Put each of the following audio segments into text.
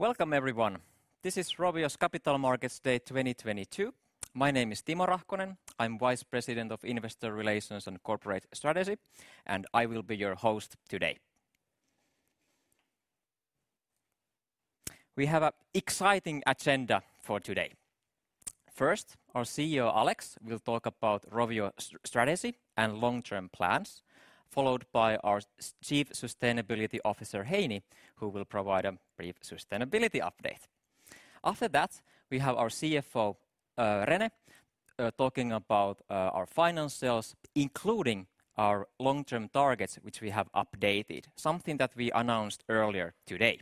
Welcome everyone. This is Rovio's Capital Markets Day 2022. My name is Timo Rahkonen. I'm Vice President of Investor Relations and Corporate Strategy, and I will be your host today. We have an exciting agenda for today. First, our will talk about Rovio's strategy and long-term plans, followed by our Chief Sustainability Officer, Heini, who will provide a brief sustainability update. After that, we have our CFO, René, talking about our financials, including our long-term targets which we have updated, something that we announced earlier today.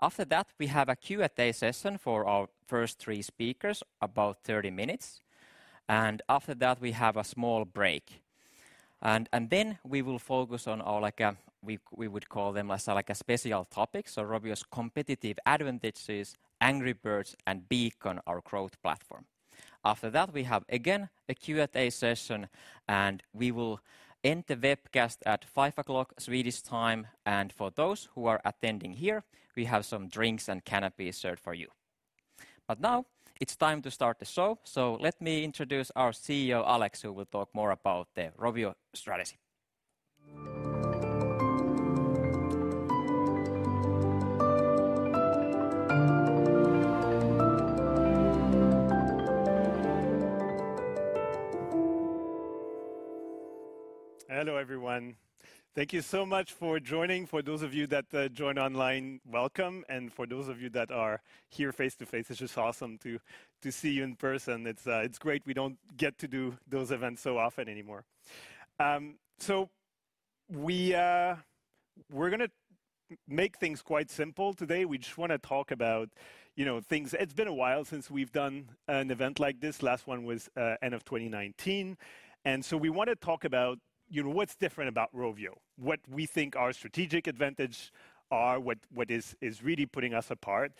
After that, we have a Q&A session for our first three speakers, about 30 minutes, and after that we have a small break. Then we will focus on our like, we would call them as like a special topic, so Rovio's competitive advantages, Angry Birds, and Beacon, our growth platform. After that, we have again a Q&A session, and we will end the webcast at 5:00 P.M. Swedish time. For those who are attending here, we have some drinks and canapés served for you. Now it's time to start the show. Let me introduce our CEO, Alex, who will talk more about the Rovio strategy. Hello everyone. Thank you so much for joining. For those of you that joined online, welcome, and for those of you that are here face-to-face, it's just awesome to see you in person. It's great. We don't get to do those events so often anymore. We're gonna make things quite simple today. We just wanna talk about, you know, things. It's been a while since we've done an event like this. Last one was end of 2019. We wanna talk about, you know, what's different about Rovio, what we think our strategic advantage are, what is really putting us apart.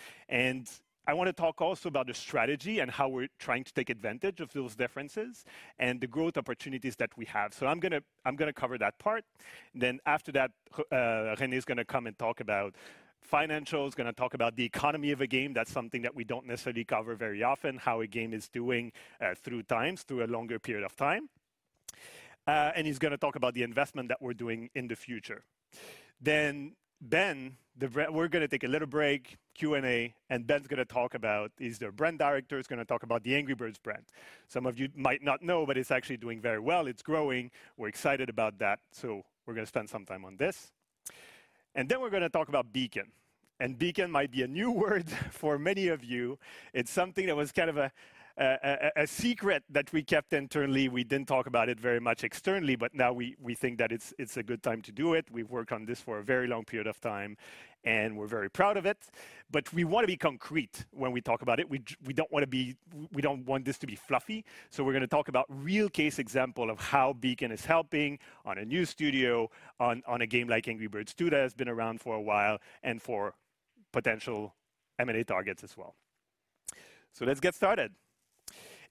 I wanna talk also about the strategy and how we're trying to take advantage of those differences and the growth opportunities that we have. I'm gonna cover that part. After that, René is gonna come and talk about financials, gonna talk about the economy of a game. That's something that we don't necessarily cover very often, how a game is doing, through times, through a longer period of time. He's gonna talk about the investment that we're doing in the future. Ben, we're gonna take a little break, Q&A, and Ben's gonna talk about, he's the brand director, he's gonna talk about the Angry Birds brand. Some of you might not know, but it's actually doing very well. It's growing. We're excited about that. We're gonna spend some time on this. Then we're gonna talk about Beacon. Beacon might be a new word for many of you. It's something that was kind of a secret that we kept internally. We didn't talk about it very much externally, but now we think that it's a good time to do it. We've worked on this for a very long period of time, and we're very proud of it. But we wanna be concrete when we talk about it. We don't wanna be. We don't want this to be fluffy, so we're gonna talk about real case example of how Beacon is helping on a new studio, on a game like Angry Birds 2 that has been around for a while, and for potential M&A targets as well. Let's get started.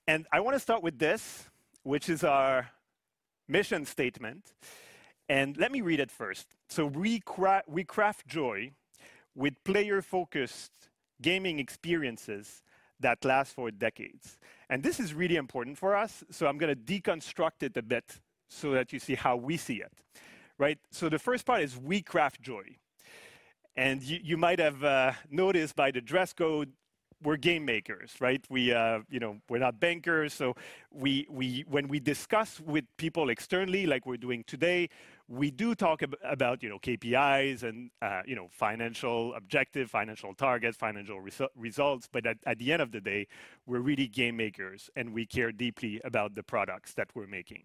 I wanna start with this, which is our mission statement, and let me read it first. We craft joy with player-focused gaming experiences that last for decades. This is really important for us, so I'm gonna deconstruct it a bit so that you see how we see it. Right? The first part is we craft joy. You might have noticed by the dress code we're game makers, right? We, you know, we're not bankers. When we discuss with people externally, like we're doing today, we do talk about, you know, KPIs and, you know, financial objective, financial targets, financial results, but at the end of the day, we're really game makers, and we care deeply about the products that we're making.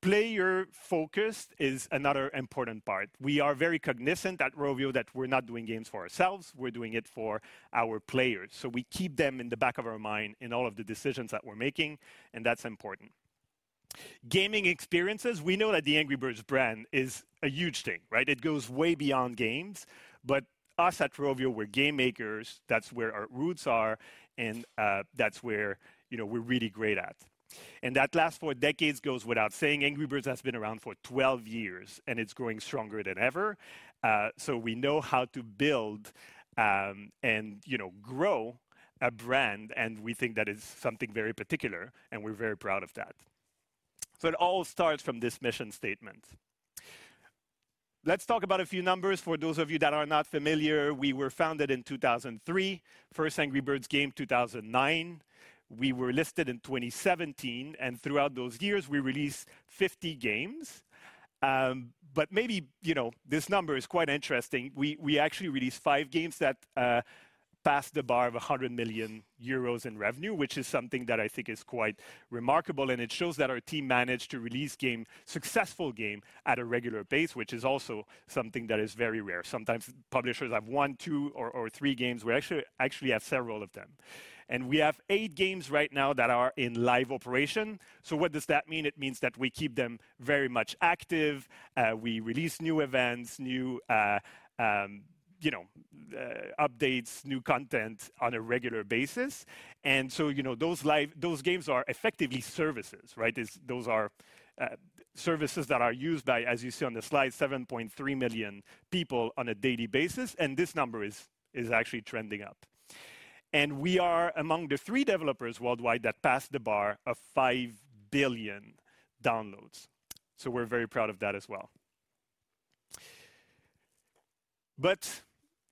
Player-focused is another important part. We are very cognizant at Rovio that we're not doing games for ourselves, we're doing it for our players. We keep them in the back of our mind in all of the decisions that we're making, and that's important. Gaming experiences. We know that the Angry Birds brand is a huge thing, right? It goes way beyond games. Us at Rovio, we're game makers. That's where our roots are, and that's where, you know, we're really great at. That lasts for decades, goes without saying. Angry Birds has been around for 12 years, and it's growing stronger than ever, so we know how to build and, you know, grow a brand, and we think that is something very particular, and we're very proud of that. It all starts from this mission statement. Let's talk about a few numbers. For those of you that are not familiar, we were founded in 2003. First Angry Birds game, 2009. We were listed in 2017, and throughout those years, we released 50 games. Maybe, you know, this number is quite interesting. We actually released five games that passed the bar of 100 million euros in revenue, which is something that I think is quite remarkable, and it shows that our team managed to release successful game at a regular pace, which is also something that is very rare. Sometimes publishers have one, two, or three games. We actually have several of them. We have eight games right now that are in live operation. What does that mean? It means that we keep them very much active. We release new events, new updates, new content on a regular basis. You know, those games are effectively services, right? Those are services that are used by, as you see on the slide, 7.3 million people on a daily basis, and this number is actually trending up. We are among the three developers worldwide that passed the bar of 5 billion downloads. We're very proud of that as well.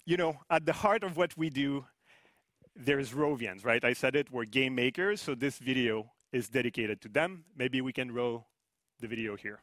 You know, at the heart of what we do, there is Rovians, right? I said it, we're game makers, this video is dedicated to them. Maybe we can roll the video here.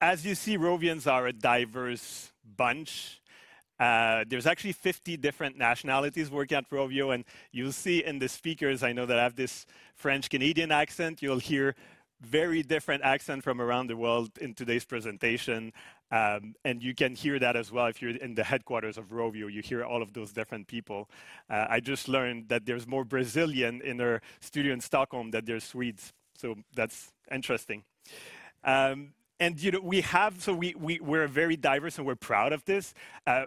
As you see, Rovians are a diverse bunch. There's actually 50 different nationalities working at Rovio, and you'll see in the speakers, I know that I have this French-Canadian accent. You'll hear very different accent from around the world in today's presentation. You can hear that as well if you're in the headquarters of Rovio. You hear all of those different people. I just learned that there's more Brazilians in our studio in Stockholm than there's Swedes, so that's interesting. You know, we're very diverse, and we're proud of this.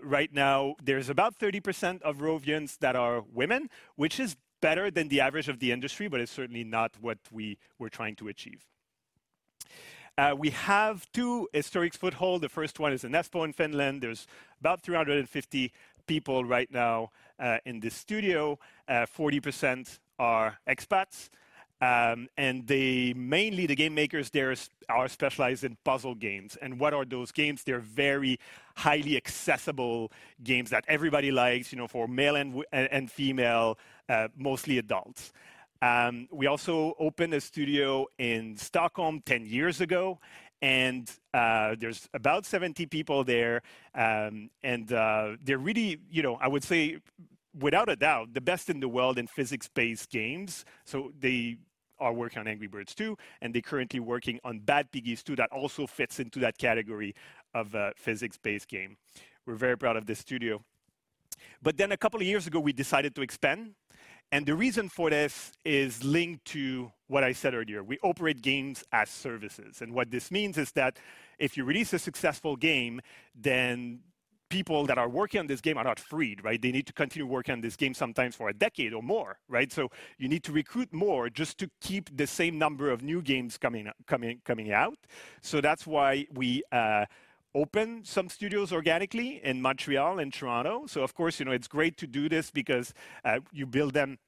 Right now there's about 30% of Rovians that are women, which is better than the average of the industry, but it's certainly not what we were trying to achieve. We have two historic footholds. The first one is in Espoo in Finland. There's about 350 people right now in this studio. 40% are expats. They mainly, the game makers there are specialized in puzzle games. What are those games? They're very highly accessible games that everybody likes, you know, for male and female, mostly adults. We also opened a studio in Stockholm 10 years ago, and there's about 70 people there. They're really, you know, I would say without a doubt, the best in the world in physics-based games. They are working on Angry Birds 2, and they're currently working on Bad Piggies 2 that also fits into that category of a physics-based game. We're very proud of this studio. A couple of years ago, we decided to expand, and the reason for this is linked to what I said earlier. We operate games as services, and what this means is that if you release a successful game, then people that are working on this game are not freed, right? They need to continue working on this game sometimes for a decade or more, right? You need to recruit more just to keep the same number of new games coming out. That's why we opened some studios organically in Montreal and Toronto. Of course, you know, it's great to do this because you build them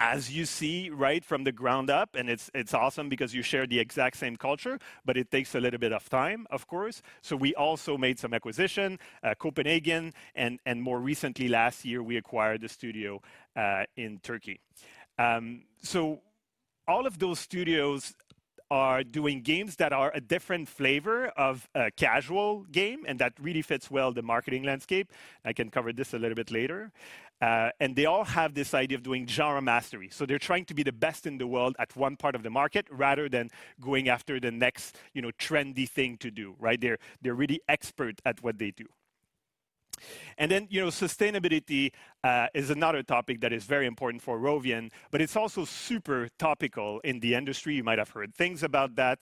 as you see fit from the ground up, and it's awesome because you share the exact same culture, but it takes a little bit of time, of course. We also made some acquisition Copenhagen and more recently, last year, we acquired a studio in Turkey. All of those studios are doing games that are a different flavor of a casual game, and that really fits well the marketing landscape. I can cover this a little bit later. They all have this idea of doing genre mastery, so they're trying to be the best in the world at one part of the market, rather than going after the next, you know, trendy thing to do, right? They're really expert at what they do. You know, sustainability is another topic that is very important for Rovio, but it's also super topical in the industry. You might have heard things about that.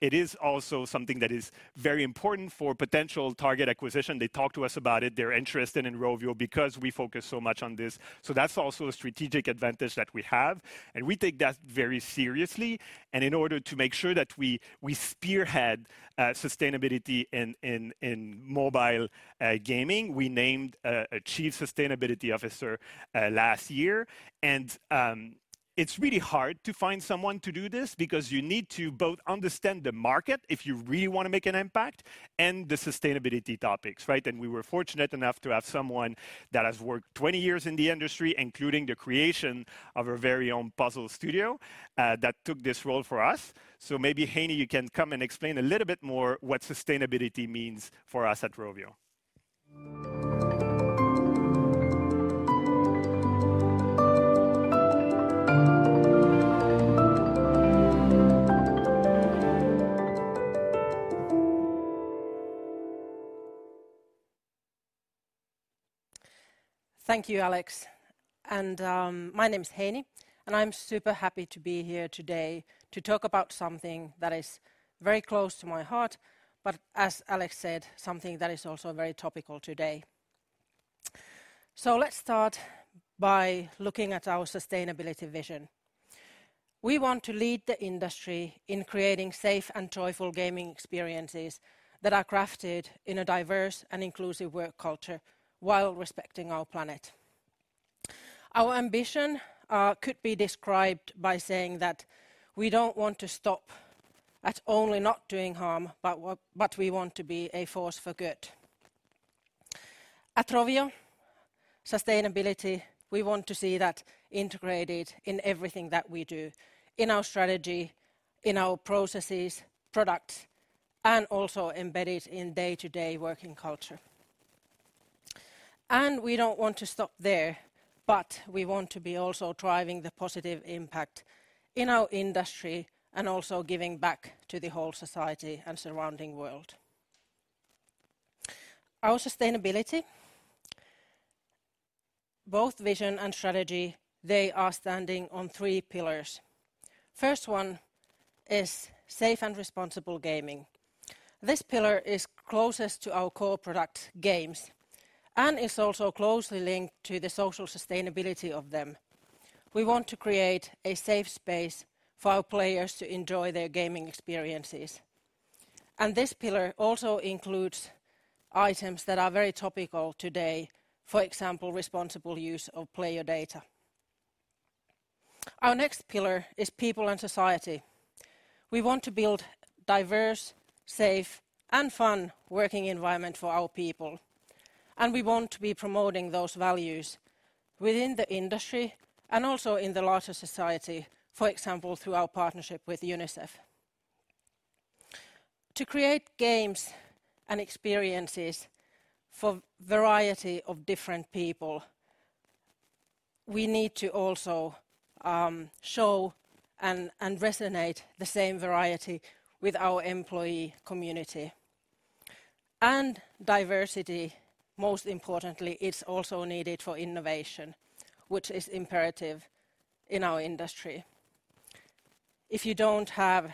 It is also something that is very important for potential target acquisition. They talk to us about it. They're interested in Rovio because we focus so much on this. That's also a strategic advantage that we have, and we take that very seriously. In order to make sure that we spearhead sustainability in mobile gaming, we named a Chief Sustainability Officer last year. It's really hard to find someone to do this because you need to both understand the market if you really wanna make an impact and the sustainability topics, right? We were fortunate enough to have someone that has worked 20 years in the industry, including the creation of our very own puzzle studio that took this role for us. Maybe, Heini, you can come and explain a little bit more what sustainability means for us at Rovio. Thank you, Alex. My name is Heini, and I'm super happy to be here today to talk about something that is very close to my heart, but as Alex said, something that is also very topical today. Let's start by looking at our sustainability vision. We want to lead the industry in creating safe and joyful gaming experiences that are crafted in a diverse and inclusive work culture while respecting our planet. Our ambition could be described by saying that we don't want to stop at only not doing harm, but we want to be a force for good. At Rovio, sustainability, we want to see that integrated in everything that we do, in our strategy, in our processes, products, and also embedded in day-to-day working culture. We don't want to stop there, but we want to be also driving the positive impact in our industry and also giving back to the whole society and surrounding world. Our sustainability, both vision and strategy, they are standing on three pillars. First one is safe and responsible gaming. This pillar is closest to our core product games and is also closely linked to the social sustainability of them. We want to create a safe space for our players to enjoy their gaming experiences. This pillar also includes items that are very topical today, for example, responsible use of player data. Our next pillar is people and society. We want to build diverse, safe, and fun working environment for our people, and we want to be promoting those values within the industry and also in the larger society, for example, through our partnership with UNICEF. To create games and experiences for variety of different people, we need to also show and resonate the same variety with our employee community. Diversity, most importantly, it's also needed for innovation, which is imperative in our industry. If you don't have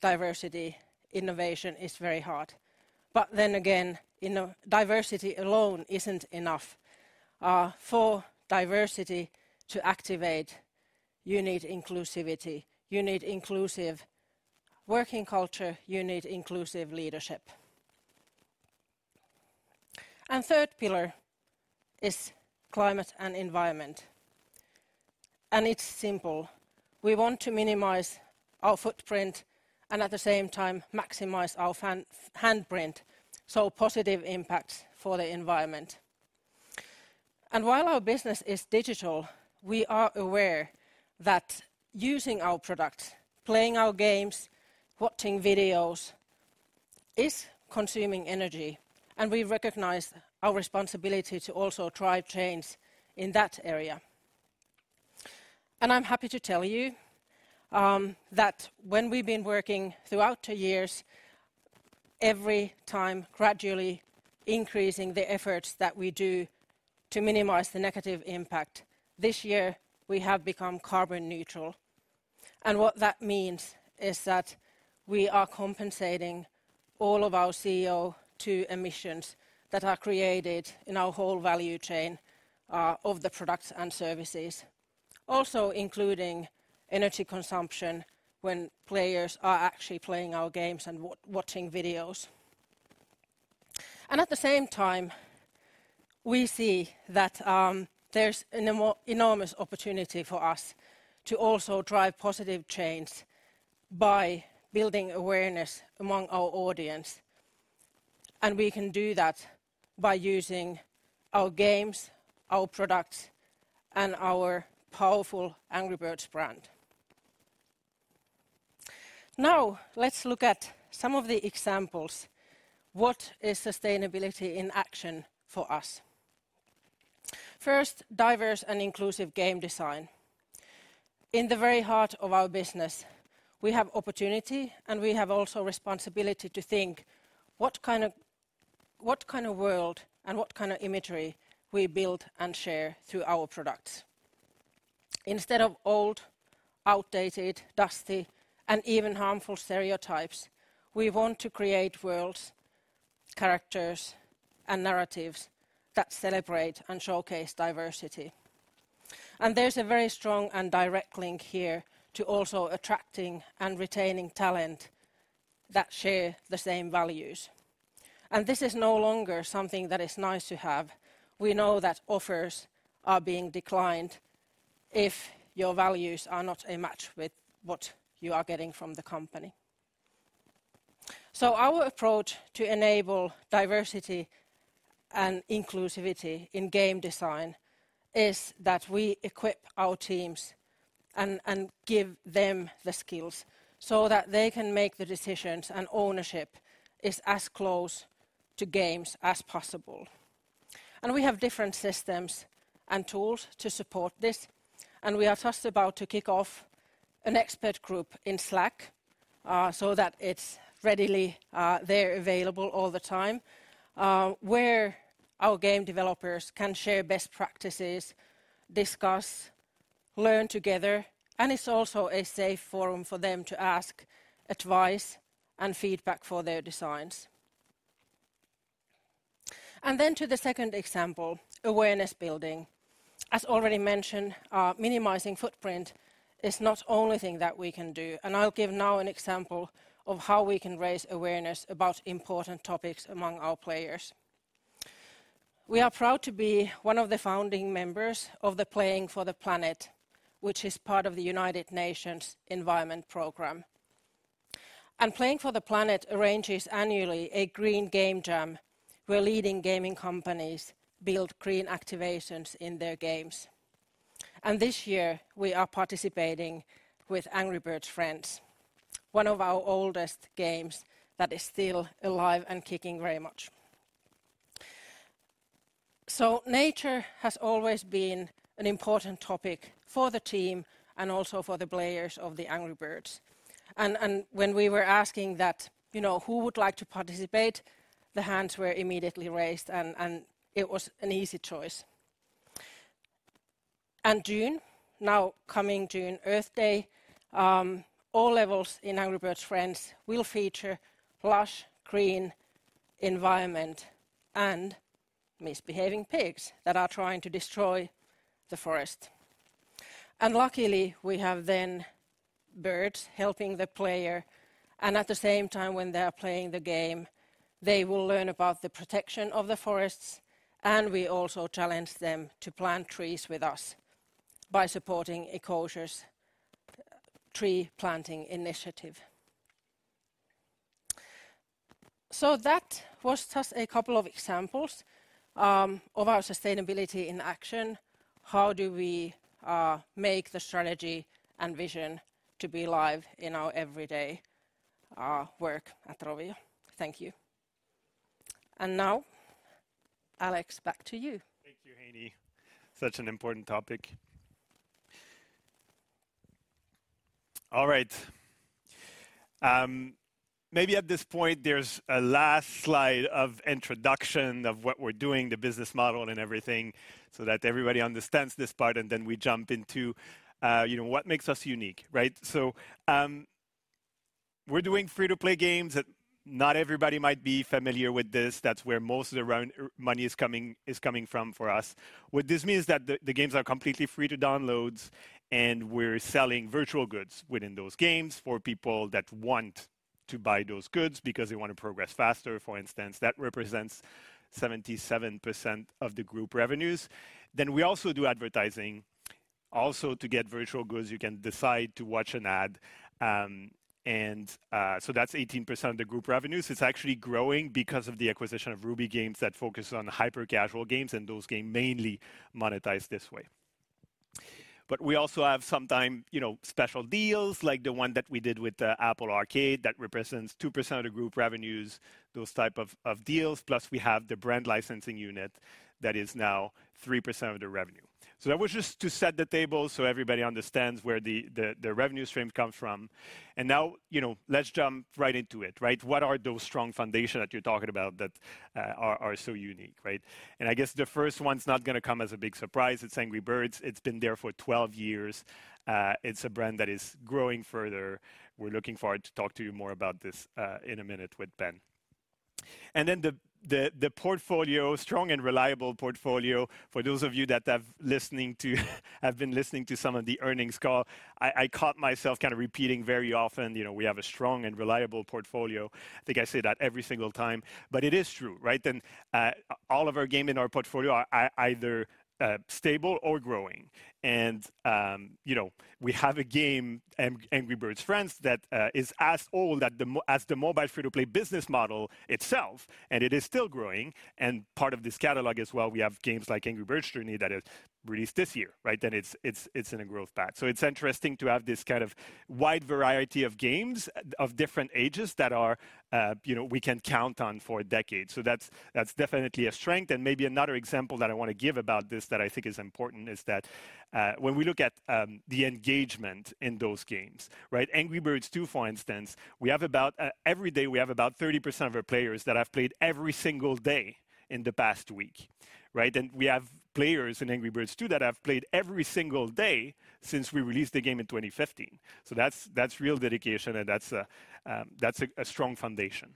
diversity, innovation is very hard. You know, diversity alone isn't enough. For diversity to activate, you need inclusivity, you need inclusive working culture, you need inclusive leadership. Third pillar is climate and environment, and it's simple. We want to minimize our footprint and at the same time maximize our handprint, so positive impacts for the environment. While our business is digital, we are aware that using our products, playing our games, watching videos is consuming energy, and we recognize our responsibility to also drive change in that area. I'm happy to tell you that when we've been working throughout the years, every time gradually increasing the efforts that we do to minimize the negative impact, this year we have become carbon neutral. What that means is that we are compensating all of our CO2 emissions that are created in our whole value chain of the products and services. Also including energy consumption when players are actually playing our games and watching videos. At the same time, we see that there's an enormous opportunity for us to also drive positive change by building awareness among our audience, and we can do that by using our games, our products, and our powerful Angry Birds brand. Now, let's look at some of the examples. What is sustainability in action for us? First, diverse and inclusive game design. In the very heart of our business, we have opportunity, and we have also responsibility to think, what kind of world and what kind of imagery we build and share through our products? Instead of old, outdated, dusty, and even harmful stereotypes, we want to create worlds, characters, and narratives that celebrate and showcase diversity. There's a very strong and direct link here to also attracting and retaining talent that share the same values. This is no longer something that is nice to have. We know that offers are being declined if your values are not a match with what you are getting from the company. Our approach to enable diversity and inclusivity in game design is that we equip our teams and give them the skills so that they can make the decisions and ownership is as close to games as possible. We have different systems and tools to support this, and we are just about to kick off an expert group in Slack, so that it's readily available there all the time, where our game developers can share best practices, discuss, learn together, and it's also a safe forum for them to ask advice and feedback for their designs. To the second example, awareness building. As already mentioned, minimizing footprint is not the only thing that we can do, and I'll give now an example of how we can raise awareness about important topics among our players. We are proud to be one of the founding members of Playing for the Planet, which is part of the United Nations Environment Programme. Playing for the Planet arranges annually a Green Game Jam where leading gaming companies build green activations in their games. This year, we are participating with Angry Birds Friends, one of our oldest games that is still alive and kicking very much. Nature has always been an important topic for the team and also for the players of the Angry Birds. When we were asking that, you know, who would like to participate, the hands were immediately raised and it was an easy choice. In June, now coming up, World Environment Day, all levels in Angry Birds Friends will feature lush, green environment and misbehaving pigs that are trying to destroy the forest. Luckily, we have the birds helping the player, and at the same time when they are playing the game, they will learn about the protection of the forests, and we also challenge them to plant trees with us by supporting Ecosia's tree planting initiative. That was just a couple of examples of our sustainability in action. How do we make the strategy and vision to be live in our everyday work at Rovio? Thank you. Now, Alex, back to you. Thank you, Heini. Such an important topic. All right. Maybe at this point there's a last slide of introduction of what we're doing, the business model and everything, so that everybody understands this part, and then we jump into, you know, what makes us unique. Right? We're doing free-to-play games that not everybody might be familiar with this. That's where most of the revenue is coming from for us. What this means is that the games are completely free to download, and we're selling virtual goods within those games for people that want to buy those goods because they want to progress faster, for instance. That represents 77% of the group revenues. Then we also do advertising also to get virtual goods. You can decide to watch an ad. That's 18% of the group revenues. It's actually growing because of the acquisition of Ruby Games that focus on hyper-casual games, and those games mainly monetize this way. We also have sometimes, you know, special deals like the one that we did with the Apple Arcade that represents 2% of the group revenues, those types of deals, plus we have the brand licensing unit that is now 3% of the revenue. That was just to set the table so everybody understands where the revenue stream comes from. Now, you know, let's jump right into it. Right? What are those strong foundations that you're talking about that are so unique, right? I guess the first one's not gonna come as a big surprise. It's Angry Birds. It's been there for 12 years. It's a brand that is growing further. We're looking forward to talk to you more about this in a minute with Ben. The portfolio, strong and reliable portfolio. For those of you that have been listening to some of the earnings call, I caught myself kind of repeating very often, you know, we have a strong and reliable portfolio. I think I say that every single time, but it is true, right? All of our game in our portfolio are either stable or growing. You know, we have a game, Angry Birds Friends that is as old as the mobile free-to-play business model itself, and it is still growing. Part of this catalog as well, we have games like Angry Birds Journey that have released this year, right? It's in a growth path. It's interesting to have this kind of wide variety of games of different ages that are, you know, we can count on for decades. That's definitely a strength. Maybe another example that I wanna give about this that I think is important is that when we look at the engagement in those games, right? Angry Birds 2, for instance, every day we have about 30% of our players that have played every single day in the past week, right? We have players in Angry Birds 2 that have played every single day since we released the game in 2015. That's real dedication, and that's a strong foundation.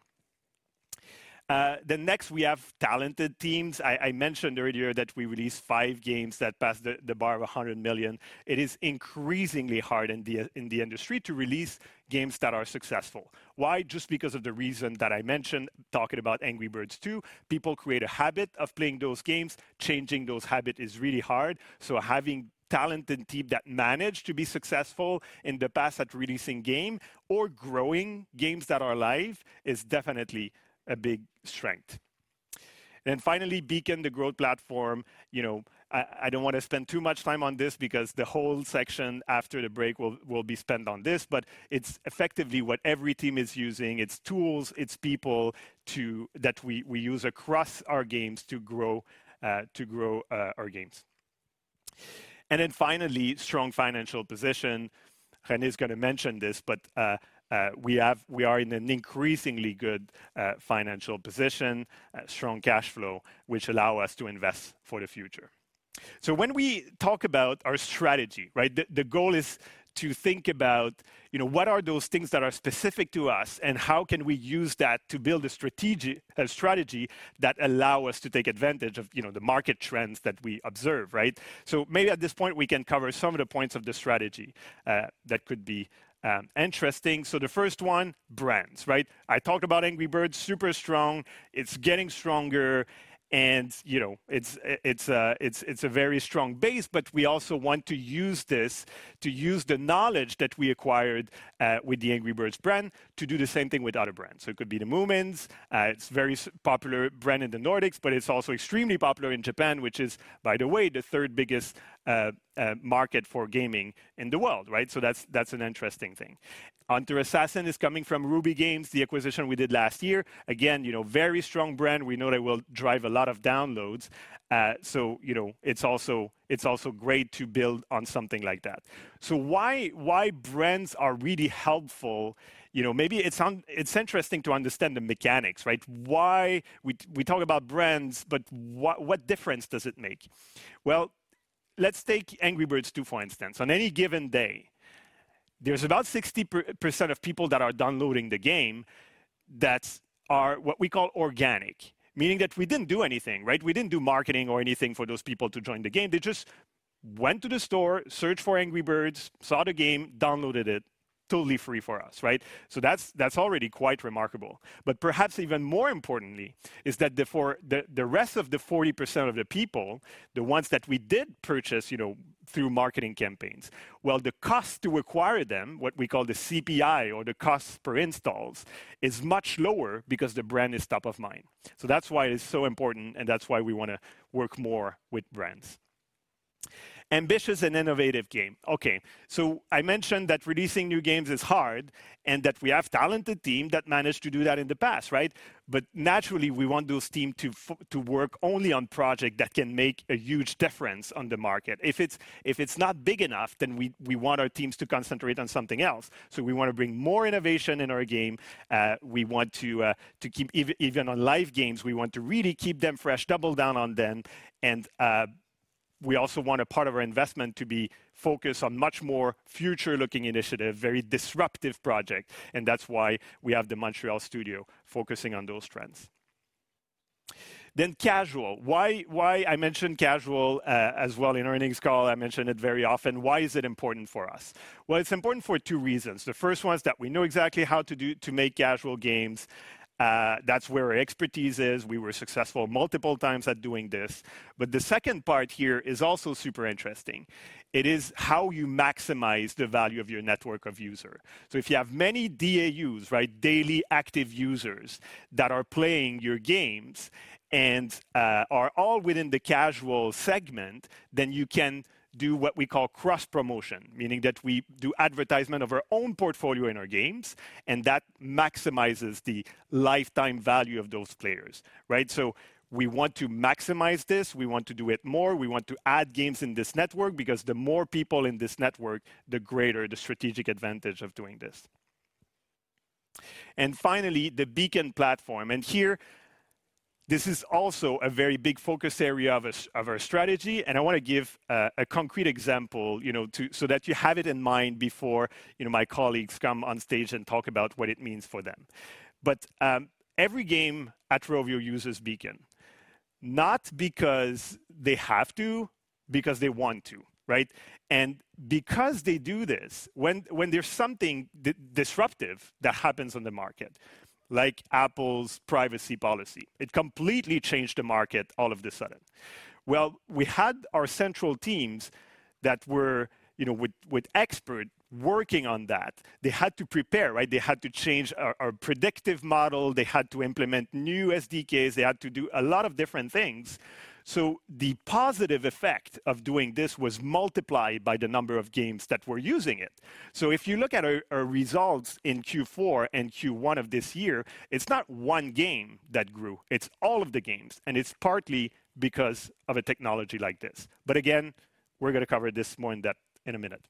Next we have talented teams. I mentioned earlier that we released five games that passed the bar of 100 million. It is increasingly hard in the industry to release games that are successful. Why? Just because of the reason that I mentioned talking about Angry Birds 2. People create a habit of playing those games. Changing those habit is really hard. Having talented team that managed to be successful in the past at releasing game or growing games that are live is definitely a big strength. Finally, Beacon, the growth platform. I don't wanna spend too much time on this because the whole section after the break will be spent on this, but it's effectively what every team is using, its tools, its people that we use across our games to grow our games. Finally, strong financial position. René is gonna mention this, but we are in an increasingly good financial position, strong cash flow, which allow us to invest for the future. When we talk about our strategy, right? The goal is to think about, you know, what are those things that are specific to us, and how can we use that to build a strategy that allow us to take advantage of, you know, the market trends that we observe, right? Maybe at this point, we can cover some of the points of the strategy that could be interesting. The first one, brands, right? I talked about Angry Birds, super strong. It's getting stronger and, you know, it's a very strong base, but we also want to use this to use the knowledge that we acquired with the Angry Birds brand to do the same thing with other brands. It could be the Moomins. It's very popular brand in the Nordics, but it's also extremely popular in Japan, which is, by the way, the third biggest market for gaming in the world, right? That's an interesting thing. Hunter Assassin is coming from Ruby Games, the acquisition we did last year. Again, you know, very strong brand. We know that will drive a lot of downloads. You know, it's also great to build on something like that. Why brands are really helpful, you know, maybe it's interesting to understand the mechanics, right? Why we talk about brands, but what difference does it make? Well, let's take Angry Birds 2, for instance. On any given day, there's about 60% of people that are downloading the game that are what we call organic, meaning that we didn't do anything, right? We didn't do marketing or anything for those people to join the game. They just went to the store, searched for Angry Birds, saw the game, downloaded it, totally free for us, right? That's already quite remarkable. Perhaps even more importantly is that the rest of the 40% of the people, the ones that we did purchase, you know, through marketing campaigns, well, the cost to acquire them, what we call the CPI or the cost per installs, is much lower because the brand is top of mind. That's why it's so important, and that's why we wanna work more with brands. Ambitious and innovative game. Okay. I mentioned that releasing new games is hard, and that we have talented team that managed to do that in the past, right? Naturally, we want those team to work only on project that can make a huge difference on the market. If it's not big enough, then we want our teams to concentrate on something else. We wanna bring more innovation in our game. We want to keep even on live games. We want to really keep them fresh, double down on them, and we also want a part of our investment to be focused on much more future-looking initiative, very disruptive project, and that's why we have the Montreal studio focusing on those trends. Casual. Why I mention casual as well in earnings call, I mention it very often. Why is it important for us? Well, it's important for two reasons. The first one is that we know exactly how to make casual games. That's where our expertise is. We were successful multiple times at doing this. The second part here is also super interesting. It is how you maximize the value of your network of user. If you have many DAUs, right? Daily active users that are playing your games and are all within the casual segment, then you can do what we call cross-promotion, meaning that we do advertisement of our own portfolio in our games, and that maximizes the lifetime value of those players. Right? We want to maximize this. We want to do it more. We want to add games in this network because the more people in this network, the greater the strategic advantage of doing this. Finally, the Beacon platform. Here, this is also a very big focus area of our strategy, and I wanna give a concrete example, you know, so that you have it in mind before, you know, my colleagues come on stage and talk about what it means for them. Every game at Rovio uses Beacon, not because they have to, because they want to, right? Because they do this, when there's something disruptive that happens on the market, like Apple's privacy policy, it completely changed the market all of a sudden. Well, we had our central teams that were, you know, with experts working on that. They had to prepare, right? They had to change our predictive model. They had to implement new SDKs. They had to do a lot of different things. So the positive effect of doing this was multiplied by the number of games that were using it. So if you look at our results in Q4 and Q1 of this year, it's not one game that grew. It's all of the games, and it's partly because of a technology like this. Again, we're gonna cover this more in depth in a minute.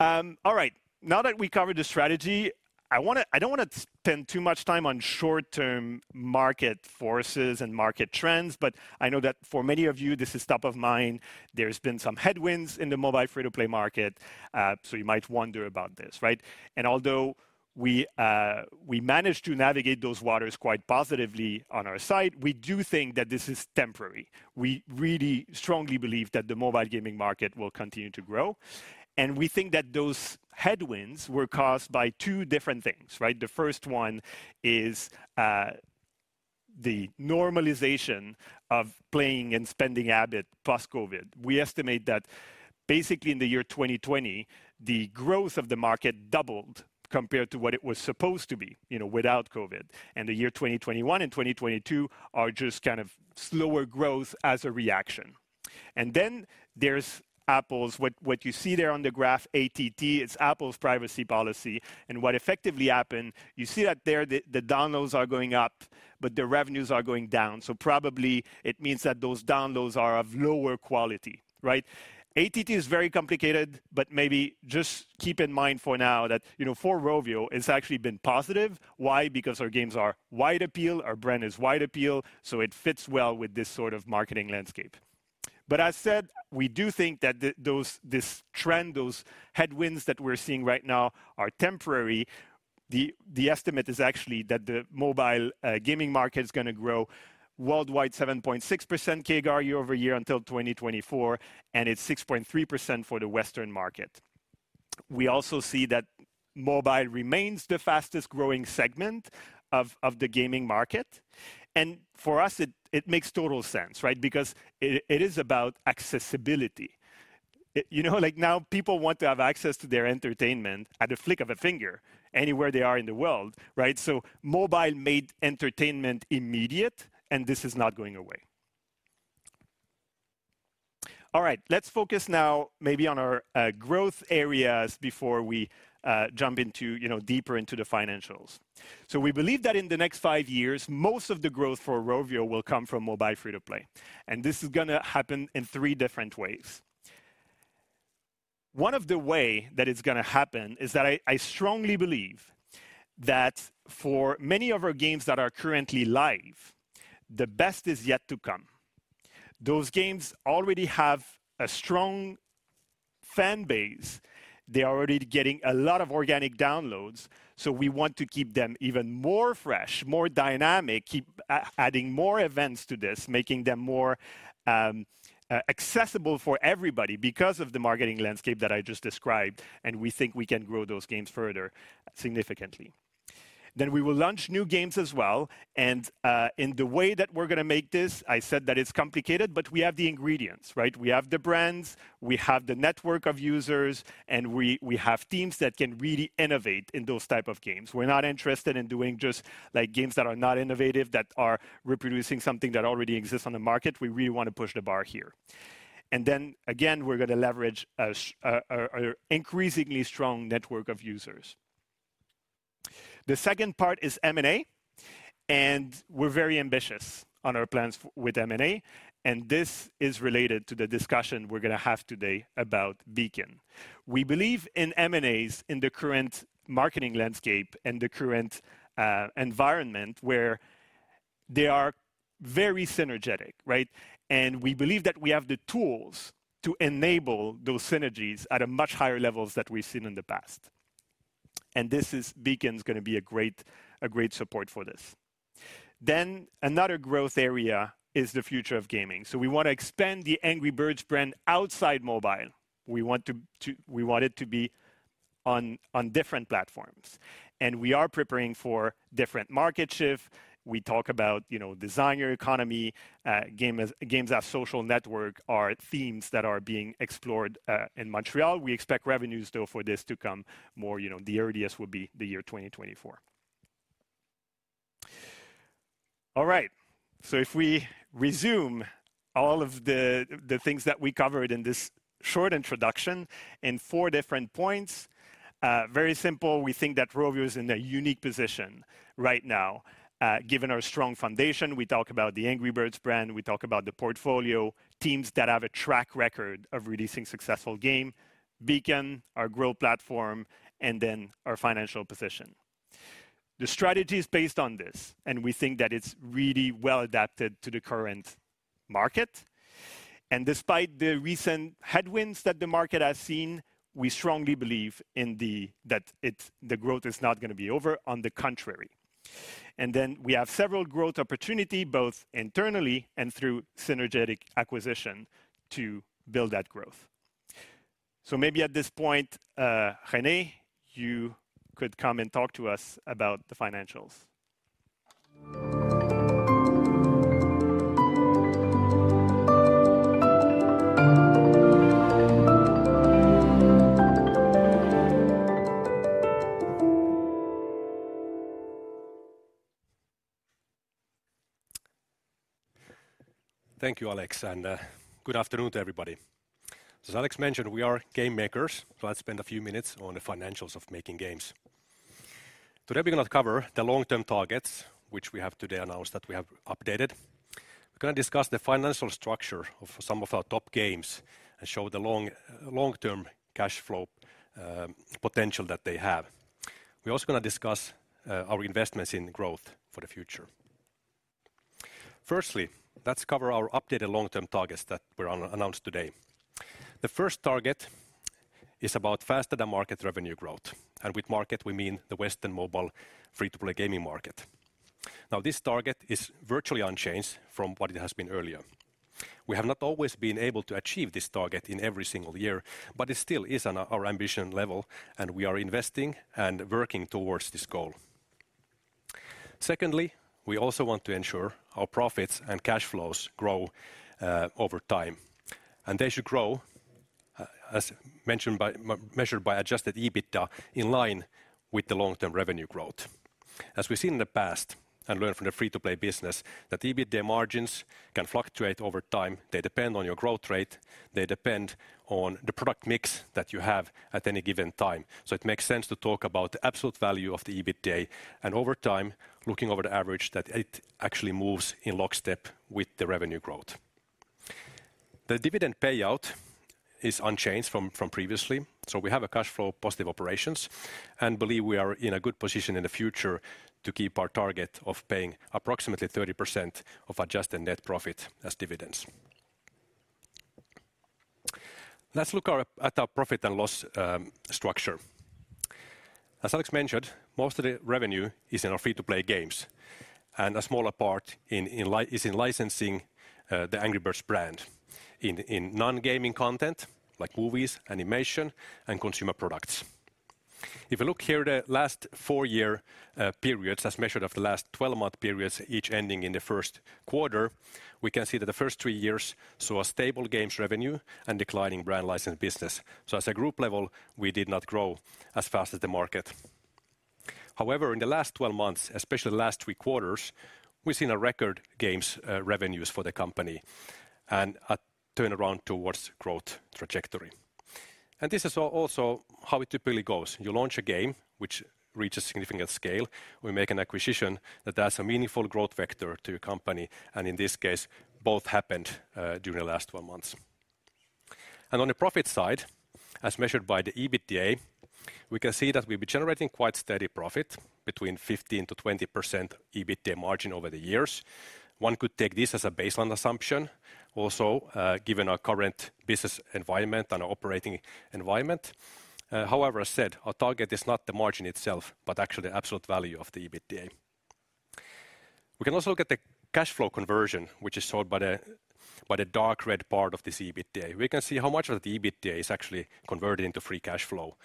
All right, now that we covered the strategy, I wanna I don't wanna spend too much time on short-term market forces and market trends, but I know that for many of you, this is top of mind. There's been some headwinds in the mobile free-to-play market, so you might wonder about this, right? Although we managed to navigate those waters quite positively on our side, we do think that this is temporary. We really strongly believe that the mobile gaming market will continue to grow, and we think that those headwinds were caused by two different things, right? The first one is, the normalization of playing and spending habit post-COVID. We estimate that basically in the year 2020, the growth of the market doubled compared to what it was supposed to be, you know, without COVID. The year 2021 and 2022 are just kind of slower growth as a reaction. Then there's Apple's, what you see there on the graph, ATT, it's Apple's privacy policy. What effectively happened, you see that there the downloads are going up, but the revenues are going down. Probably it means that those downloads are of lower quality, right? ATT is very complicated, but maybe just keep in mind for now that, you know, for Rovio, it's actually been positive. Why? Because our games are wide appeal, our brand is wide appeal, so it fits well with this sort of marketing landscape. As said, we do think that those headwinds that we're seeing right now are temporary. The estimate is actually that the mobile gaming market's gonna grow worldwide 7.6% CAGR year-over-year until 2024, and it's 6.3% for the Western market. We also see that mobile remains the fastest-growing segment of the gaming market, and for us it makes total sense, right? Because it is about accessibility. You know? Like, now people want to have access to their entertainment at a flick of a finger anywhere they are in the world, right? Mobile made entertainment immediate, and this is not going away. All right. Let's focus now maybe on our growth areas before we jump into, you know, deeper into the financials. We believe that in the next five years, most of the growth for Rovio will come from mobile free-to-play, and this is gonna happen in three different ways. One of the way that it's gonna happen is that I strongly believe that for many of our games that are currently live, the best is yet to come. Those games already have a strong fan base. They are already getting a lot of organic downloads, so we want to keep them even more fresh, more dynamic, keep adding more events to this, making them more accessible for everybody because of the marketing landscape that I just described, and we think we can grow those games further significantly. We will launch new games as well, and the way that we're gonna make this, I said that it's complicated, but we have the ingredients, right? We have the brands, we have the network of users, and we have teams that can really innovate in those type of games. We're not interested in doing just, like, games that are not innovative, that are reproducing something that already exists on the market. We really want to push the bar here. Again, we're gonna leverage our increasingly strong network of users. The second part is M&A, and we're very ambitious on our plans with M&A, and this is related to the discussion we're gonna have today about Beacon. We believe in M&As in the current marketing landscape and the current environment where they are very synergetic, right? We believe that we have the tools to enable those synergies at a much higher levels that we've seen in the past. This is Beacon's gonna be a great support for this. Another growth area is the future of gaming. We want to expand the Angry Birds brand outside mobile. We want it to be on different platforms, and we are preparing for different market shift. We talk about, you know, designer economy, games as social network are themes that are being explored in Montreal. We expect revenues though for this to come more the earliest would be the year 2024. All right. If we resume all of the things that we covered in this short introduction in four different points, very simple, we think that Rovio is in a unique position right now, given our strong foundation. We talk about the Angry Birds brand, we talk about the portfolio, teams that have a track record of releasing successful game, Beacon, our growth platform, and then our financial position. The strategy is based on this, and we think that it's really well-adapted to the current market. Despite the recent headwinds that the market has seen, we strongly believe that the growth is not gonna be over, on the contrary. We have several growth opportunity, both internally and through synergistic acquisition to build that growth. Maybe at this point, René, you could come and talk to us about the financials. Thank you, Alex, and good afternoon to everybody. As Alex mentioned, we are game makers, so I'll spend a few minutes on the financials of making games. Today we're gonna cover the long-term targets which we have today announced that we have updated. We're gonna discuss the financial structure of some of our top games and show the long-term cash flow potential that they have. We're also gonna discuss our investments in growth for the future. Firstly, let's cover our updated long-term targets that were announced today. The first target is about faster-than-market revenue growth, and with market we mean the Western mobile free-to-play gaming market. Now, this target is virtually unchanged from what it has been earlier. We have not always been able to achieve this target in every single year, but it still is on our ambition level, and we are investing and working towards this goal. Secondly, we also want to ensure our profits and cash flows grow over time, and they should grow as mentioned, measured by adjusted EBITDA in line with the long-term revenue growth. As we've seen in the past and learned from the free-to-play business, that EBITDA margins can fluctuate over time. They depend on your growth rate. They depend on the product mix that you have at any given time. So it makes sense to talk about the absolute value of the EBITDA, and over time, looking over the average, that it actually moves in lockstep with the revenue growth. The dividend payout is unchanged from previously. We have cash flow positive operations, and believe we are in a good position in the future to keep our target of paying approximately 30% of adjusted net profit as dividends. Let's look at our profit and loss structure. As Alex mentioned, most of the revenue is in our free-to-play games, and a smaller part is in licensing the Angry Birds brand in non-gaming content like movies, animation, and consumer products. If you look here, the last four-year periods as measured by the last twelve-month periods, each ending in the first quarter, we can see that the first three years saw a stable games revenue and declining brand license business. As a group level, we did not grow as fast as the market. However, in the last 12 months, especially last 3 quarters, we've seen record games revenues for the company and a turnaround towards growth trajectory. This is also how it typically goes. You launch a game which reaches significant scale. We make an acquisition that adds a meaningful growth vector to a company, and in this case, both happened during the last 12 months. On the profit side, as measured by the EBITDA, we can see that we've been generating quite steady profit between 15%-20% EBITDA margin over the years. One could take this as a baseline assumption also, given our current business environment and operating environment. However, as said, our target is not the margin itself, but actually absolute value of the EBITDA. We can also look at the cash flow conversion, which is shown by the dark red part of this EBITDA, where we can see how much of the EBITDA is actually converted into free cash flow.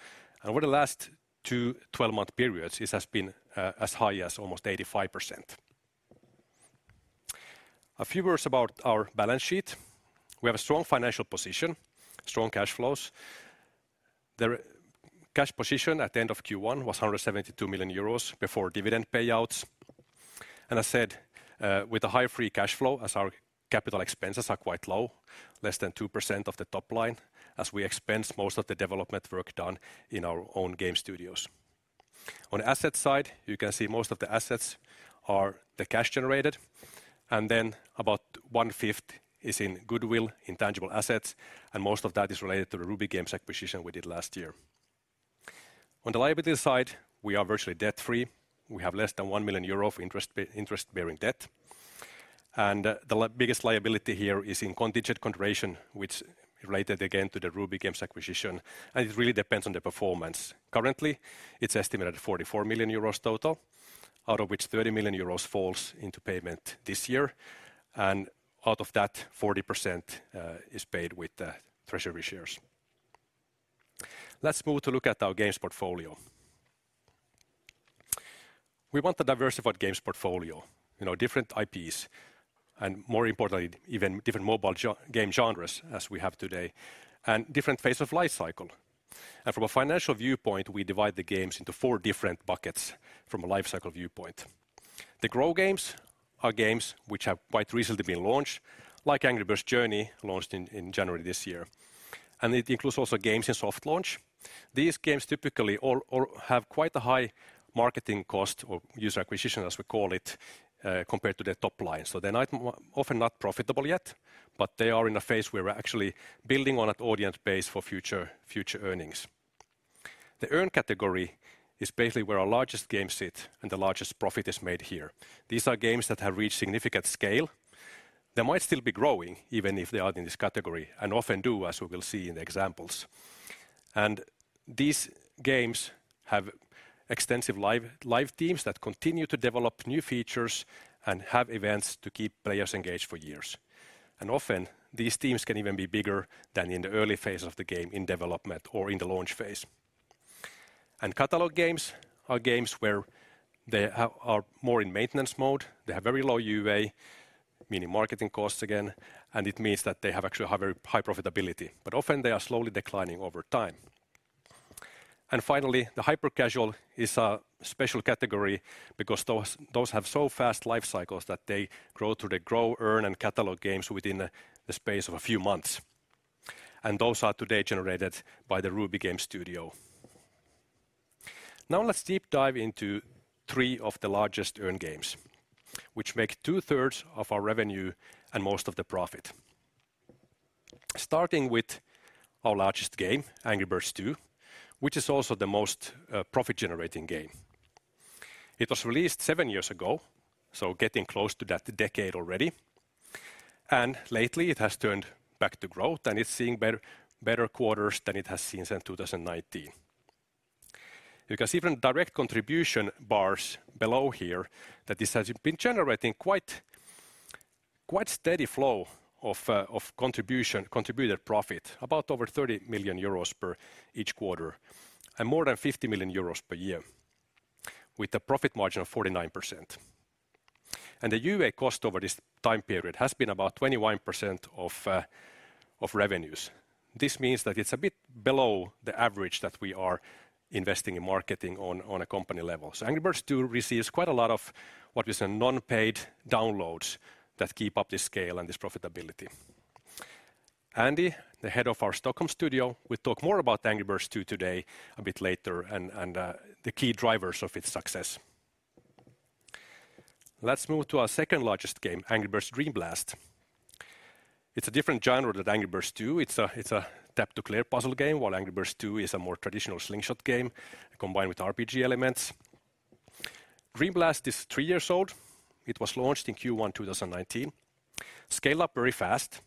Over the last two twelve-month periods, this has been as high as almost 85%. A few words about our balance sheet. We have a strong financial position, strong cash flows. The cash position at the end of Q1 was 172 million euros before dividend payouts. I said with a high free cash flow as our capital expenses are quite low, less than 2% of the top line as we expense most of the development work done in our own game studios. On asset side, you can see most of the assets are the cash generated, and then about one-fifth is in goodwill, intangible assets, and most of that is related to the Ruby Games acquisition we did last year. On the liability side, we are virtually debt-free. We have less than 1 million euro of interest bearing debt. The biggest liability here is in contingent consideration, which related again to the Ruby Games acquisition, and it really depends on the performance. Currently, it's estimated at 44 million euros total, out of which 30 million euros falls into payment this year, and out of that 40% is paid with treasury shares. Let's move to look at our games portfolio. We want the diversified games portfolio, you know, different IPs, and more importantly, even different mobile game genres as we have today, and different phase of life cycle. From a financial viewpoint, we divide the games into four different buckets from a life cycle viewpoint. The Grow games are games which have quite recently been launched, like Angry Birds Journey, launched in January this year, and it includes also games in soft launch. These games typically have quite a high marketing cost or user acquisition, as we call it, compared to their top line. They're not often profitable yet, but they are in a phase we're actually building on an audience base for future earnings. The Earn category is basically where our largest games sit, and the largest profit is made here. These are games that have reached significant scale. They might still be growing, even if they are in this category, and often do, as we will see in the examples. These games have extensive live teams that continue to develop new features and have events to keep players engaged for years. Often these teams can even be bigger than in the early phase of the game in development or in the launch phase. Catalog games are games where they are more in maintenance mode. They have very low UA, meaning marketing costs again, and it means that they have actually a very high profitability, but often they are slowly declining over time. Finally, the hyper-casual is a special category because those have so fast life cycles that they grow through the Grow, Earn, and Catalog games within the space of a few months. Those are today generated by the Ruby Games studio. Now let's deep dive into three of the largest Earn games, which make two-thirds of our revenue and most of the profit. Starting with our largest game, Angry Birds 2, which is also the most profit-generating game. It was released 7 years ago, so getting close to that decade already. Lately it has turned back to growth, and it's seeing better quarters than it has seen since 2019. You can see from direct contribution bars below here that this has been generating quite steady flow of contribution, contributed profit, about over 30 million euros per each quarter and more than 50 million euros per year with a profit margin of 49%. The UA cost over this time period has been about 21% of revenues. This means that it's a bit below the average that we are investing in marketing on a company level. Angry Birds 2 receives quite a lot of what is non-paid downloads that keep up this scale and this profitability. Andy, the head of our Stockholm studio, will talk more about Angry Birds 2 today a bit later and the key drivers of its success. Let's move to our second largest game, Angry Birds Dream Blast. It's a different genre than Angry Birds 2. It's a tap to clear puzzle game, while Angry Birds 2 is a more traditional slingshot game combined with RPG elements. Dream Blast is three years old. It was launched in Q1 2019. Scale up very fast.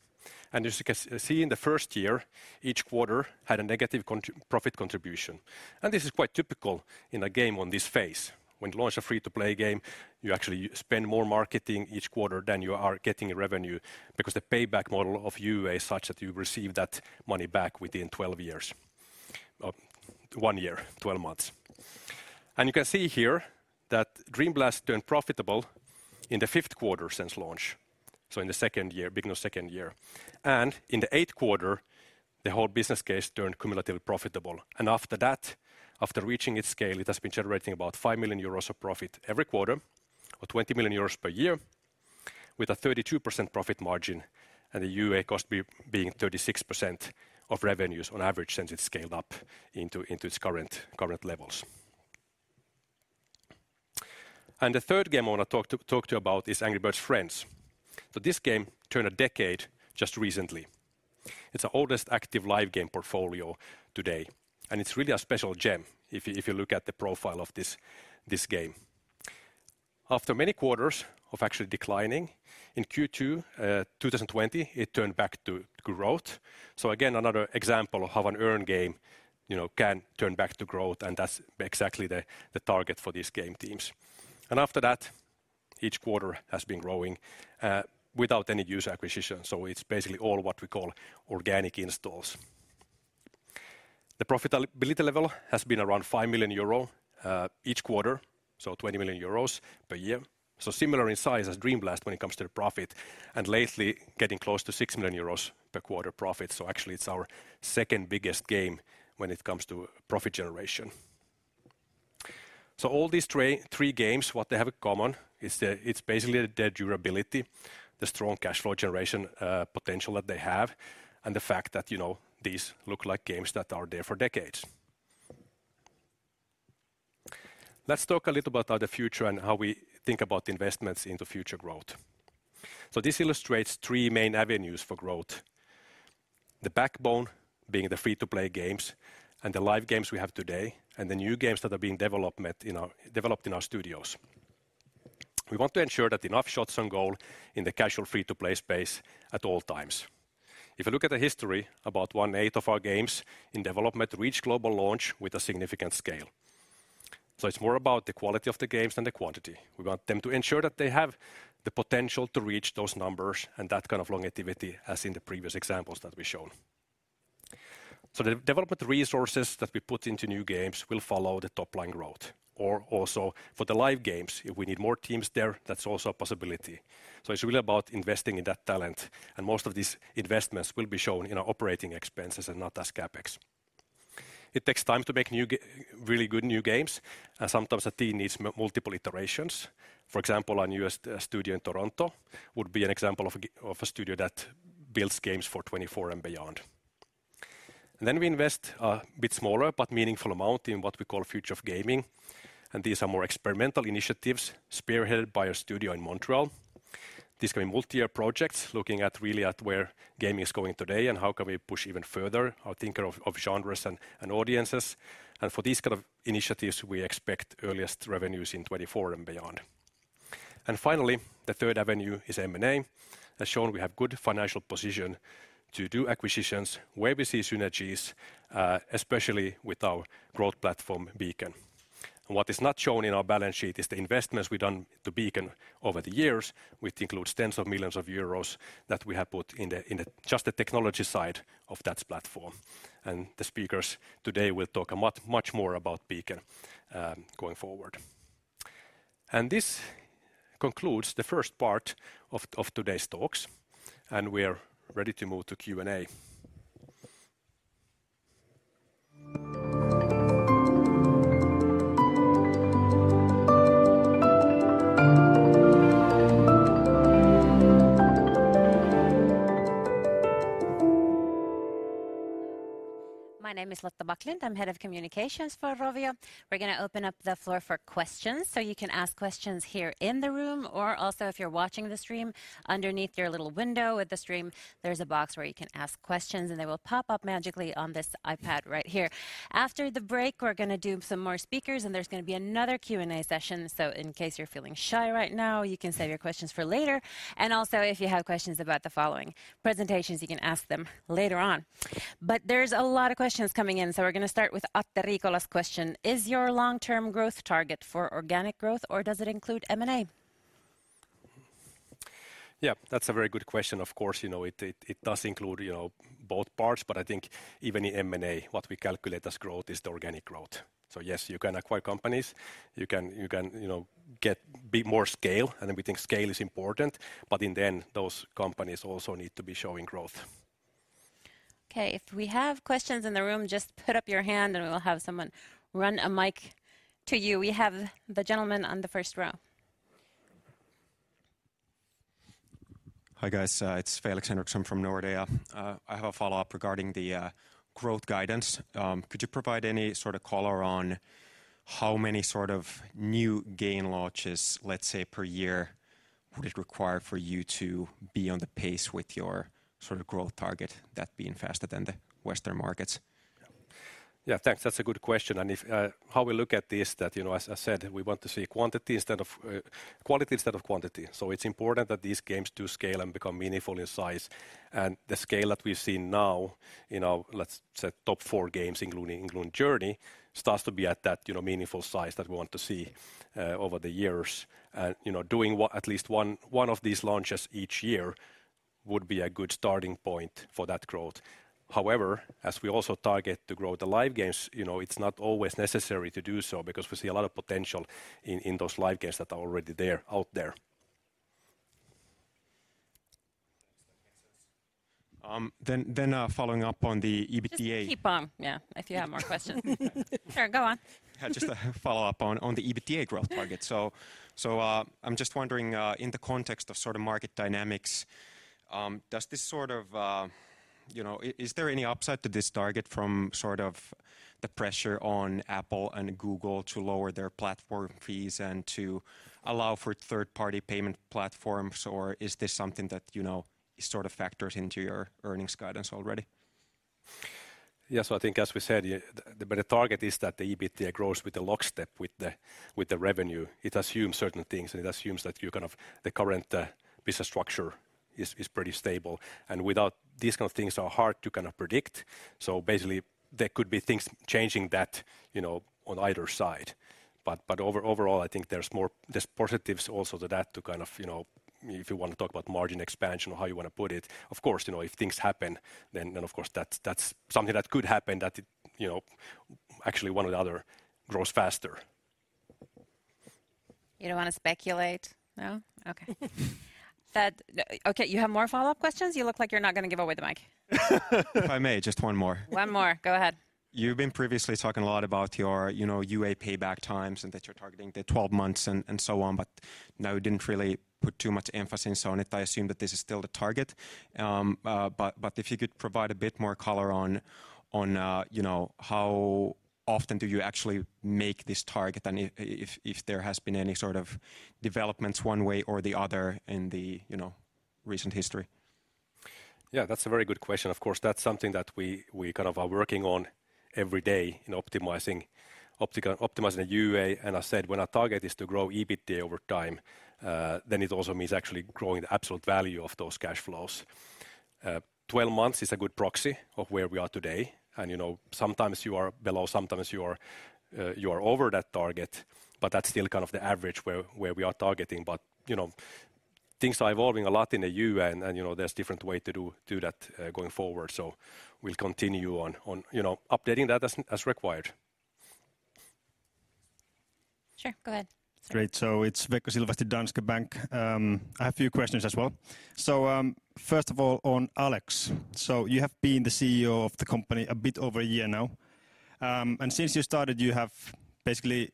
As you can see in the first year, each quarter had a negative profit contribution. This is quite typical in a game on this phase. When you launch a free-to-play game, you actually spend more marketing each quarter than you are getting in revenue because the payback model of UA is such that you receive that money back within one year, twelve months. You can see here that Dream Blast turned profitable in the fifth quarter since launch, so in the second year, beginning of second year. In the eighth quarter, the whole business case turned cumulatively profitable. After that, after reaching its scale, it has been generating about 5 million euros of profit every quarter or 20 million euros per year with a 32% profit margin and the UA cost being 36% of revenues on average since it scaled up into its current levels. The third game I wanna talk to you about is Angry Birds Friends. This game turned a decade just recently. It's the oldest active live game portfolio today, and it's really a special gem if you look at the profile of this game. After many quarters of actually declining, in Q2 2020, it turned back to growth. Again, another example of how an earn game, you know, can turn back to growth, and that's exactly the target for these game teams. After that, each quarter has been growing without any user acquisition. It's basically all what we call organic installs. The profitability level has been around 5 million euro each quarter, so 20 million euros per year. Similar in size as Dream Blast when it comes to the profit, and lately getting close to 6 million euros per quarter profit. Actually it's our second biggest game when it comes to profit generation. All these three games, what they have in common is the, it's basically their durability, the strong cash flow generation, potential that they have, and the fact that, you know, these look like games that are there for decades. Let's talk a little about the future and how we think about investments into future growth. This illustrates three main avenues for growth. The backbone being the free-to-play games and the live games we have today, and the new games that are developed in our studios. We want to ensure that enough shots on goal in the casual free-to-play space at all times. If you look at the history, about one-eighth of our games in development reach global launch with a significant scale. It's more about the quality of the games than the quantity. We want them to ensure that they have the potential to reach those numbers and that kind of longevity as in the previous examples that we've shown. The development resources that we put into new games will follow the top-line growth, or also for the live games, if we need more teams there, that's also a possibility. It's really about investing in that talent, and most of these investments will be shown in our operating expenses and not as CapEx. It takes time to make really good new games, and sometimes a team needs multiple iterations. For example, our newest studio in Toronto would be an example of a studio that builds games for 2024 and beyond. We invest a bit smaller but meaningful amount in what we call Future of Gaming, and these are more experimental initiatives spearheaded by our studio in Montreal. These can be multi-year projects looking really at where gaming is going today and how can we push even further or think of genres and audiences. For these kind of initiatives, we expect earliest revenues in 2024 and beyond. Finally, the third avenue is M&A. As shown, we have good financial position to do acquisitions where we see synergies, especially with our growth platform, Beacon. What is not shown in our balance sheet is the investments we've done to Beacon over the years, which includes tens of millions EUR that we have put in just the technology side of that platform. The speakers today will talk much more about Beacon going forward. This concludes the first part of today's talks, and we're ready to move to Q&A. My name is Lotta Backlund. I'm Head of Communications for Rovio. We're gonna open up the floor for questions, so you can ask questions here in the room or also if you're watching the stream, underneath your little window with the stream, there's a box where you can ask questions, and they will pop up magically on this iPad right here. After the break, we're gonna do some more speakers, and there's gonna be another Q&A session. In case you're feeling shy right now, you can save your questions for later. Also, if you have questions about the following presentations, you can ask them later on. There's a lot of questions coming in, so we're gonna start with Atte Riikola's question. Is your long-term growth target for organic growth, or does it include M&A? Yeah, that's a very good question. Of course, you know, it does include, you know, both parts, but I think even in M&A, what we calculate as growth is the organic growth. Yes, you can acquire companies. You can, you know, get bit more scale, and then we think scale is important. In the end, those companies also need to be showing growth. Okay. If we have questions in the room, just put up your hand, and we will have someone run a mic to you. We have the gentleman on the first row. Hi guys, it's Felix Henriksson from Nordea. I have a follow-up regarding the growth guidance. Could you provide any sort of color on how many sort of new game launches, let's say per year, would it require for you to be on the pace with your sort of growth target, that being faster than the Western markets? Yeah, thanks. That's a good question. How we look at this, you know, as I said, we want to see quality instead of quantity. It's important that these games do scale and become meaningful in size. The scale that we've seen now, you know, let's say top four games including Journey starts to be at that, you know, meaningful size that we want to see over the years. You know, doing at least one of these launches each year would be a good starting point for that growth. However, as we also target to grow the live games, you know, it's not always necessary to do so because we see a lot of potential in those live games that are already there, out there. Thanks. That makes sense. Following up on the EBITDA- Just keep on, yeah, if you have more questions. Sure, go on. Yeah, just to follow up on the EBITDA growth target. I'm just wondering in the context of sort of market dynamics, does this sort of is there any upside to this target from sort of the pressure on Apple and Google to lower their platform fees and to allow for third-party payment platforms? Is this something that sort of factors into your earnings guidance already? Yeah, I think as we said, the better target is that the EBITDA grows in lockstep with the revenue. It assumes certain things, and it assumes that the current business structure is pretty stable. Without these kind of things, they are hard to kind of predict. Basically there could be things changing that, you know, on either side. Overall, I think there's more positives also to that, you know, if you want to talk about margin expansion or how you want to put it. Of course, you know, if things happen then, of course that's something that could happen that it, you know, actually one or the other grows faster. You don't want to speculate? No? Okay. That, okay, you have more follow-up questions? You look like you're not gonna give away the mic. If I may, just one more. One more. Go ahead. You've been previously talking a lot about your, you know, UA payback times and that you're targeting the 12 months and so on, but now you didn't really put too much emphasis on it. I assume that this is still the target. If you could provide a bit more color on you know, how often do you actually make this target and if there has been any sort of developments one way or the other in the, you know, recent history. Yeah, that's a very good question. Of course, that's something that we kind of are working on every day in optimizing the UA. I said when our target is to grow EBITDA over time, then it also means actually growing the absolute value of those cash flows. 12 months is a good proxy of where we are today. You know, sometimes you are below, sometimes you are over that target, but that's still kind of the average where we are targeting. You know, things are evolving a lot in the UA and you know, there's different way to do that going forward. We'll continue on you know, updating that as required. Sure, go ahead. It's Veikko Silvasti, Danske Bank. I have a few questions as well. First of all, on Alex. You have been the CEO of the company a bit over a year now. Since you started, you have basically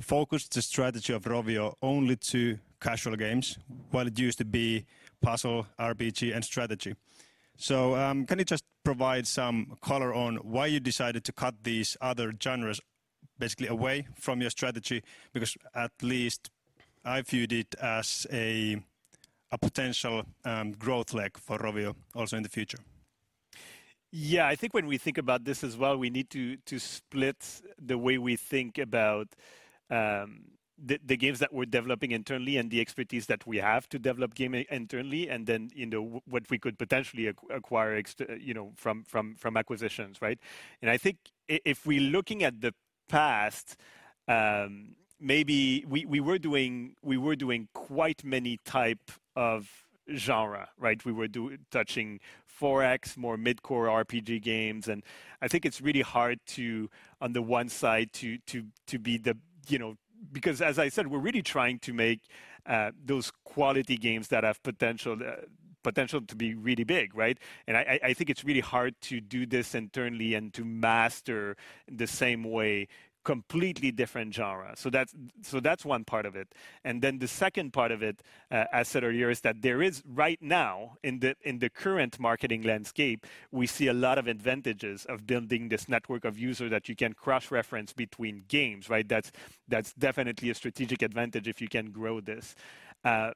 focused the strategy of Rovio only to casual games, while it used to be puzzle, RPG, and strategy. Can you just provide some color on why you decided to cut these other genres basically away from your strategy? Because at least I viewed it as a potential growth leg for Rovio also in the future. Yeah. I think when we think about this as well, we need to split the way we think about the games that we're developing internally and the expertise that we have to develop game internally, and then, you know, what we could potentially acquire you know, from acquisitions, right? I think if we're looking at the past, maybe we were doing quite many type of genre, right? We were touching 4X, more mid-core RPG games, and I think it's really hard to, on the one side to be the, you know. Because as I said, we're really trying to make those quality games that have potential to be really big, right? I think it's really hard to do this internally and to master the same way completely different genre. That's one part of it. Then the second part of it, as said earlier, is that there is right now in the current marketing landscape, we see a lot of advantages of building this network of users that you can cross-reference between games, right? That's definitely a strategic advantage if you can grow this.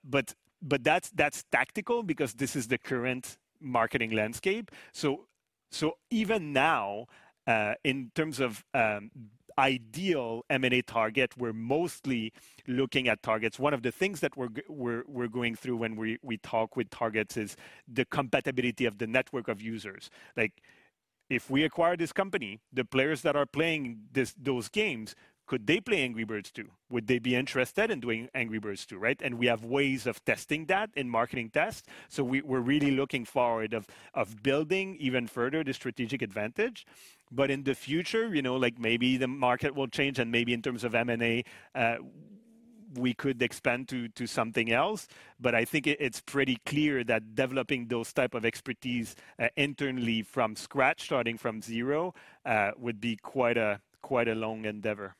But that's tactical because this is the current marketing landscape. Even now, in terms of ideal M&A target, we're mostly looking at targets. One of the things that we're going through when we talk with targets is the compatibility of the network of users. Like, if we acquire this company, the players that are playing this, those games, could they play Angry Birds 2? Would they be interested in doing Angry Birds 2, right? We have ways of testing that in marketing tests. We're really looking forward to building even further the strategic advantage. In the future, you know, like maybe the market will change and maybe in terms of M&A, we could expand to something else. I think it's pretty clear that developing those type of expertise internally from scratch, starting from zero, would be quite a long endeavor.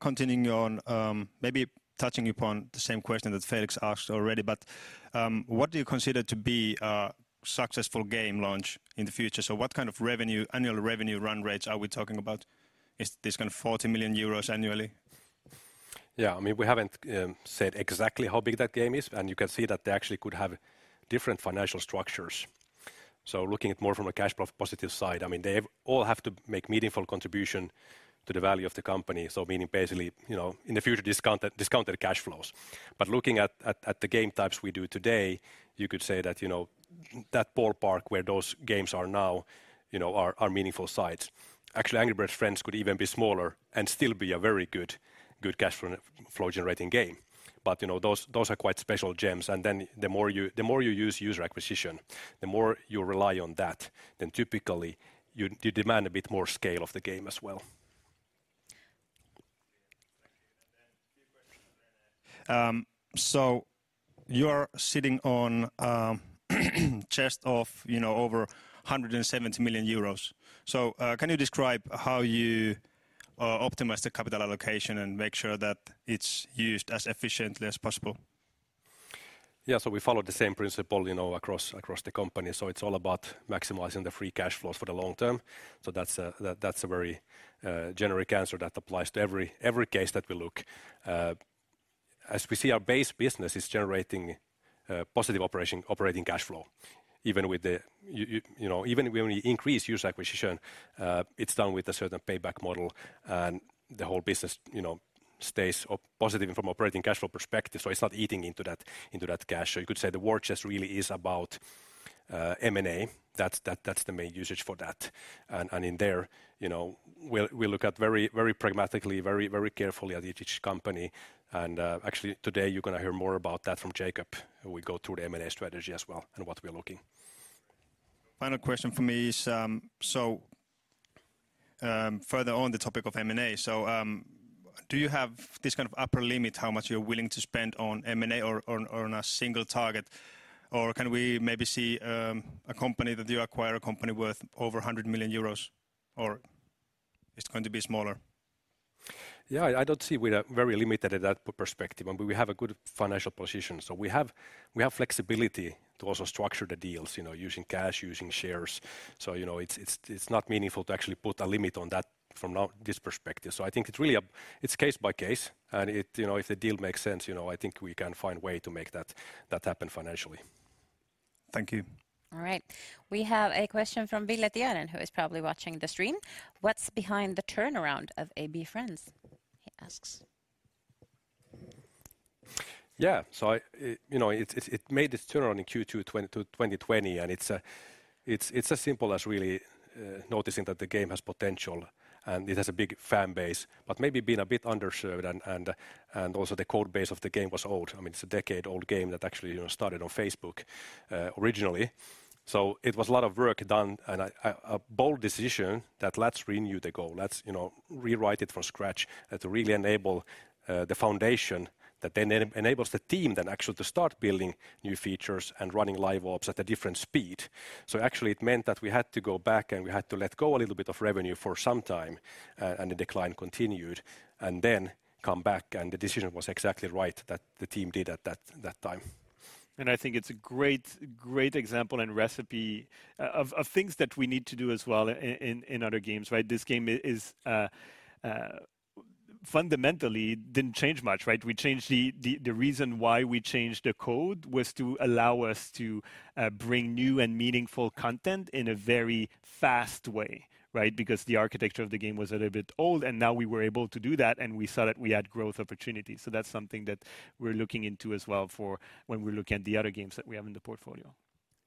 Continuing on, maybe touching upon the same question that Felix asked already, but what do you consider to be a successful game launch in the future? What kind of revenue, annual revenue run rates are we talking about? Is this kind of 40 million euros annually? Yeah. I mean, we haven't said exactly how big that game is, and you can see that they actually could have different financial structures. Looking at more from a cash flow positive side, I mean, they all have to make meaningful contribution to the value of the company. Meaning basically, you know, in the future discounted cash flows. Looking at the game types we do today, you could say that, you know, that ballpark where those games are now, you know, are meaningful sites. Actually, Angry Birds Friends could even be smaller and still be a very good cash flow generating game. You know, those are quite special gems. The more you use user acquisition, the more you rely on that, then typically you demand a bit more scale of the game as well. You're sitting on a cash chest of, you know, over 170 million euros. Can you describe how you optimize the capital allocation and make sure that it's used as efficiently as possible? Yeah, we follow the same principle, you know, across the company. It's all about maximizing the free cash flows for the long term. That's a very generic answer that applies to every case that we look. As we see, our base business is generating positive operating cash flow, even when we increase user acquisition, you know, it's done with a certain payback model, and the whole business, you know, stays positive from operating cash flow perspective, so it's not eating into that cash. You could say the war chest really is about M&A. That's the main usage for that. In there, you know, we look very pragmatically, very carefully at each company. Actually today you're gonna hear more about that from Jakob Langer, who will go through the M&A strategy as well and what we are looking. Final question from me is further on the topic of M&A. Do you have this kind of upper limit, how much you're willing to spend on M&A or on a single target? Or can we maybe see a company that you acquire worth over 100 million euros, or it's going to be smaller? Yeah, I don't see we are very limited at that perspective, and we have a good financial position. We have flexibility to also structure the deals, you know, using cash, using shares. You know, it's not meaningful to actually put a limit on that from this perspective. I think it's really a case by case, and it, you know, if the deal makes sense, you know, I think we can find way to make that happen financially. Thank you. All right. We have a question from Billy Tierén, who is probably watching the stream. "What's behind the turnaround of Angry Birds Friends?" he asks. Yeah. I, you know, it made its turnaround in Q2 2020, and it's as simple as really noticing that the game has potential and it has a big fan base, but maybe been a bit underserved and also the code base of the game was old. I mean, it's a decade-old game that actually, you know, started on Facebook originally. It was a lot of work done and a bold decision that let's renew the code, let's, you know, rewrite it from scratch and to really enable the foundation that then enables the team actually to start building new features and running live ops at a different speed. Actually it meant that we had to go back, and we had to let go a little bit of revenue for some time, and the decline continued, and then come back. The decision was exactly right that the team did at that time. I think it's a great example and recipe of things that we need to do as well in other games, right? This game is fundamentally didn't change much, right? The reason why we changed the code was to allow us to bring new and meaningful content in a very fast way, right? Because the architecture of the game was a little bit old, and now we were able to do that, and we saw that we had growth opportunities. That's something that we're looking into as well for when we're looking at the other games that we have in the portfolio.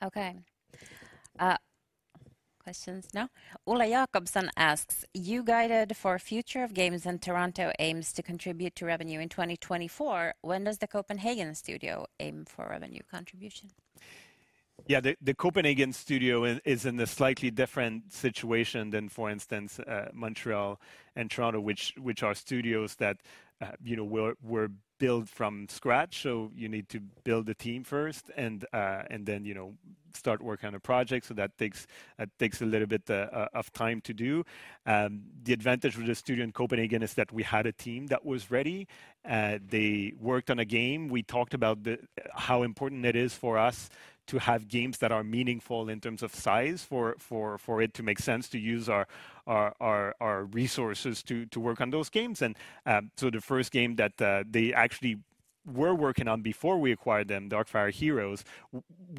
Okay. Questions now. Ola Jansson asks, "You guided for future of games, and Toronto aims to contribute to revenue in 2024. When does the Copenhagen studio aim for revenue contribution? Yeah. The Copenhagen studio is in a slightly different situation than, for instance, Montreal and Toronto, which are studios that, you know, were built from scratch. You need to build the team first and then, you know, start work on a project. That takes a little bit of time to do. The advantage with the studio in Copenhagen is that we had a team that was ready. They worked on a game. We talked about how important it is for us to have games that are meaningful in terms of size for it to make sense to use our resources to work on those games. The first game that they actually were working on before we acquired them, Darkfire Heroes,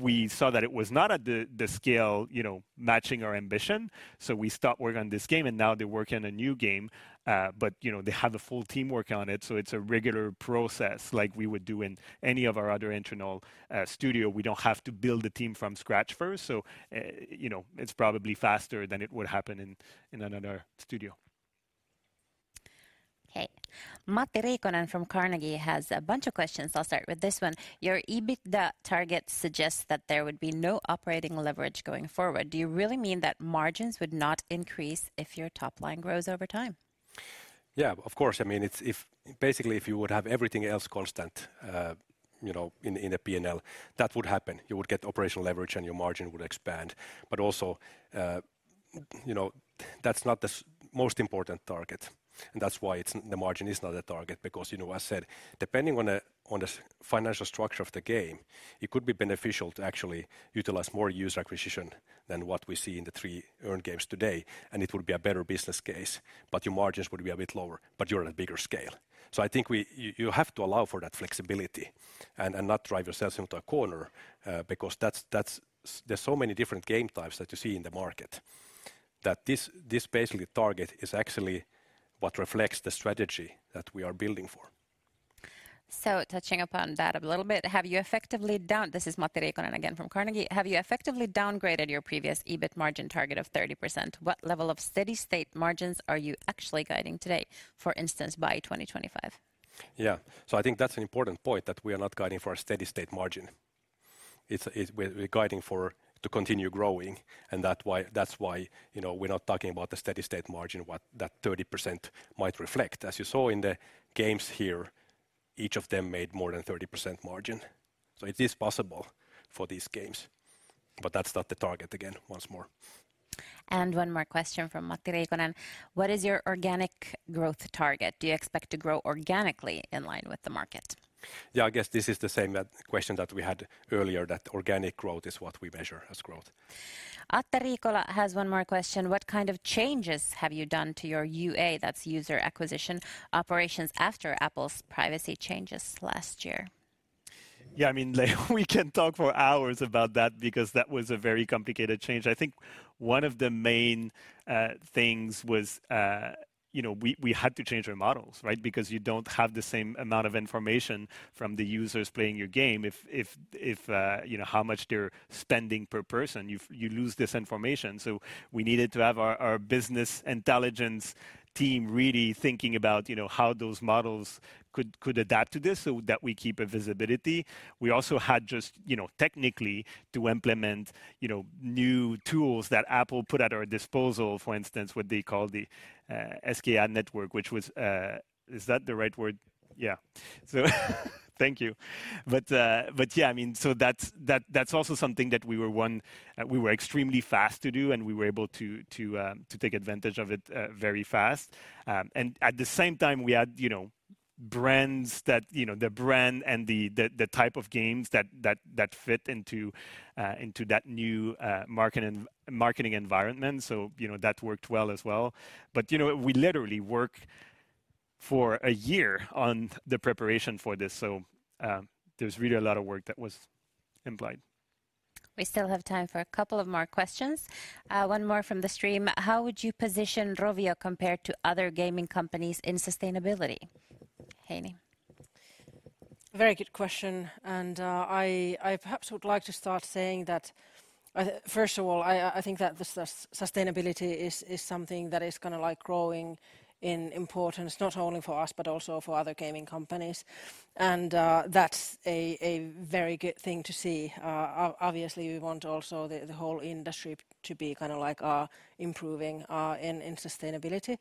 we saw that it was not at the scale, you know, matching our ambition. We stopped work on this game, and now they're working on a new game. You know, they have a full team working on it, so it's a regular process like we would do in any of our other internal studio. We don't have to build the team from scratch first, you know, it's probably faster than it would happen in another studio. Okay. Matti Riikonen from Carnegie has a bunch of questions. I'll start with this one. "Your EBITDA target suggests that there would be no operating leverage going forward. Do you really mean that margins would not increase if your top line grows over time? Yeah, of course. I mean, it's basically, if you would have everything else constant, you know, in a P&L, that would happen. You would get operational leverage, and your margin would expand. Also, you know, that's not the most important target, and that's why the margin is not a target because, you know, as I said, depending on the financial structure of the game, it could be beneficial to actually utilize more user acquisition than what we see in the three earned games today, and it would be a better business case, but your margins would be a bit lower, but you're at a bigger scale. I think you have to allow for that flexibility and not drive yourselves into a corner, because there's so many different game types that you see in the market that this basically target is actually what reflects the strategy that we are building for. This is Matti Riikonen again from Carnegie. Have you effectively downgraded your previous EBIT margin target of 30%? What level of steady-state margins are you actually guiding today, for instance, by 2025? I think that's an important point that we are not guiding for a steady-state margin. We're guiding to continue growing, and that's why, you know, we're not talking about the steady-state margin, what that 30% might reflect. As you saw in the games here, each of them made more than 30% margin. It is possible for these games, but that's not the target again, once more. One more question from Matti Riikonen. What is your organic growth target? Do you expect to grow organically in line with the market? Yeah, I guess this is the same question that we had earlier, that organic growth is what we measure as growth. Atte Riikola has one more question. What kind of changes have you done to your UA, that's user acquisition, operations after Apple's privacy changes last year? Yeah, I mean, like we can talk for hours about that because that was a very complicated change. I think one of the main things was, you know, we had to change our models, right? Because you don't have the same amount of information from the users playing your game if you know how much they're spending per person. You lose this information, so we needed to have our business intelligence team really thinking about, you know, how those models could adapt to this so that we keep a visibility. We also had just, you know, technically to implement, you know, new tools that Apple put at our disposal, for instance, what they call the SKAdNetwork, which was. Is that the right word? Yeah. So thank you. Yeah, I mean, that's also something that we were extremely fast to do, and we were able to take advantage of it very fast. At the same time, we had, you know, brands that, you know, the brand and the type of games that fit into that new marketing environment. You know, that worked well as well. You know, we literally work for a year on the preparation for this. There's really a lot of work that was implied. We still have time for a couple of more questions. One more from the stream. How would you position Rovio compared to other gaming companies in sustainability? Heini? Very good question. I perhaps would like to start saying that first of all, I think that the sustainability is something that is kinda like growing in importance, not only for us but also for other gaming companies. That's a very good thing to see. Obviously, we want also the whole industry to be kinda like improving in sustainability.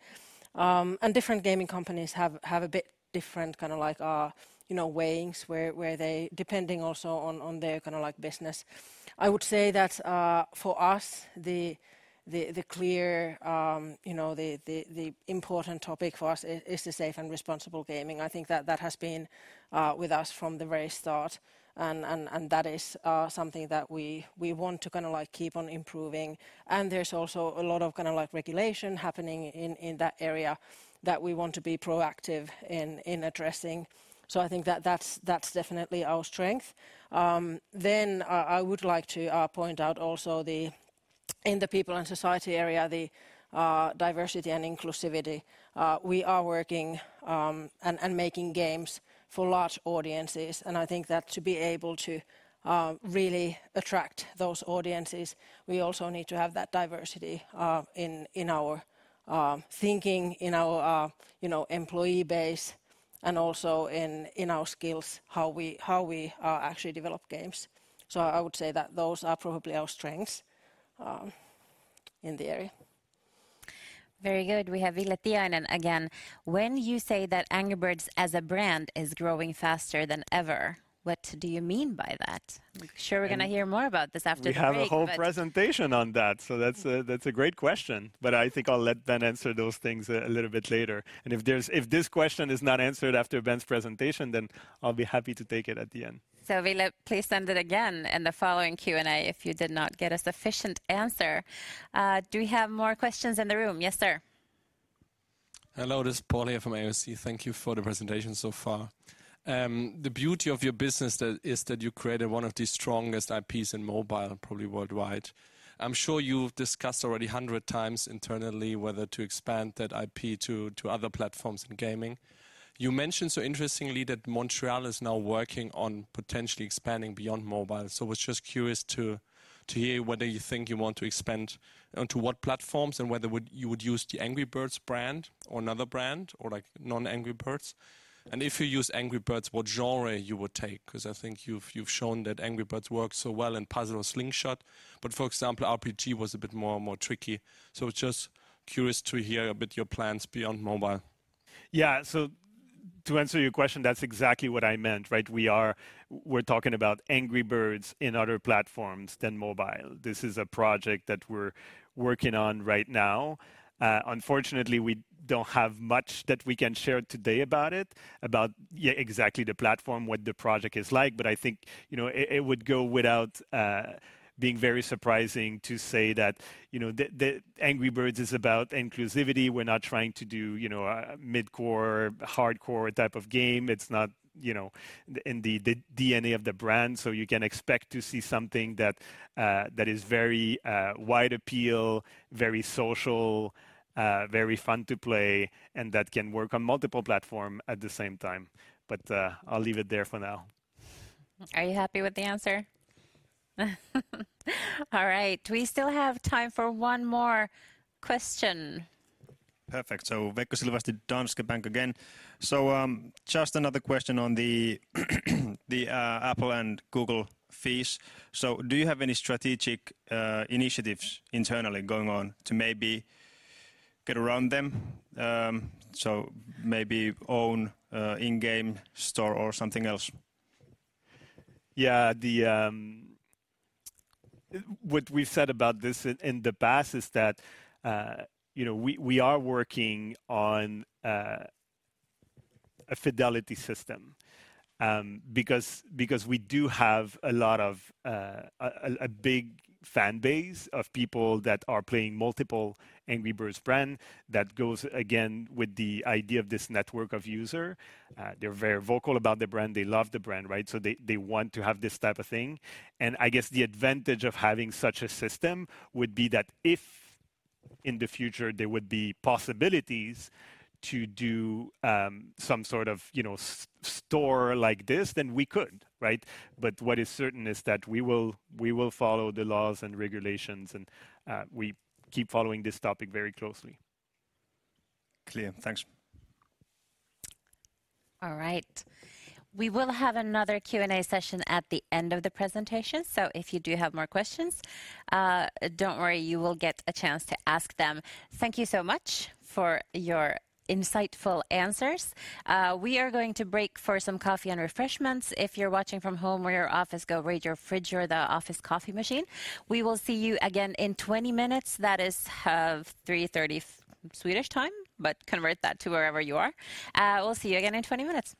Different gaming companies have a bit different kinda like you know weighings where they depending also on their kinda like business. I would say that for us, the clear you know the important topic for us is the safe and responsible gaming. I think that has been with us from the very start and that is something that we want to kinda like keep on improving. There's also a lot of kinda like regulation happening in that area that we want to be proactive in addressing. I think that that's definitely our strength. I would like to point out also in the people and society area the diversity and inclusivity. We are working and making games for large audiences, and I think that to be able to really attract those audiences, we also need to have that diversity in our thinking, in our you know employee base, and also in our skills, how we actually develop games. I would say that those are probably our strengths, in the area. Very good. We have Ville Tiainen again. When you say that Angry Birds as a brand is growing faster than ever, what do you mean by that? Like Sure, we're gonna hear more about this after the break, but. We have a whole presentation on that, so that's a great question. I think I'll let Ben answer those things a little bit later. If this question is not answered after Ben's presentation, then I'll be happy to take it at the end. Ville, please send it again in the following Q&A if you did not get a sufficient answer. Do we have more questions in the room? Yes, sir. Hello, this is Paul here from AOC. Thank you for the presentation so far. The beauty of your business is that you created one of the strongest IPs in mobile, probably worldwide. I'm sure you've discussed already 100 times internally whether to expand that IP to other platforms in gaming. You mentioned so interestingly that Montreal is now working on potentially expanding beyond mobile. I was just curious to hear whether you think you want to expand onto what platforms and whether you would use the Angry Birds brand or another brand or, like, non-Angry Birds. And if you use Angry Birds, what genre you would take? 'Cause I think you've shown that Angry Birds works so well in puzzle slingshot, but for example, RPG was a bit more tricky. Just curious to hear a bit your plans beyond mobile. Yeah. To answer your question, that's exactly what I meant, right? We're talking about Angry Birds on other platforms than mobile. This is a project that we're working on right now. Unfortunately, we don't have much that we can share today about it, about exactly the platform, what the project is like. I think, you know, it would go without being very surprising to say that, you know, the Angry Birds is about inclusivity. We're not trying to do, you know, a mid-core, hardcore type of game. It's not, you know, in the DNA of the brand. You can expect to see something that is very wide appeal, very social, very fun to play, and that can work on multiple platforms at the same time. I'll leave it there for now. Are you happy with the answer? All right. We still have time for one more question. Perfect. Veikko Silvasti, Danske Bank again. Just another question on the Apple and Google fees. Do you have any strategic initiatives internally going on to maybe get around them? Maybe own in-game store or something else? Yeah. What we've said about this in the past is that, you know, we are working on an identity system, because we do have a lot of a big fan base of people that are playing multiple Angry Birds brands. That goes along with the idea of this network of users. They're very vocal about the brand. They love the brand, right? They want to have this type of thing. I guess the advantage of having such a system would be that if in the future there would be possibilities to do, you know, store like this, then we could, right? What is certain is that we will follow the laws and regulations, and we keep following this topic very closely. Clear. Thanks. All right. We will have another Q&A session at the end of the presentation, so if you do have more questions, don't worry, you will get a chance to ask them. Thank you so much for your insightful answers. We are going to break for some coffee and refreshments. If you're watching from home or your office, go raid your fridge or the office coffee machine. We will see you again in 20 minutes. That is, 3:30 Swedish time, but convert that to wherever you are. We'll see you again in 20 minutes.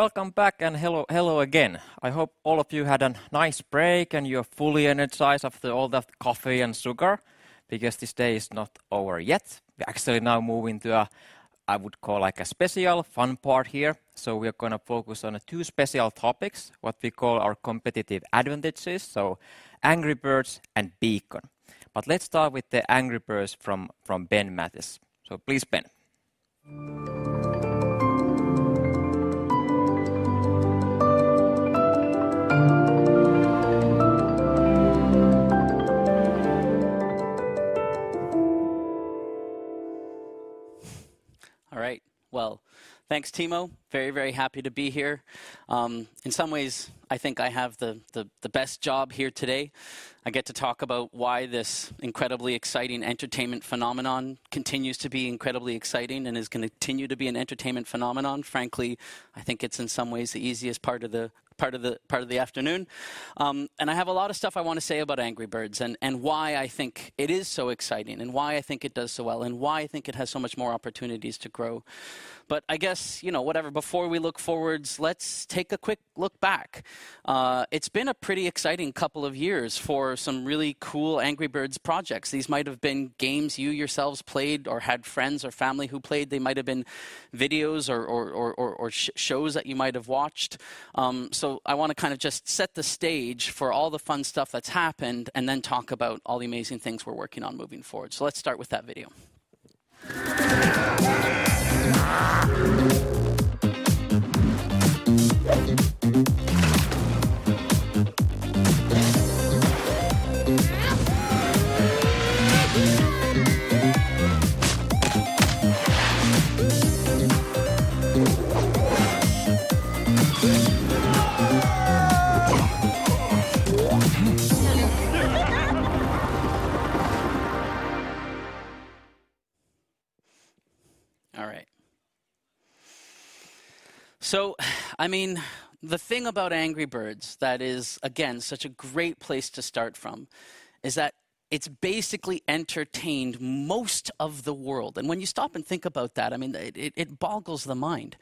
Welcome back and hello again. I hope all of you had a nice break, and you're fully energized after all that coffee and sugar because this day is not over yet. We actually now move into a, I would call like a special fun part here. We're gonna focus on two special topics, what we call our competitive advantages, so Angry Birds and Beacon. Let's start with the Angry Birds from Ben Mattes. Please, Ben. All right. Well, thanks Timo. Very, very happy to be here. In some ways, I think I have the best job here today. I get to talk about why this incredibly exciting entertainment phenomenon continues to be incredibly exciting and is gonna continue to be an entertainment phenomenon. Frankly, I think it's in some ways the easiest part of the afternoon. I have a lot of stuff I want to say about Angry Birds and why I think it is so exciting, and why I think it does so well, and why I think it has so much more opportunities to grow. I guess, you know, whatever. Before we look forwards, let's take a quick look back. It's been a pretty exciting couple of years for some really cool Angry Birds projects. These might have been games you yourselves played or had friends or family who played. They might have been videos or shows that you might have watched. I wanna kind of just set the stage for all the fun stuff that's happened, and then talk about all the amazing things we're working on moving forward. Let's start with that video. All right. I mean, the thing about Angry Birds that is again, such a great place to start from is that it's basically entertained most of the world. When you stop and think about that, I mean, it boggles the mind.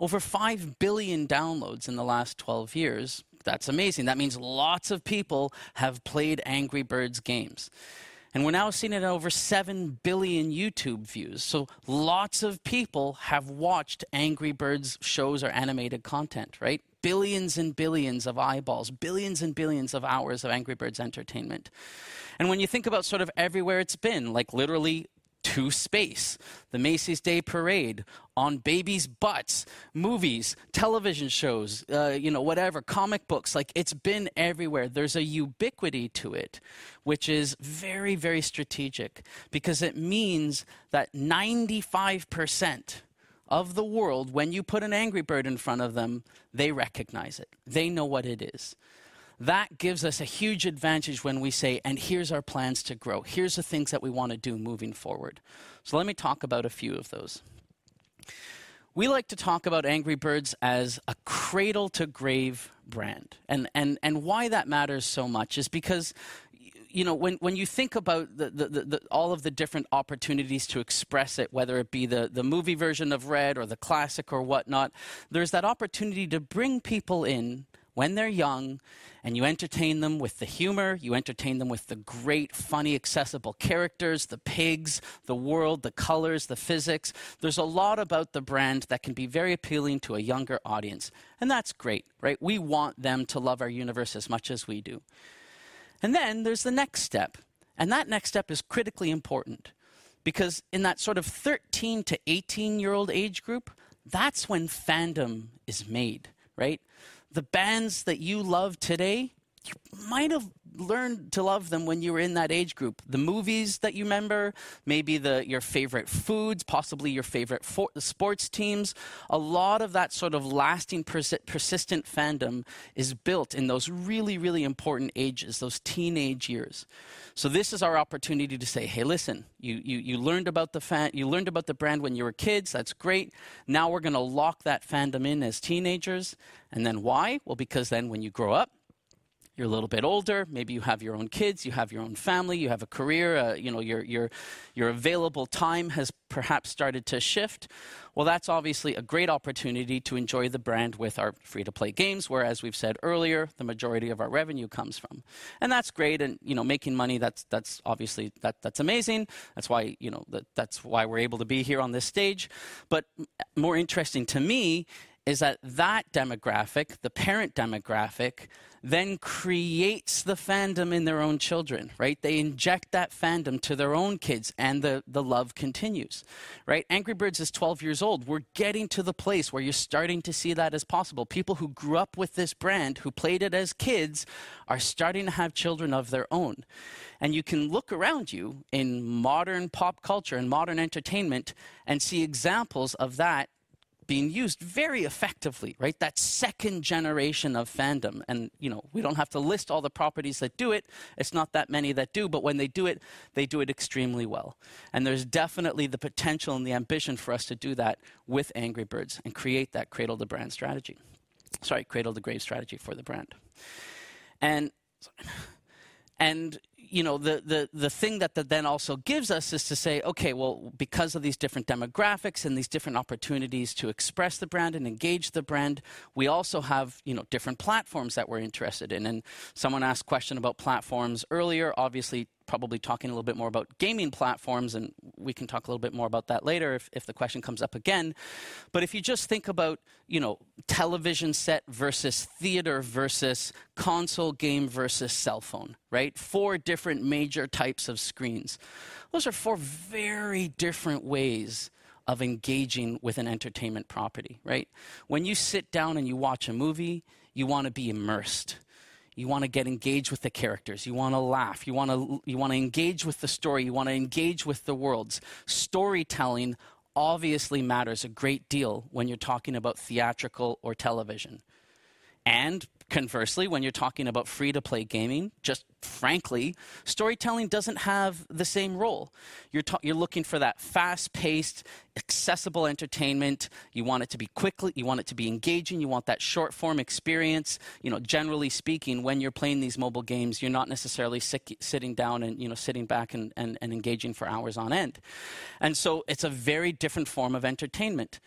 Over 5 billion downloads in the last 12 years, that's amazing. That means lots of people have played Angry Birds games. We're now seeing it at over 7 billion YouTube views. Lots of people have watched Angry Birds shows or animated content, right? Billions and billions of eyeballs, billions and billions of hours of Angry Birds entertainment. When you think about sort of everywhere it's been, like literally to space, the Macy's Day Parade, on babies' butts, movies, television shows, you know, whatever, comic books, like it's been everywhere. There's a ubiquity to it, which is very, very strategic because it means that 95% of the world, when you put an Angry Bird in front of them, they recognize it. They know what it is. That gives us a huge advantage when we say, "here's our plans to grow. Here's the things that we wanna do moving forward." Let me talk about a few of those. We like to talk about Angry Birds as a cradle to grave brand. Why that matters so much is because, you know, when you think about the all of the different opportunities to express it, whether it be the movie version of Red or the classic or whatnot, there's that opportunity to bring people in when they're young, and you entertain them with the humor, you entertain them with the great, funny, accessible characters, the pigs, the world, the colors, the physics. There's a lot about the brand that can be very appealing to a younger audience, and that's great, right? We want them to love our universe as much as we do. There's the next step, and that next step is critically important because in that sort of thirteen to eighteen-year-old age group, that's when fandom is made, right? The bands that you love today, you might have learned to love them when you were in that age group. The movies that you remember, maybe your favorite foods, possibly your favorite sports teams. A lot of that sort of lasting persistent fandom is built in those really, really important ages, those teenage years. This is our opportunity to say, "Hey, listen, you learned about the brand when you were kids, that's great. Now we're gonna lock that fandom in as teenagers." Why? Well, because then when you grow up, you're a little bit older, maybe you have your own kids, you have your own family, you have a career, you know, your available time has perhaps started to shift. Well, that's obviously a great opportunity to enjoy the brand with our free-to-play games, where, as we've said earlier, the majority of our revenue comes from. That's great and, you know, making money that's obviously amazing. That's why, you know, that's why we're able to be here on this stage. More interesting to me is that demographic, the parent demographic, then creates the fandom in their own children, right? They inject that fandom to their own kids, and the love continues, right? Angry Birds is 12 years old. We're getting to the place where you're starting to see that as possible. People who grew up with this brand, who played it as kids, are starting to have children of their own. You can look around you in modern pop culture and modern entertainment and see examples of that being used very effectively, right? That second generation of fandom. You know, we don't have to list all the properties that do it. It's not that many that do, but when they do it, they do it extremely well. There's definitely the potential and the ambition for us to do that with Angry Birds and create that cradle to brand strategy. Sorry, cradle to grave strategy for the brand. You know, the thing that then also gives us is to say, "Okay, well, because of these different demographics and these different opportunities to express the brand and engage the brand, we also have, you know, different platforms that we're interested in." Someone asked a question about platforms earlier, obviously probably talking a little bit more about gaming platforms, and we can talk a little bit more about that later if the question comes up again. If you just think about, you know, television set versus theater versus console game versus cell phone, right? Four different major types of screens. Those are four very different ways of engaging with an entertainment property, right? When you sit down and you watch a movie, you wanna be immersed. You wanna get engaged with the characters. You wanna laugh. You wanna engage with the story. You wanna engage with the worlds. Storytelling obviously matters a great deal when you're talking about theatrical or television. Conversely, when you're talking about free-to-play gaming, just frankly, storytelling doesn't have the same role. You're looking for that fast-paced, accessible entertainment. You want it to be engaging. You want that short-form experience. You know, generally speaking, when you're playing these mobile games, you're not necessarily sitting down and, you know, sitting back and engaging for hours on end. It's a very different form of entertainment.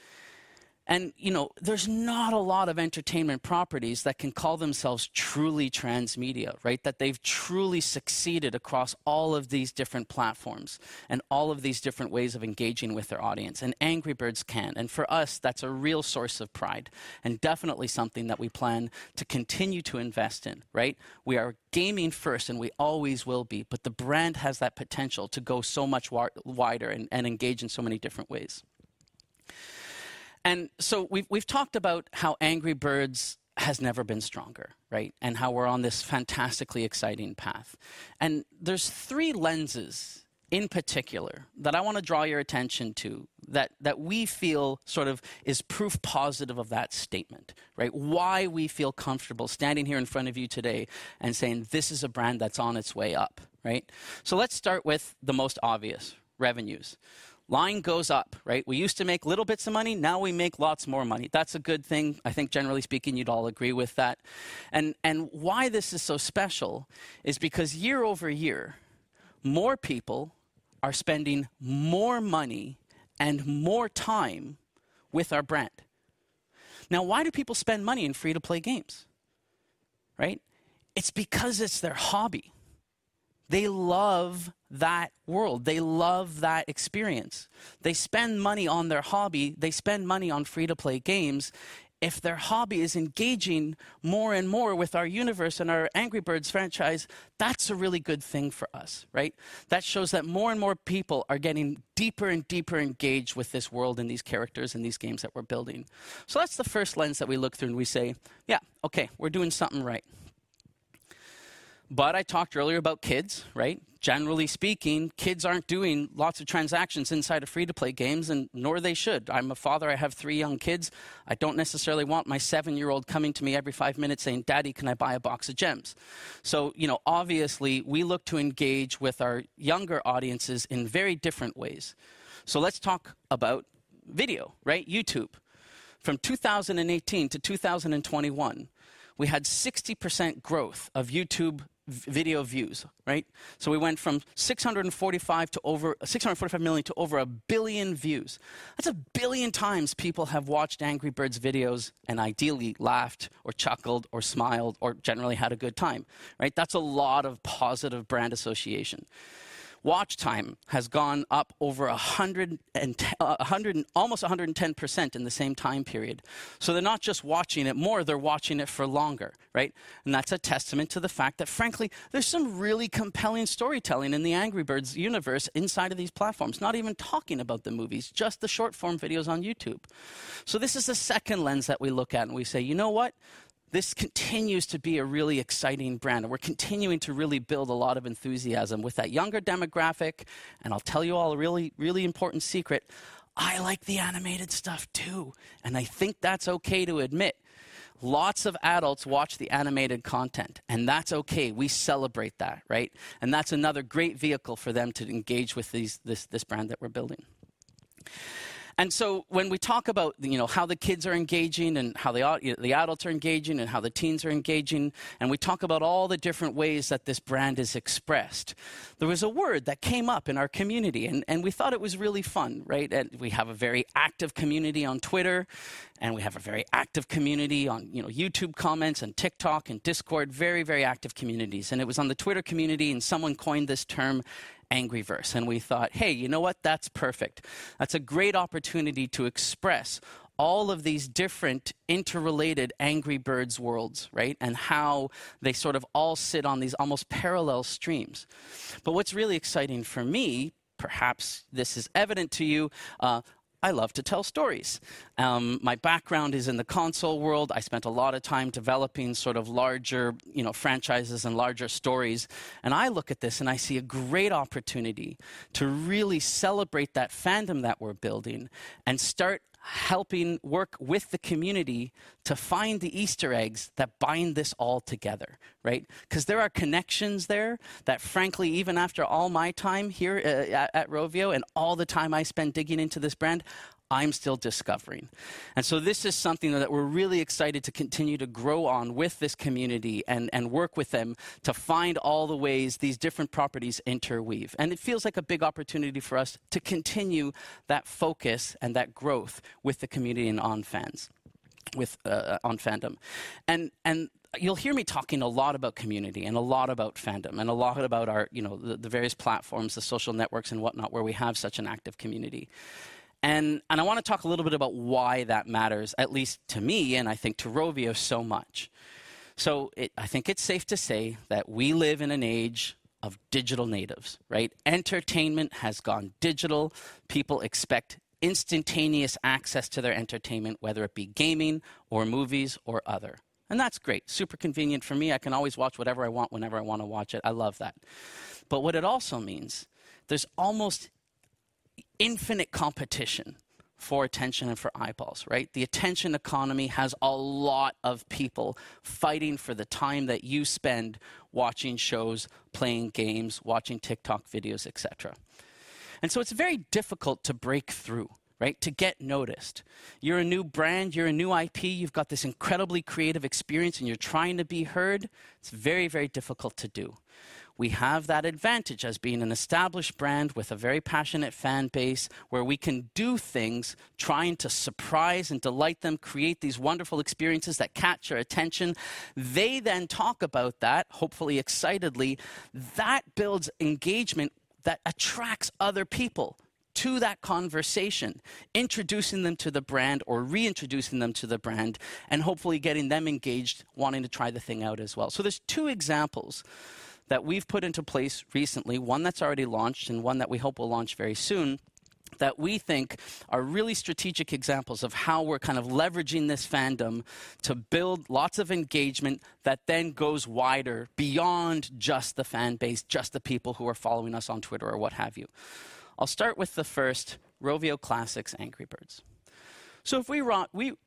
You know, there's not a lot of entertainment properties that can call themselves truly transmedia, right? That they've truly succeeded across all of these different platforms and all of these different ways of engaging with their audience. Angry Birds can. For us, that's a real source of pride and definitely something that we plan to continue to invest in, right? We are gaming first, and we always will be, but the brand has that potential to go so much wider and engage in so many different ways. We've talked about how Angry Birds has never been stronger, right? How we're on this fantastically exciting path. There's three lenses in particular that I wanna draw your attention to that we feel sort of is proof positive of that statement, right? Why we feel comfortable standing here in front of you today and saying, "This is a brand that's on its way up," right? Let's start with the most obvious, revenues. Line goes up, right? We used to make little bits of money, now we make lots more money. That's a good thing. I think generally speaking, you'd all agree with that. Why this is so special is because year-over-year, more people are spending more money and more time with our brand. Now, why do people spend money in free-to-play games, right? It's because it's their hobby. They love that world. They love that experience. They spend money on their hobby. They spend money on free-to-play games. If their hobby is engaging more and more with our universe and our Angry Birds franchise, that's a really good thing for us, right? That shows that more and more people are getting deeper and deeper engaged with this world and these characters and these games that we're building. That's the first lens that we look through, and we say, "Yeah, okay, we're doing something right." I talked earlier about kids, right? Generally speaking, kids aren't doing lots of transactions inside of free-to-play games and nor they should. I'm a father, I have three young kids. I don't necessarily want my seven-year-old coming to me every five minutes saying, "Daddy, can I buy a box of gems?" You know, obviously, we look to engage with our younger audiences in very different ways. Let's talk about video, right? YouTube. From 2018 to 2021, we had 60% growth of YouTube video views, right? We went from 645 million to over 1 billion views. That's 1 billion times people have watched Angry Birds videos and ideally laughed or chuckled or smiled or generally had a good time, right? That's a lot of positive brand association. Watch time has gone up over almost 110% in the same time period. They're not just watching it more, they're watching it for longer, right? That's a testament to the fact that frankly, there's some really compelling storytelling in the Angry Birds universe inside of these platforms. Not even talking about the movies, just the short-form videos on YouTube. This is the second lens that we look at, and we say, "You know what? This continues to be a really exciting brand, and we're continuing to really build a lot of enthusiasm with that younger demographic." I'll tell you all a really, really important secret. I like the animated stuff too, and I think that's okay to admit. Lots of adults watch the animated content, and that's okay. We celebrate that, right? That's another great vehicle for them to engage with this brand that we're building. When we talk about, you know, how the kids are engaging and how the adults are engaging and how the teens are engaging, and we talk about all the different ways that this brand is expressed, there was a word that came up in our community, and we thought it was really fun, right? We have a very active community on Twitter, and we have a very active community on, you know, YouTube comments and TikTok and Discord, very active communities. It was on the Twitter community, and someone coined this term Angryverse. We thought, "Hey, you know what? That's perfect." That's a great opportunity to express all of these different interrelated Angry Birds worlds, right? How they sort of all sit on these almost parallel streams. What's really exciting for me, perhaps this is evident to you, I love to tell stories. My background is in the console world. I spent a lot of time developing sort of larger, you know, franchises and larger stories. I look at this, and I see a great opportunity to really celebrate that fandom that we're building and start helping work with the community to find the Easter eggs that bind this all together, right? 'Cause there are connections there that frankly, even after all my time here at Rovio and all the time I spent digging into this brand, I'm still discovering. This is something that we're really excited to continue to grow on with this community and work with them to find all the ways these different properties interweave. It feels like a big opportunity for us to continue that focus and that growth with the community and on fans, with on fandom. You'll hear me talking a lot about community and a lot about fandom and a lot about our you know the various platforms, the social networks and whatnot where we have such an active community. I wanna talk a little bit about why that matters, at least to me and I think to Rovio so much. I think it's safe to say that we live in an age of digital natives, right? Entertainment has gone digital. People expect instantaneous access to their entertainment, whether it be gaming or movies or other. That's great. Super convenient for me. I can always watch whatever I want whenever I want to watch it. I love that. What it also means, there's almost infinite competition for attention and for eyeballs, right? The attention economy has a lot of people fighting for the time that you spend watching shows, playing games, watching TikTok videos, etc. It's very difficult to break through, right? To get noticed. You're a new brand, you're a new IP, you've got this incredibly creative experience, and you're trying to be heard. It's very, very difficult to do. We have that advantage as being an established brand with a very passionate fan base where we can do things, trying to surprise and delight them, create these wonderful experiences that catch our attention. They then talk about that, hopefully excitedly. That builds engagement that attracts other people to that conversation, introducing them to the brand or reintroducing them to the brand, and hopefully getting them engaged, wanting to try the thing out as well. There's two examples that we've put into place recently, one that's already launched and one that we hope will launch very soon. That we think are really strategic examples of how we're kind of leveraging this fandom to build lots of engagement that then goes wider beyond just the fan base, just the people who are following us on Twitter or what have you. I'll start with the first, Rovio Classics: Angry Birds. If we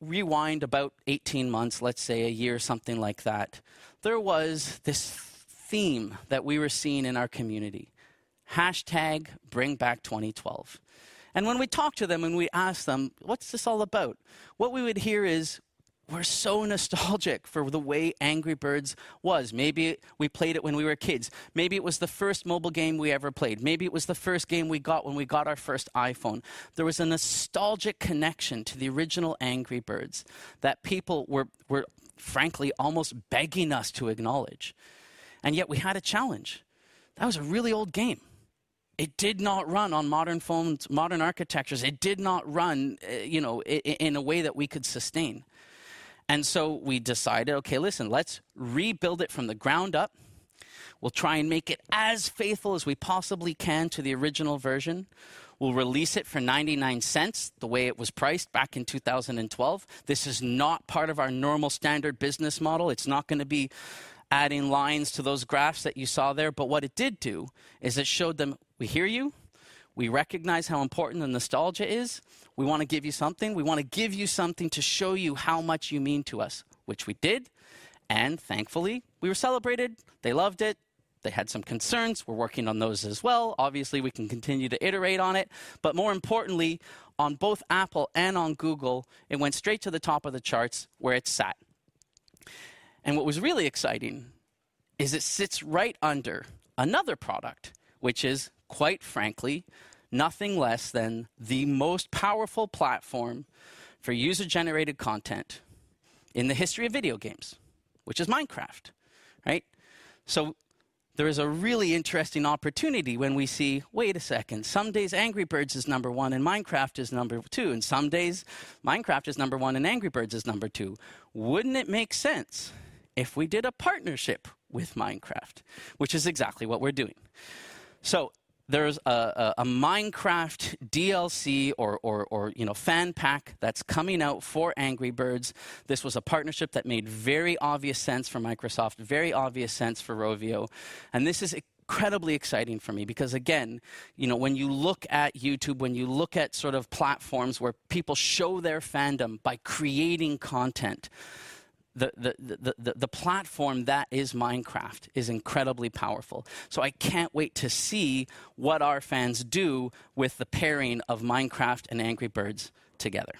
rewind about 18 months, let's say a year, something like that, there was this theme that we were seeing in our community, #bringback2012. When we talked to them and we asked them, "What's this all about?" What we would hear is, "We're so nostalgic for the way Angry Birds was. Maybe we played it when we were kids. Maybe it was the first mobile game we ever played. Maybe it was the first game we got when we got our first iPhone." There was a nostalgic connection to the original Angry Birds that people were frankly almost begging us to acknowledge. Yet we had a challenge. That was a really old game. It did not run on modern phones, modern architectures. It did not run, you know, in a way that we could sustain. So we decided, okay, listen, let's rebuild it from the ground up. We'll try and make it as faithful as we possibly can to the original version. We'll release it for $0.99, the way it was priced back in 2012. This is not part of our normal standard business model. It's not gonna be adding lines to those graphs that you saw there. What it did do is it showed them, we hear you, we recognize how important the nostalgia is. We wanna give you something. We wanna give you something to show you how much you mean to us, which we did, and thankfully, we were celebrated. They loved it. They had some concerns. We're working on those as well. Obviously, we can continue to iterate on it, but more importantly, on both Apple and on Google, it went straight to the top of the charts where it sat. What was really exciting is it sits right under another product, which is quite frankly nothing less than the most powerful platform for user-generated content in the history of video games, which is Minecraft, right? There is a really interesting opportunity when we see, wait a second, some days Angry Birds is number one and Minecraft is number two, and some days Minecraft is number one and Angry Birds is number two. Wouldn't it make sense if we did a partnership with Minecraft? Which is exactly what we're doing. There's a Minecraft DLC or, you know, fan pack that's coming out for Angry Birds. This was a partnership that made very obvious sense for Microsoft, very obvious sense for Rovio, and this is incredibly exciting for me because again, you know, when you look at YouTube, when you look at sort of platforms where people show their fandom by creating content, the platform that is Minecraft is incredibly powerful. I can't wait to see what our fans do with the pairing of Minecraft and Angry Birds together.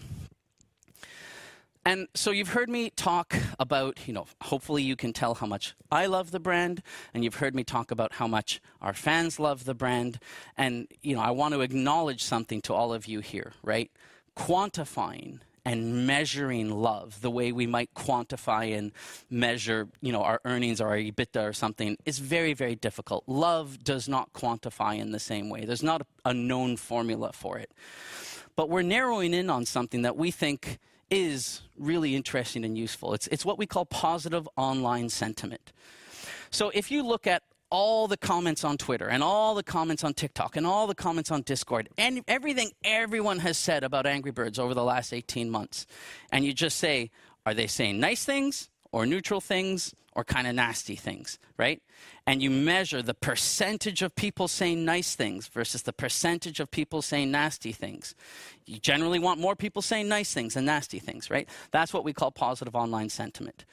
You've heard me talk about, you know, hopefully you can tell how much I love the brand, and you've heard me talk about how much our fans love the brand, and, you know, I want to acknowledge something to all of you here, right? Quantifying and measuring love the way we might quantify and measure, you know, our earnings or our EBITDA or something is very, very difficult. Love does not quantify in the same way. There's not a known formula for it. We're narrowing in on something that we think is really interesting and useful. It's what we call positive online sentiment. If you look at all the comments on Twitter and all the comments on TikTok and all the comments on Discord, everything everyone has said about Angry Birds over the last 18 months, and you just say, are they saying nice things or neutral things or kinda nasty things, right? You measure the percentage of people saying nice things versus the percentage of people saying nasty things. You generally want more people saying nice things than nasty things, right? That's what we call positive online sentiment.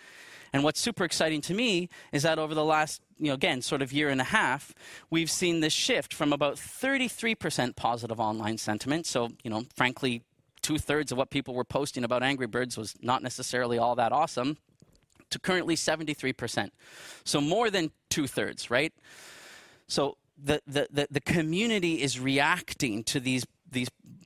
What's super exciting to me is that over the last, you know, again, sort of year and a half, we've seen this shift from about 33% positive online sentiment. You know, frankly, two-thirds of what people were posting about Angry Birds was not necessarily all that awesome, to currently 73%. More than two-thirds, right? The community is reacting to these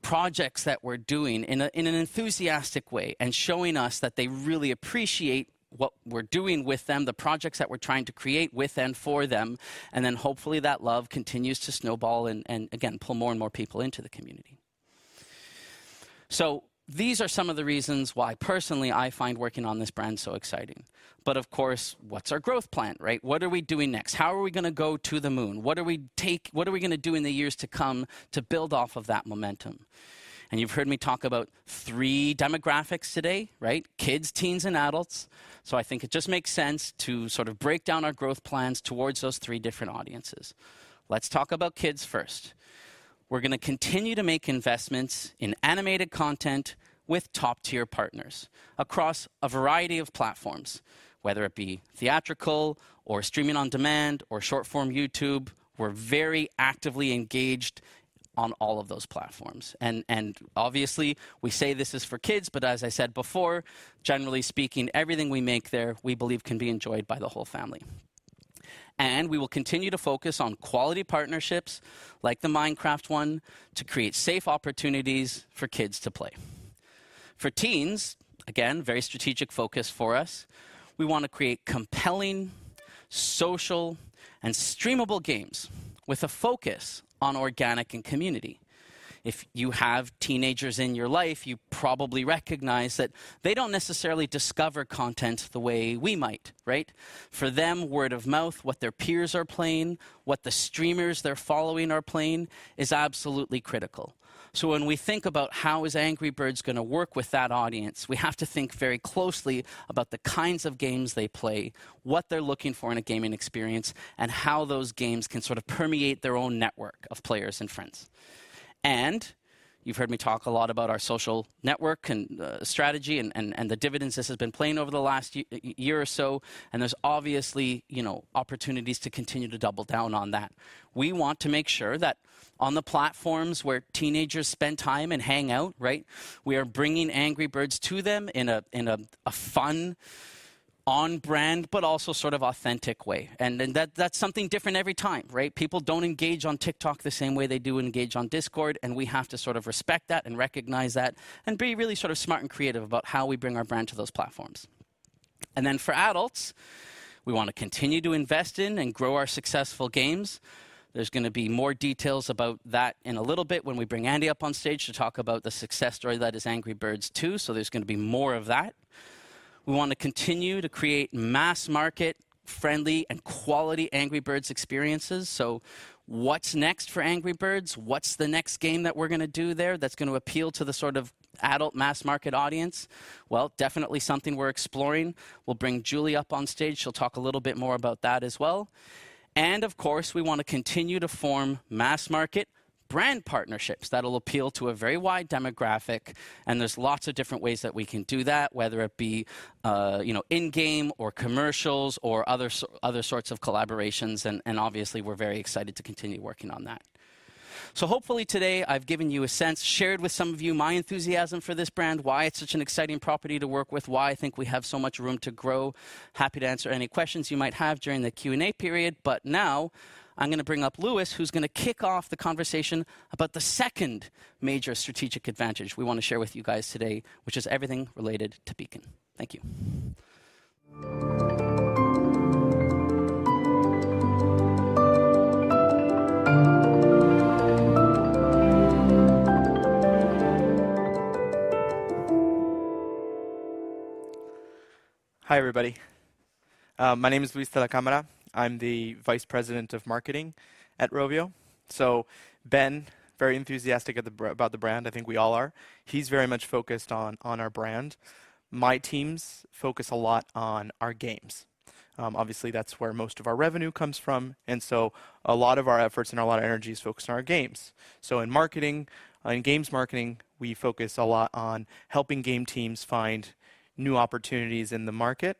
projects that we're doing in an enthusiastic way and showing us that they really appreciate what we're doing with them, the projects that we're trying to create with and for them, and then hopefully that love continues to snowball and again, pull more and more people into the community. These are some of the reasons why personally I find working on this brand so exciting. Of course, what's our growth plan, right? What are we doing next? How are we gonna go to the moon? What are we gonna do in the years to come to build off of that momentum? You've heard me talk about three demographics today, right? Kids, teens, and adults. I think it just makes sense to sort of break down our growth plans towards those three different audiences. Let's talk about kids first. We're gonna continue to make investments in animated content with top-tier partners across a variety of platforms, whether it be theatrical or streaming on demand or short-form YouTube. We're very actively engaged on all of those platforms. Obviously, we say this is for kids, but as I said before, generally speaking, everything we make there, we believe can be enjoyed by the whole family. We will continue to focus on quality partnerships like the Minecraft one to create safe opportunities for kids to play. For teens, again, very strategic focus for us. We wanna create compelling social and streamable games with a focus on organic and community. If you have teenagers in your life, you probably recognize that they don't necessarily discover content the way we might, right? For them, word of mouth, what their peers are playing, what the streamers they're following are playing is absolutely critical. When we think about how is Angry Birds gonna work with that audience, we have to think very closely about the kinds of games they play, what they're looking for in a gaming experience, and how those games can sort of permeate their own network of players and friends. You've heard me talk a lot about our social network and strategy and the dividends this has been paying over the last year or so, and there's obviously, you know, opportunities to continue to double down on that. We want to make sure that on the platforms where teenagers spend time and hang out, right, we are bringing Angry Birds to them in a fun on brand, but also sort of authentic way. That's something different every time, right? People don't engage on TikTok the same way they do engage on Discord, and we have to sort of respect that and recognize that and be really sort of smart and creative about how we bring our brand to those platforms. For adults, we want to continue to invest in and grow our successful games. There's gonna be more details about that in a little bit when we bring Andy up on stage to talk about the success story that is Angry Birds 2, so there's gonna be more of that. We want to continue to create mass market friendly and quality Angry Birds experiences. What's next for Angry Birds? What's the next game that we're gonna do there that's gonna appeal to the sort of adult mass market audience? Well, definitely something we're exploring. We'll bring Julie up on stage. She'll talk a little bit more about that as well. Of course, we want to continue to form mass market brand partnerships that'll appeal to a very wide demographic, and there's lots of different ways that we can do that, whether it be, you know, in-game or commercials or other sorts of collaborations, and obviously we're very excited to continue working on that. Hopefully today I've given you a sense, shared with some of you my enthusiasm for this brand, why it's such an exciting property to work with, why I think we have so much room to grow. Happy to answer any questions you might have during the Q&A period. Now I'm gonna bring up Luis, who's gonna kick off the conversation about the second major strategic advantage we wanna share with you guys today, which is everything related to Beacon. Thank you. Hi, everybody. My name is Luis de la Cámara. I'm the Vice President of Marketing at Rovio. Ben, very enthusiastic about the brand. I think we all are. He's very much focused on our brand. My teams focus a lot on our games. Obviously that's where most of our revenue comes from, and so a lot of our efforts and a lot of energy is focused on our games. In marketing, in games marketing, we focus a lot on helping game teams find new opportunities in the market,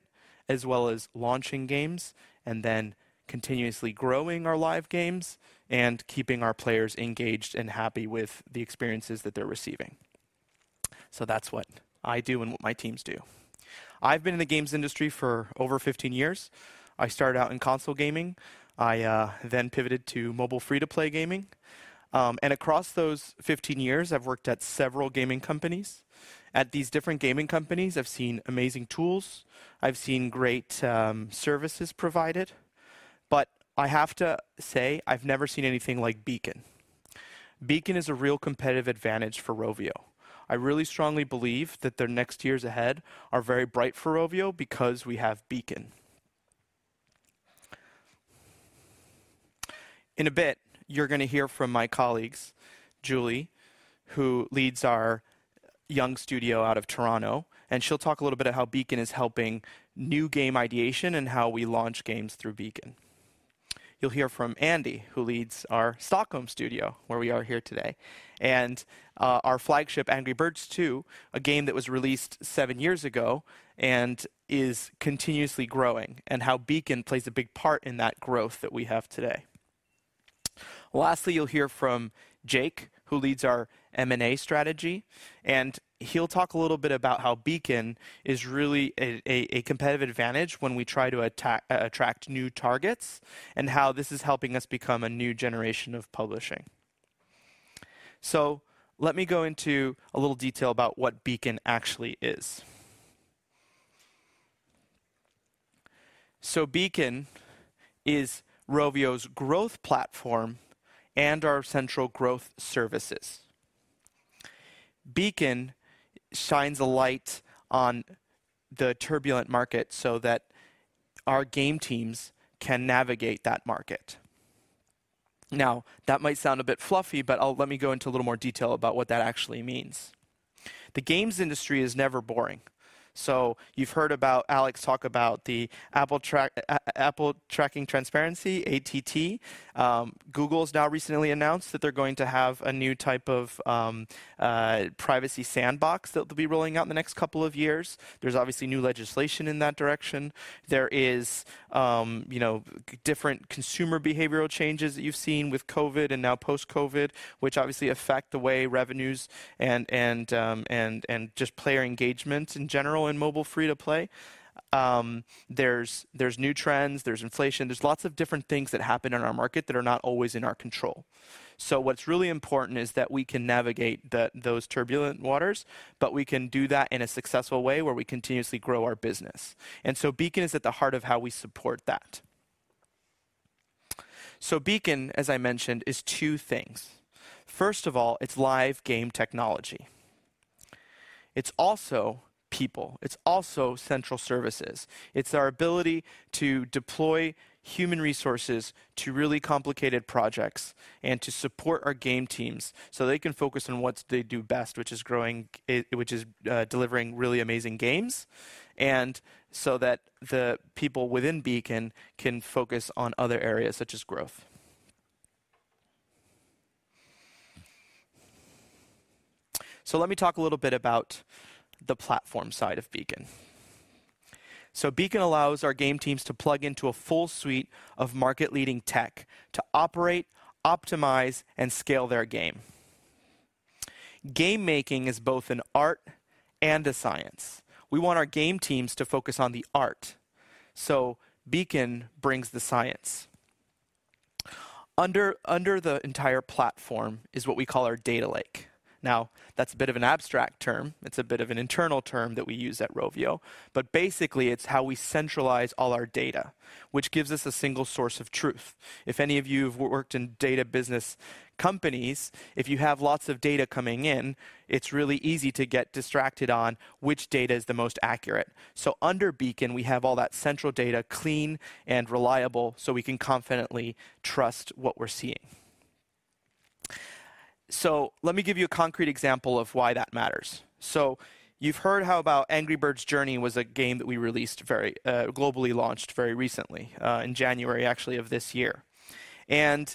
as well as launching games and then continuously growing our live games and keeping our players engaged and happy with the experiences that they're receiving. That's what I do and what my teams do. I've been in the games industry for over 15 years. I started out in console gaming. I then pivoted to mobile free-to-play gaming. Across those 15 years, I've worked at several gaming companies. At these different gaming companies, I've seen amazing tools. I've seen great services provided. I have to say I've never seen anything like Beacon. Beacon is a real competitive advantage for Rovio. I really strongly believe that the next years ahead are very bright for Rovio because we have Beacon. In a bit, you're gonna hear from my colleagues, Julie, who leads our young studio out of Toronto, and she'll talk a little bit of how Beacon is helping new game ideation and how we launch games through Beacon. You'll hear from Andy, who leads our Stockholm studio, where we are here today, and our flagship Angry Birds 2, a game that was released 7 years ago and is continuously growing, and how Beacon plays a big part in that growth that we have today. Lastly, you'll hear from Jakob, who leads our M&A strategy, and he'll talk a little bit about how Beacon is really a competitive advantage when we try to attract new targets and how this is helping us become a new generation of publishing. Let me go into a little detail about what Beacon actually is. Beacon is Rovio's growth platform and our central growth services. Beacon shines a light on the turbulent market so that our game teams can navigate that market. Now, that might sound a bit fluffy, but let me go into a little more detail about what that actually means. The games industry is never boring. You've heard about Alex talk about the Apple Tracking Transparency, ATT. Google has now recently announced that they're going to have a new type of Privacy Sandbox that they'll be rolling out in the next couple of years. There's obviously new legislation in that direction. There is, you know, different consumer behavioral changes that you've seen with COVID and now post-COVID, which obviously affect the way revenues and just player engagement in general in mobile free-to-play. There's new trends, there's inflation, there's lots of different things that happen in our market that are not always in our control. What's really important is that we can navigate those turbulent waters, but we can do that in a successful way where we continuously grow our business. Beacon is at the heart of how we support that. Beacon, as I mentioned, is two things. First of all, it's live game technology. It's also people. It's also central services. It's our ability to deploy human resources to really complicated projects and to support our game teams so they can focus on what they do best, which is delivering really amazing games, and so that the people within Beacon can focus on other areas such as growth. Let me talk a little bit about the platform side of Beacon. Beacon allows our game teams to plug into a full suite of market-leading tech to operate, optimize, and scale their game. Game-making is both an art and a science. We want our game teams to focus on the art. Beacon brings the science. Under the entire platform is what we call our data lake. Now, that's a bit of an abstract term. It's a bit of an internal term that we use at Rovio, but basically, it's how we centralize all our data, which gives us a single source of truth. If any of you have worked in data business companies, if you have lots of data coming in, it's really easy to get distracted on which data is the most accurate. Under Beacon, we have all that central data clean and reliable, so we can confidently trust what we're seeing. Let me give you a concrete example of why that matters. You've heard about Angry Birds Journey was a game that we released very, globally launched very recently, in January actually of this year. In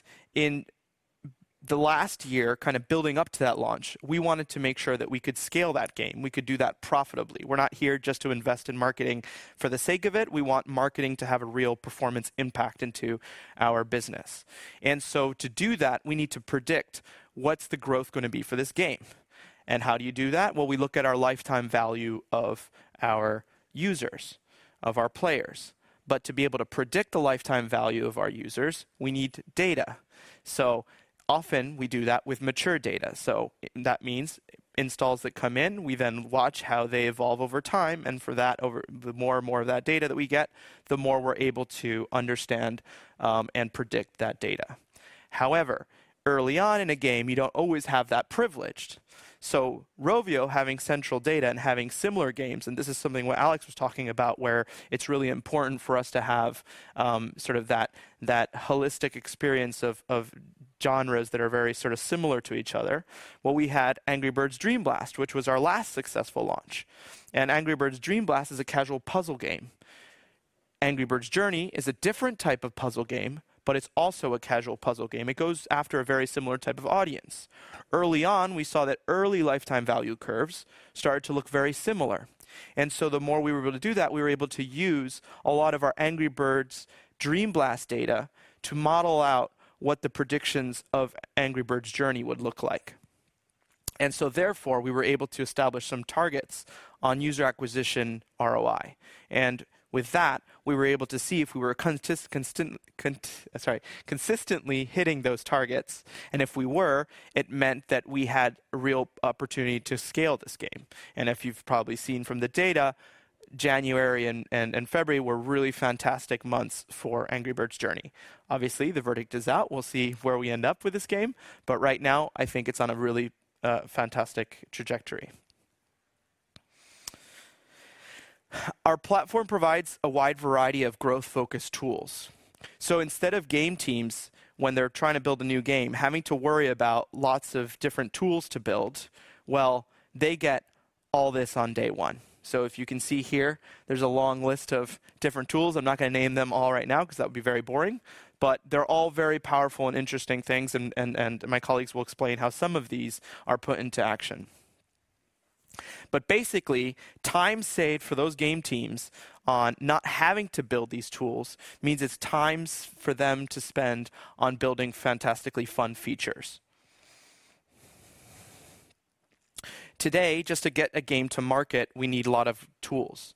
the last year, kind of building up to that launch, we wanted to make sure that we could scale that game, we could do that profitably. We're not here just to invest in marketing for the sake of it. We want marketing to have a real performance impact into our business. To do that, we need to predict what's the growth gonna be for this game. How do you do that? Well, we look at our lifetime value of our users, of our players. To be able to predict the lifetime value of our users, we need data. Often we do that with mature data. That means installs that come in, we then watch how they evolve over time, and for that, over the more and more of that data that we get, the more we're able to understand and predict that data. However, early on in a game, you don't always have that privilege. Rovio having central data and having similar games, and this is something what Alex was talking about, where it's really important for us to have sort of that holistic experience of genres that are very sort of similar to each other. Well, we had Angry Birds Dream Blast, which was our last successful launch. Angry Birds Dream Blast is a casual puzzle game. Angry Birds Journey is a different type of puzzle game, but it's also a casual puzzle game. It goes after a very similar type of audience. Early on, we saw that early lifetime value curves started to look very similar. The more we were able to do that, we were able to use a lot of our Angry Birds Dream Blast data to model out what the predictions of Angry Birds Journey would look like. We were able to establish some targets on user acquisition ROI. We were able to see if we were consistently hitting those targets, and if we were, it meant that we had a real opportunity to scale this game. If you've probably seen from the data, January and February were really fantastic months for Angry Birds Journey. Obviously, the verdict is out. We'll see where we end up with this game. Right now, I think it's on a really fantastic trajectory. Our platform provides a wide variety of growth-focused tools. Instead of game teams, when they're trying to build a new game, having to worry about lots of different tools to build, well, they get all this on day one. If you can see here, there's a long list of different tools. I'm not gonna name them all right now 'cause that would be very boring. They're all very powerful and interesting things and my colleagues will explain how some of these are put into action. Basically, time saved for those game teams on not having to build these tools means it's times for them to spend on building fantastically fun features. Today, just to get a game to market, we need a lot of tools.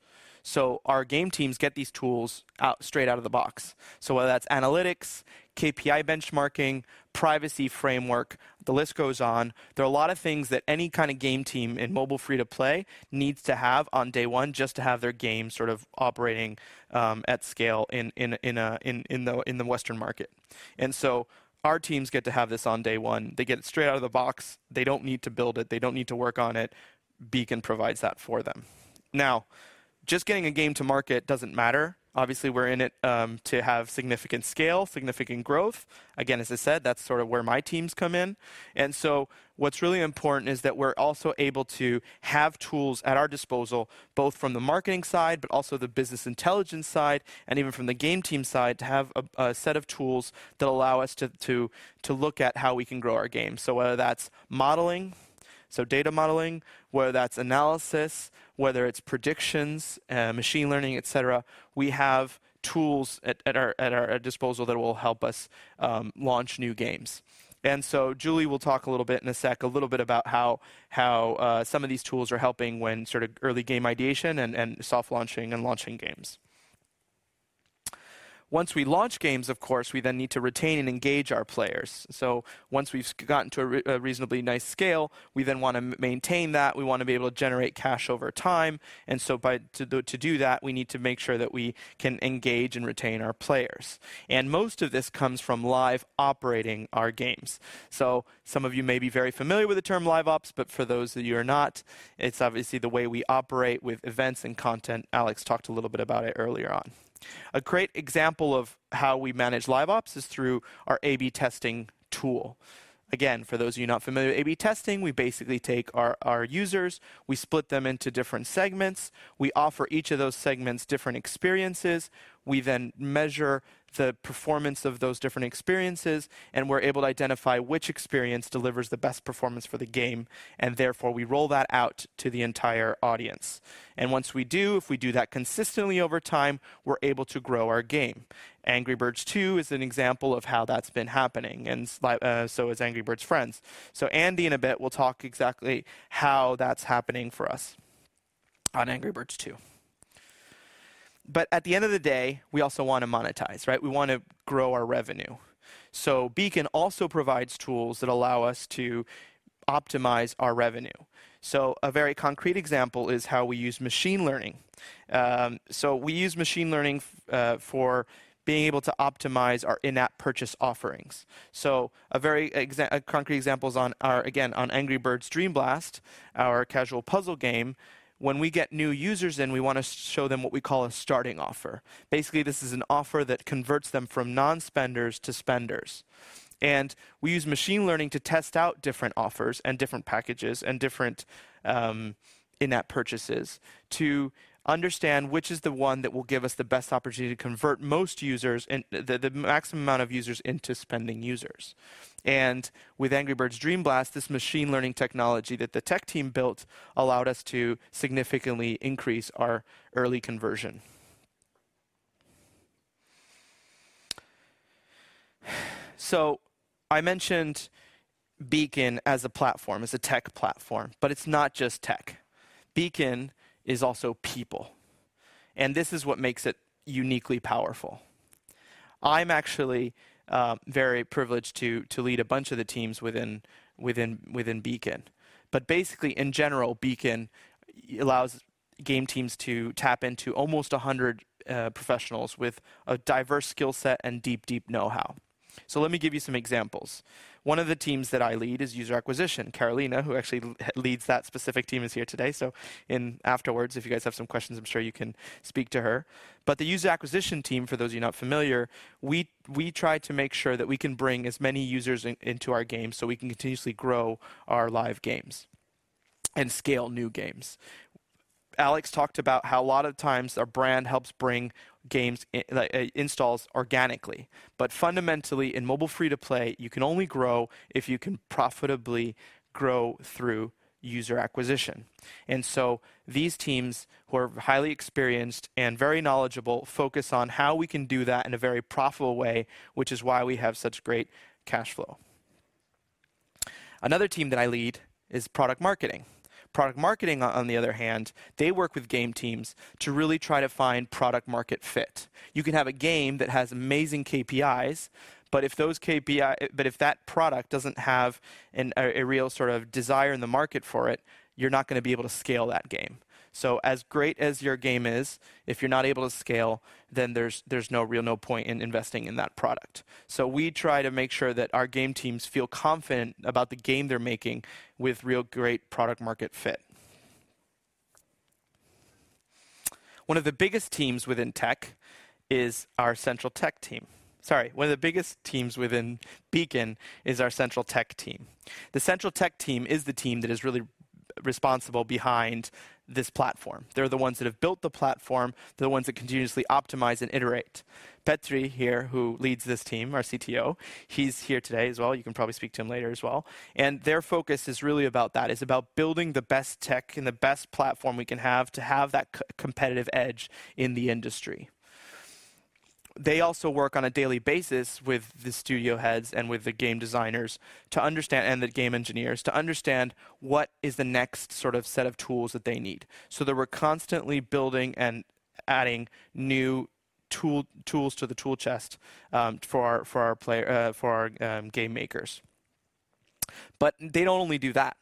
Our game teams get these tools out, straight out of the box. Whether that's analytics, KPI benchmarking, privacy framework, the list goes on. There are a lot of things that any kind of game team in mobile free-to-play needs to have on day one just to have their game sort of operating at scale in the Western market. Our teams get to have this on day one. They get it straight out of the box. They don't need to build it. They don't need to work on it. Beacon provides that for them. Now, just getting a game to market doesn't matter. Obviously, we're in it to have significant scale, significant growth. Again, as I said, that's sort of where my teams come in. What's really important is that we're also able to have tools at our disposal, both from the marketing side but also the business intelligence side and even from the game team side to have a set of tools that allow us to look at how we can grow our game. Whether that's modeling, so data modeling, whether that's analysis, whether it's predictions, machine learning, et cetera, we have tools at our disposal that will help us launch new games. Julie will talk a little bit in a sec about how some of these tools are helping when sort of early game ideation and soft launching and launching games. Once we launch games, of course, we then need to retain and engage our players. Once we've gotten to a reasonably nice scale, we then wanna maintain that, we wanna be able to generate cash over time. To do that, we need to make sure that we can engage and retain our players. Most of this comes from live ops. Some of you may be very familiar with the term live ops, but for those of you who are not, it's obviously the way we operate with events and content. Alex talked a little bit about it earlier on. A great example of how we manage live ops is through our A/B testing tool. Again, for those of you not familiar with A/B testing, we basically take our users, we split them into different segments, we offer each of those segments different experiences, we then measure the performance of those different experiences, and we're able to identify which experience delivers the best performance for the game, and therefore, we roll that out to the entire audience. Once we do, if we do that consistently over time, we're able to grow our game. Angry Birds 2 is an example of how that's been happening, and so is Angry Birds Friends. Andy in a bit will talk exactly how that's happening for us on Angry Birds 2. At the end of the day, we also wanna monetize, right? We wanna grow our revenue. Beacon also provides tools that allow us to optimize our revenue. A very concrete example is how we use machine learning. We use machine learning for being able to optimize our in-app purchase offerings. A concrete example is on our, again, on Angry Birds Dream Blast, our casual puzzle game, when we get new users in, we wanna show them what we call a starting offer. Basically, this is an offer that converts them from non-spenders to spenders. We use machine learning to test out different offers and different packages and different, in-app purchases to understand which is the one that will give us the best opportunity to convert most users and the maximum amount of users into spending users. With Angry Birds Dream Blast, this machine learning technology that the tech team built allowed us to significantly increase our early conversion. I mentioned Beacon as a platform, as a tech platform, but it's not just tech. Beacon is also people, and this is what makes it uniquely powerful. I'm actually very privileged to lead a bunch of the teams within Beacon. Basically, in general, Beacon allows game teams to tap into almost 100 professionals with a diverse skill set and deep know-how. Let me give you some examples. One of the teams that I lead is user acquisition. Carolina, who actually leads that specific team, is here today. Afterwards, if you guys have some questions, I'm sure you can speak to her. The user acquisition team, for those of you not familiar, we try to make sure that we can bring as many users in, into our games so we can continuously grow our live games and scale new games. Alex talked about how a lot of times our brand helps bring games installs organically. Fundamentally, in mobile free-to-play, you can only grow if you can profitably grow through user acquisition. These teams, who are highly experienced and very knowledgeable, focus on how we can do that in a very profitable way, which is why we have such great cash flow. Another team that I lead is product marketing. Product marketing on the other hand, they work with game teams to really try to find product market fit. You can have a game that has amazing KPIs, but if that product doesn't have a real sort of desire in the market for it, you're not gonna be able to scale that game. As great as your game is, if you're not able to scale, then there's no real point in investing in that product. We try to make sure that our game teams feel confident about the game they're making with real great product market fit. One of the biggest teams within tech is our central tech team. Sorry, one of the biggest teams within Beacon is our central tech team. The central tech team is the team that is really responsible behind this platform. They're the ones that have built the platform. They're the ones that continuously optimize and iterate. Petri here, who leads this team, our CTO, he's here today as well. You can probably speak to him later as well. Their focus is really about that. It's about building the best tech and the best platform we can have to have that competitive edge in the industry. They also work on a daily basis with the studio heads and with the game designers to understand, and the game engineers, to understand what is the next sort of set of tools that they need. They were constantly building and adding new tools to the tool chest for our game makers. They don't only do that.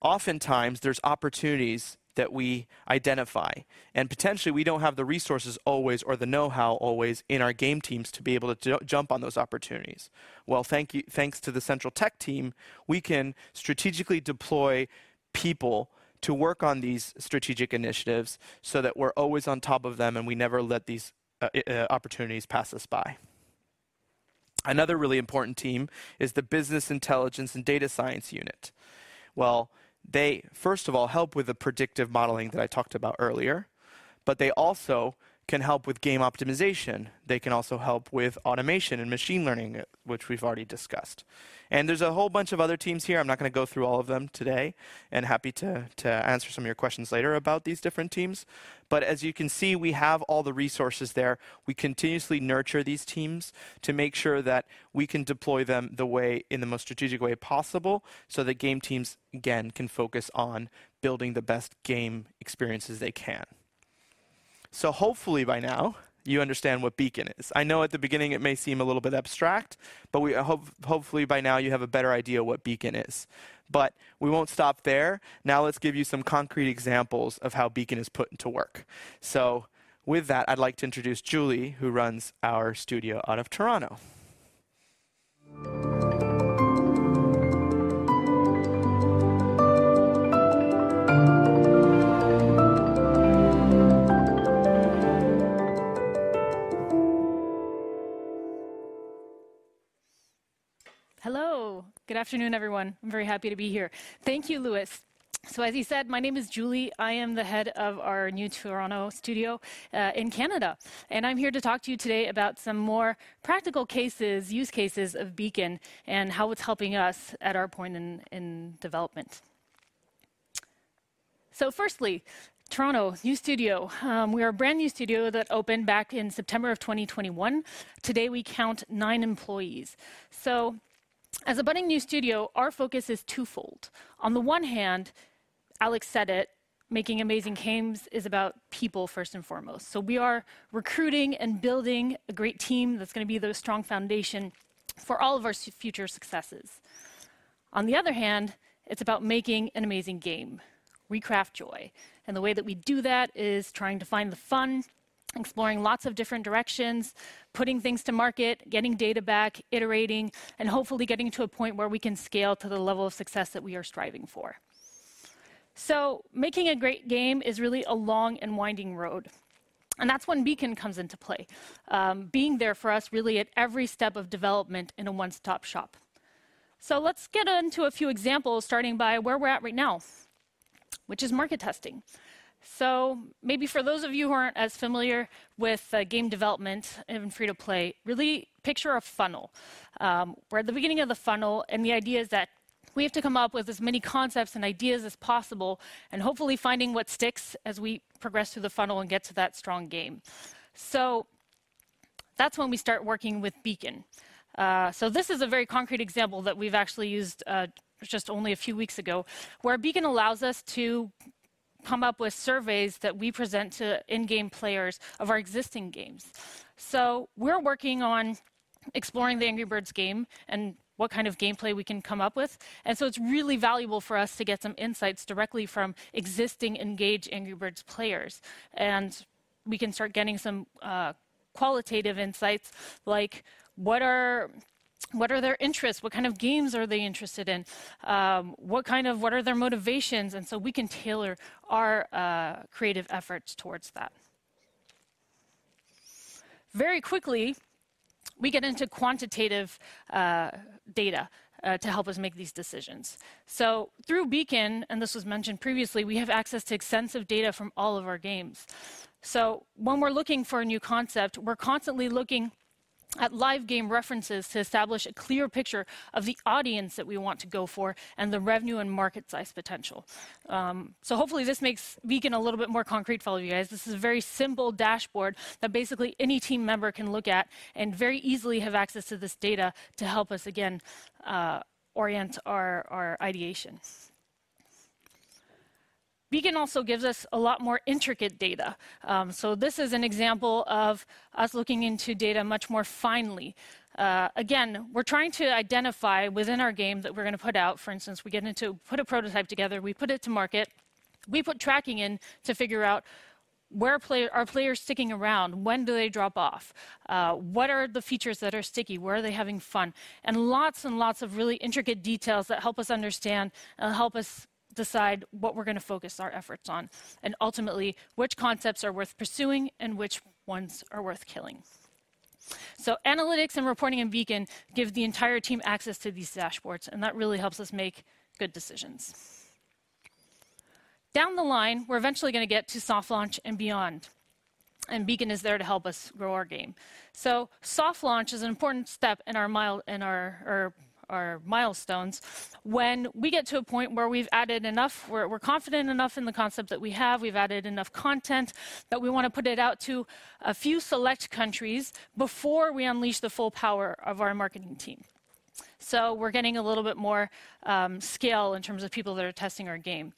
Oftentimes, there's opportunities that we identify, and potentially we don't have the resources always or the know-how always in our game teams to be able to jump on those opportunities. Well, thanks to the central tech team, we can strategically deploy people to work on these strategic initiatives so that we're always on top of them, and we never let these opportunities pass us by. Another really important team is the business intelligence and data science unit. Well, they first of all help with the predictive modeling that I talked about earlier, but they also can help with game optimization. They can also help with automation and machine learning, which we've already discussed. There's a whole bunch of other teams here. I'm not gonna go through all of them today, and happy to answer some of your questions later about these different teams. As you can see, we have all the resources there. We continuously nurture these teams to make sure that we can deploy them the way, in the most strategic way possible so that game teams again, can focus on building the best game experiences they can. Hopefully by now you understand what Beacon is. I know at the beginning it may seem a little bit abstract, but hopefully by now you have a better idea what Beacon is. We won't stop there. Now let's give you some concrete examples of how Beacon is put into work. With that, I'd like to introduce Julie, who runs our studio out of Toronto. Hello. Good afternoon, everyone. I'm very happy to be here. Thank you, Luis. As you said, my name is Julie. I am the head of our new Toronto studio in Canada. I'm here to talk to you today about some more practical cases, use cases of Beacon and how it's helping us at our point in development. Firstly, Toronto new studio. We are a brand new studio that opened back in September of 2021. Today, we count nine employees. As a budding new studio, our focus is twofold. On the one hand, Alex said it, making amazing games is about people first and foremost. We are recruiting and building a great team that's gonna be the strong foundation for all of our future successes. On the other hand, it's about making an amazing game. We craft joy, and the way that we do that is trying to find the fun, exploring lots of different directions, putting things to market, getting data back, iterating, and hopefully getting to a point where we can scale to the level of success that we are striving for. Making a great game is really a long and winding road, and that's when Beacon comes into play. Being there for us really at every step of development in a one-stop shop. Let's get into a few examples, starting by where we're at right now, which is market testing. Maybe for those of you who aren't as familiar with game development and free-to-play, really picture a funnel. We're at the beginning of the funnel, and the idea is that we have to come up with as many concepts and ideas as possible and hopefully finding what sticks as we progress through the funnel and get to that strong game. That's when we start working with Beacon. This is a very concrete example that we've actually used, just only a few weeks ago, where Beacon allows us to come up with surveys that we present to in-game players of our existing games. We're working on exploring the Angry Birds game and what kind of gameplay we can come up with. It's really valuable for us to get some insights directly from existing engaged Angry Birds players. We can start getting some qualitative insights like what are their interests, what kind of games are they interested in, what are their motivations, and so we can tailor our creative efforts towards that. Very quickly, we get into quantitative data to help us make these decisions. Through Beacon, and this was mentioned previously, we have access to extensive data from all of our games. When we're looking for a new concept, we're constantly looking at live game references to establish a clear picture of the audience that we want to go for and the revenue and market size potential. Hopefully this makes Beacon a little bit more concrete for all you guys. This is a very simple dashboard that basically any team member can look at and very easily have access to this data to help us again, orient our ideations. Beacon also gives us a lot more intricate data. This is an example of us looking into data much more finely. Again, we're trying to identify within our game that we're gonna put out. For instance, we're getting to put a prototype together, we put it to market, we put tracking in to figure out where players sticking around, when do they drop off, what are the features that are sticky, where are they having fun, and lots and lots of really intricate details that help us understand and help us decide what we're gonna focus our efforts on, and ultimately, which concepts are worth pursuing and which ones are worth killing. Analytics and reporting in Beacon give the entire team access to these dashboards, and that really helps us make good decisions. Down the line, we're eventually gonna get to soft launch and beyond, and Beacon is there to help us grow our game. Soft launch is an important step in our milestones when we get to a point where we've added enough, we're confident enough in the concept that we have, we've added enough content that we wanna put it out to a few select countries before we unleash the full power of our marketing team. We're getting a little bit more scale in terms of people that are testing our game.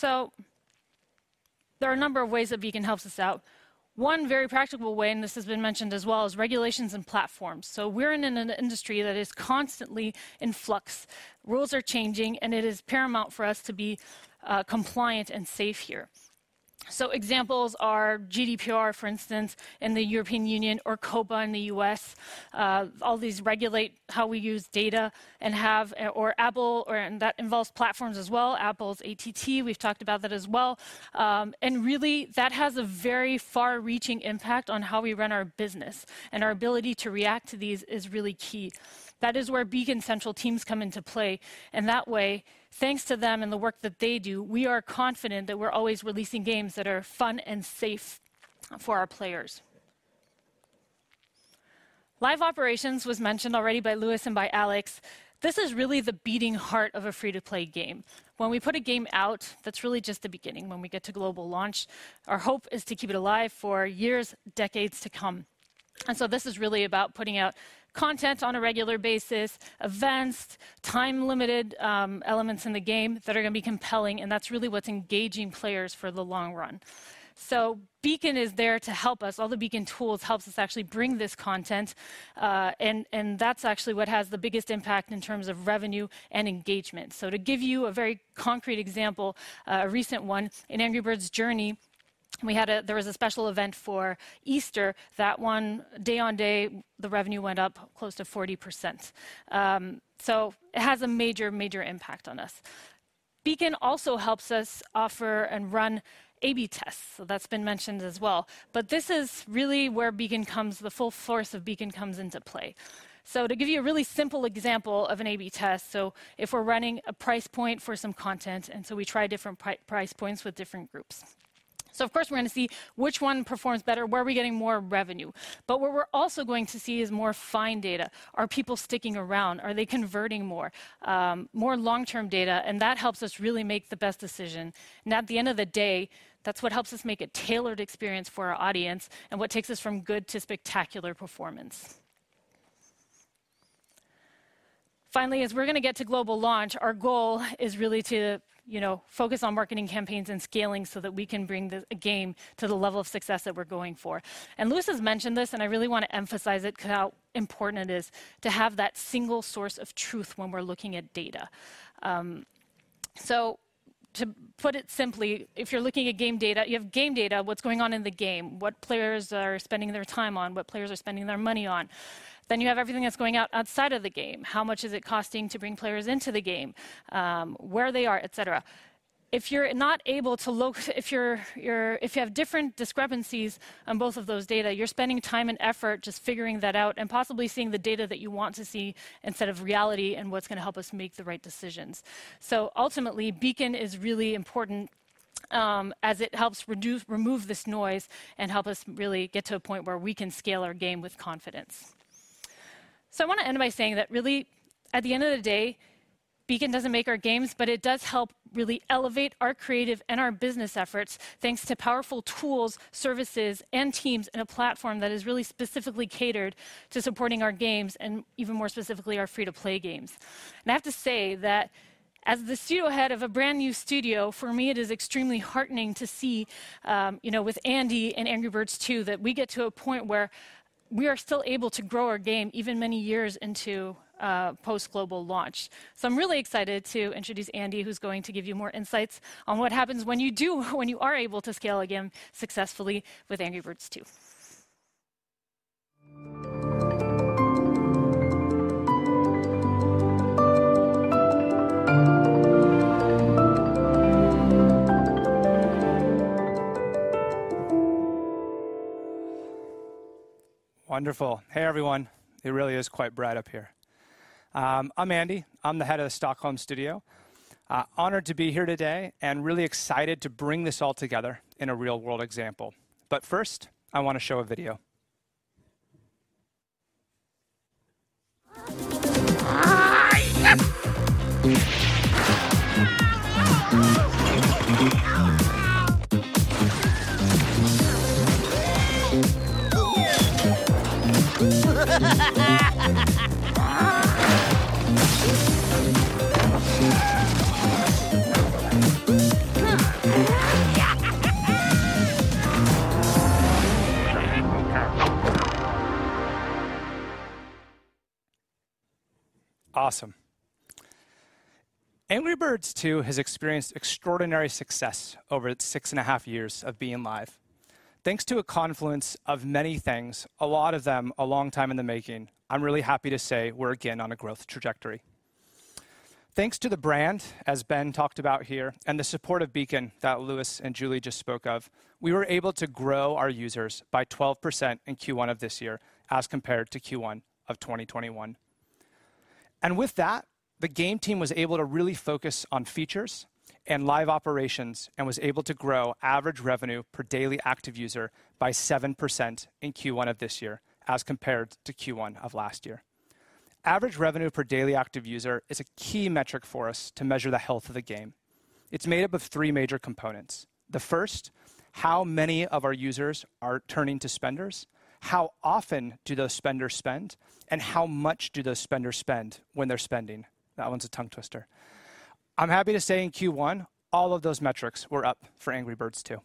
There are a number of ways that Beacon helps us out. One very practical way, and this has been mentioned as well, is regulations and platforms. We're in an industry that is constantly in flux. Rules are changing, and it is paramount for us to be compliant and safe here. Examples are GDPR, for instance, in the European Union or COPPA in the US. All these regulate how we use data, or Apple, and that involves platforms as well, Apple's ATT. We've talked about that as well. Really, that has a very far-reaching impact on how we run our business, and our ability to react to these is really key. That is where Beacon central teams come into play. That way, thanks to them and the work that they do, we are confident that we're always releasing games that are fun and safe for our players. Live operations was mentioned already by Luis and by Alex. This is really the beating heart of a free-to-play game. When we put a game out, that's really just the beginning. When we get to global launch, our hope is to keep it alive for years, decades to come. This is really about putting out content on a regular basis, events, time-limited elements in the game that are gonna be compelling, and that's really what's engaging players for the long run. Beacon is there to help us. All the Beacon tools helps us actually bring this content, and that's actually what has the biggest impact in terms of revenue and engagement. To give you a very concrete example, a recent one, in Angry Birds Journey, there was a special event for Easter. That one, day on day, the revenue went up close to 40%. It has a major impact on us. Beacon also helps us offer and run A/B tests, so that's been mentioned as well. This is really where Beacon comes, the full force of Beacon comes into play. To give you a really simple example of an A/B test, if we're running a price point for some content, and we try different price points with different groups. Of course, we're gonna see which one performs better, where are we getting more revenue. What we're also going to see is more fine data. Are people sticking around? Are they converting more? More long-term data, and that helps us really make the best decision. At the end of the day, that's what helps us make a tailored experience for our audience and what takes us from good to spectacular performance. Finally, as we're gonna get to global launch, our goal is really to, you know, focus on marketing campaigns and scaling so that we can bring the game to the level of success that we're going for. Luis has mentioned this, and I really wanna emphasize it 'cause how important it is to have that single source of truth when we're looking at data. To put it simply, if you're looking at game data, you have game data, what's going on in the game, what players are spending their time on, what players are spending their money on. You have everything that's going outside of the game. How much is it costing to bring players into the game, where they are, et cetera. If you have different discrepancies on both of those data, you're spending time and effort just figuring that out and possibly seeing the data that you want to see instead of reality and what's gonna help us make the right decisions. Ultimately, Beacon is really important, as it helps remove this noise and help us really get to a point where we can scale our game with confidence. I wanna end by saying that really at the end of the day, Beacon doesn't make our games, but it does help really elevate our creative and our business efforts thanks to powerful tools, services, and teams in a platform that is really specifically catered to supporting our games and even more specifically our free-to-play games. I have to say that as the studio head of a brand-new studio, for me, it is extremely heartening to see, you know, with Andy and Angry Birds 2 that we get to a point where we are still able to grow our game even many years into post-global launch. I'm really excited to introduce Andy, who's going to give you more insights on what happens when you are able to scale a game successfully with Angry Birds 2. Wonderful. Hey, everyone. It really is quite bright up here. I'm Andy. I'm the head of the Stockholm studio. Honored to be here today and really excited to bring this all together in a real-world example. First, I wanna show a video. Awesome. Angry Birds 2 has experienced extraordinary success over its six and a half years of being live. Thanks to a confluence of many things, a lot of them a long time in the making, I'm really happy to say we're again on a growth trajectory. Thanks to the brand, as Ben talked about here, and the support of Beacon that Luis and Julie just spoke of, we were able to grow our users by 12% in Q1 of this year as compared to Q1 of 2021. With that, the game team was able to really focus on features and live operations and was able to grow average revenue per daily active user by 7% in Q1 of this year as compared to Q1 of last year. Average revenue per daily active user is a key metric for us to measure the health of the game. It's made up of three major components. The first, how many of our users are turning to spenders? How often do those spenders spend? And how much do those spenders spend when they're spending? That one's a tongue twister. I'm happy to say in Q1, all of those metrics were up for Angry Birds 2.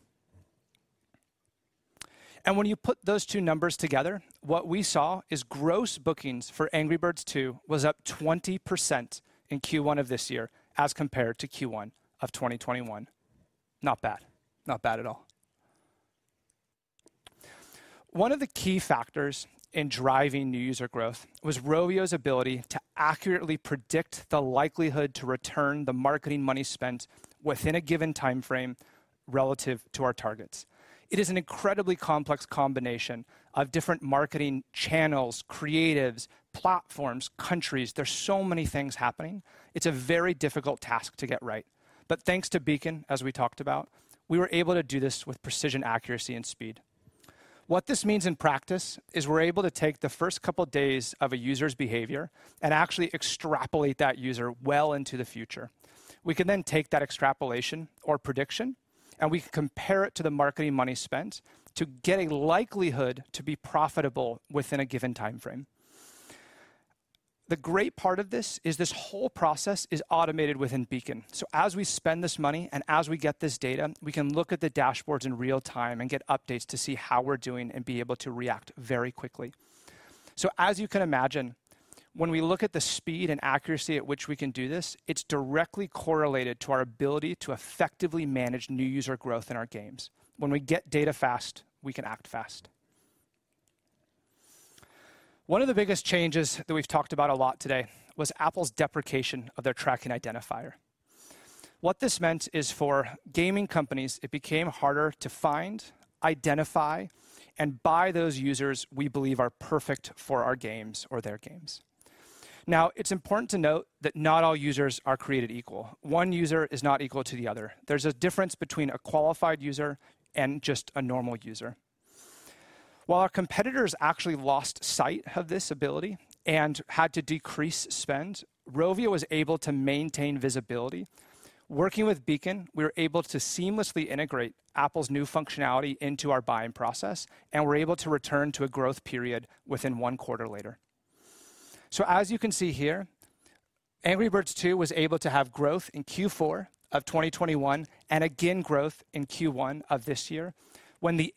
When you put those two numbers together, what we saw is gross bookings for Angry Birds 2 was up 20% in Q1 of this year as compared to Q1 of 2021. Not bad. Not bad at all. One of the key factors in driving new user growth was Rovio's ability to accurately predict the likelihood to return the marketing money spent within a given timeframe relative to our targets. It is an incredibly complex combination of different marketing channels, creatives, platforms, countries. There's so many things happening. It's a very difficult task to get right. But thanks to Beacon, as we talked about, we were able to do this with precision, accuracy, and speed. What this means in practice is we're able to take the first couple days of a user's behavior and actually extrapolate that user well into the future. We can then take that extrapolation or prediction, and we compare it to the marketing money spent to get a likelihood to be profitable within a given timeframe. The great part of this is this whole process is automated within Beacon. As we spend this money and as we get this data, we can look at the dashboards in real time and get updates to see how we're doing and be able to react very quickly. As you can imagine, when we look at the speed and accuracy at which we can do this, it's directly correlated to our ability to effectively manage new user growth in our games. When we get data fast, we can act fast. One of the biggest changes that we've talked about a lot today was Apple's deprecation of their tracking identifier. What this meant is for gaming companies, it became harder to find, identify, and buy those users we believe are perfect for our games or their games. Now, it's important to note that not all users are created equal. One user is not equal to the other. There's a difference between a qualified user and just a normal user. While our competitors actually lost sight of this ability and had to decrease spend, Rovio was able to maintain visibility. Working with Beacon, we were able to seamlessly integrate Apple's new functionality into our buying process, and we were able to return to a growth period within one quarter later. As you can see here, Angry Birds 2 was able to have growth in Q4 of 2021, and again growth in Q1 of this year, when the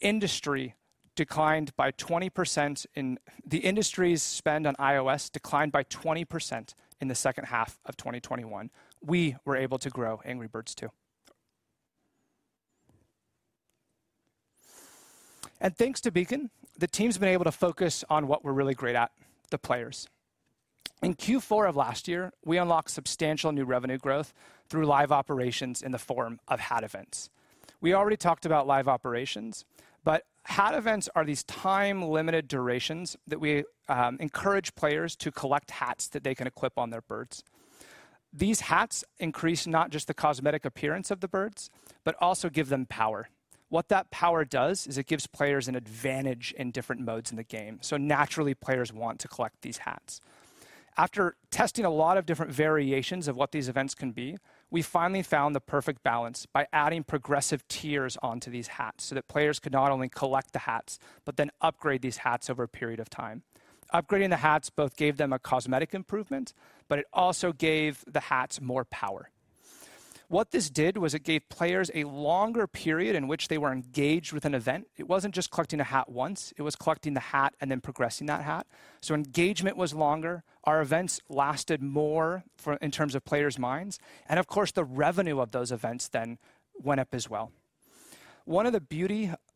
industry's spend on iOS declined by 20% in the second half of 2021. We were able to grow Angry Birds 2. Thanks to Beacon, the team's been able to focus on what we're really great at, the players. In Q4 of last year, we unlocked substantial new revenue growth through live operations in the form of hat events. We already talked about live operations, but hat events are these time-limited durations that we encourage players to collect hats that they can equip on their birds. These hats increase not just the cosmetic appearance of the birds, but also give them power. What that power does is it gives players an advantage in different modes in the game, so naturally, players want to collect these hats. After testing a lot of different variations of what these events can be, we finally found the perfect balance by adding progressive tiers onto these hats so that players could not only collect the hats, but then upgrade these hats over a period of time. Upgrading the hats both gave them a cosmetic improvement, but it also gave the hats more power. What this did was it gave players a longer period in which they were engaged with an event. It wasn't just collecting a hat once, it was collecting the hat and then progressing that hat. Engagement was longer, our events lasted more for, in terms of players' minds, and of course, the revenue of those events then went up as well.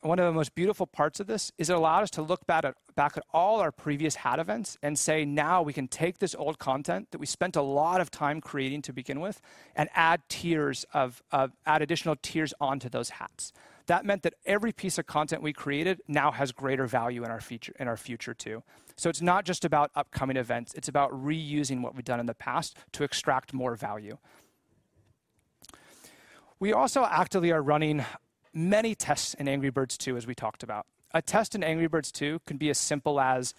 One of the most beautiful parts of this is it allowed us to look back at all our previous hat events and say, now we can take this old content that we spent a lot of time creating to begin with and add additional tiers onto those hats. That meant that every piece of content we created now has greater value in our future too. It's not just about upcoming events, it's about reusing what we've done in the past to extract more value. We also actively are running many tests in Angry Birds 2, as we talked about. A test in Angry Birds 2 can be as simple as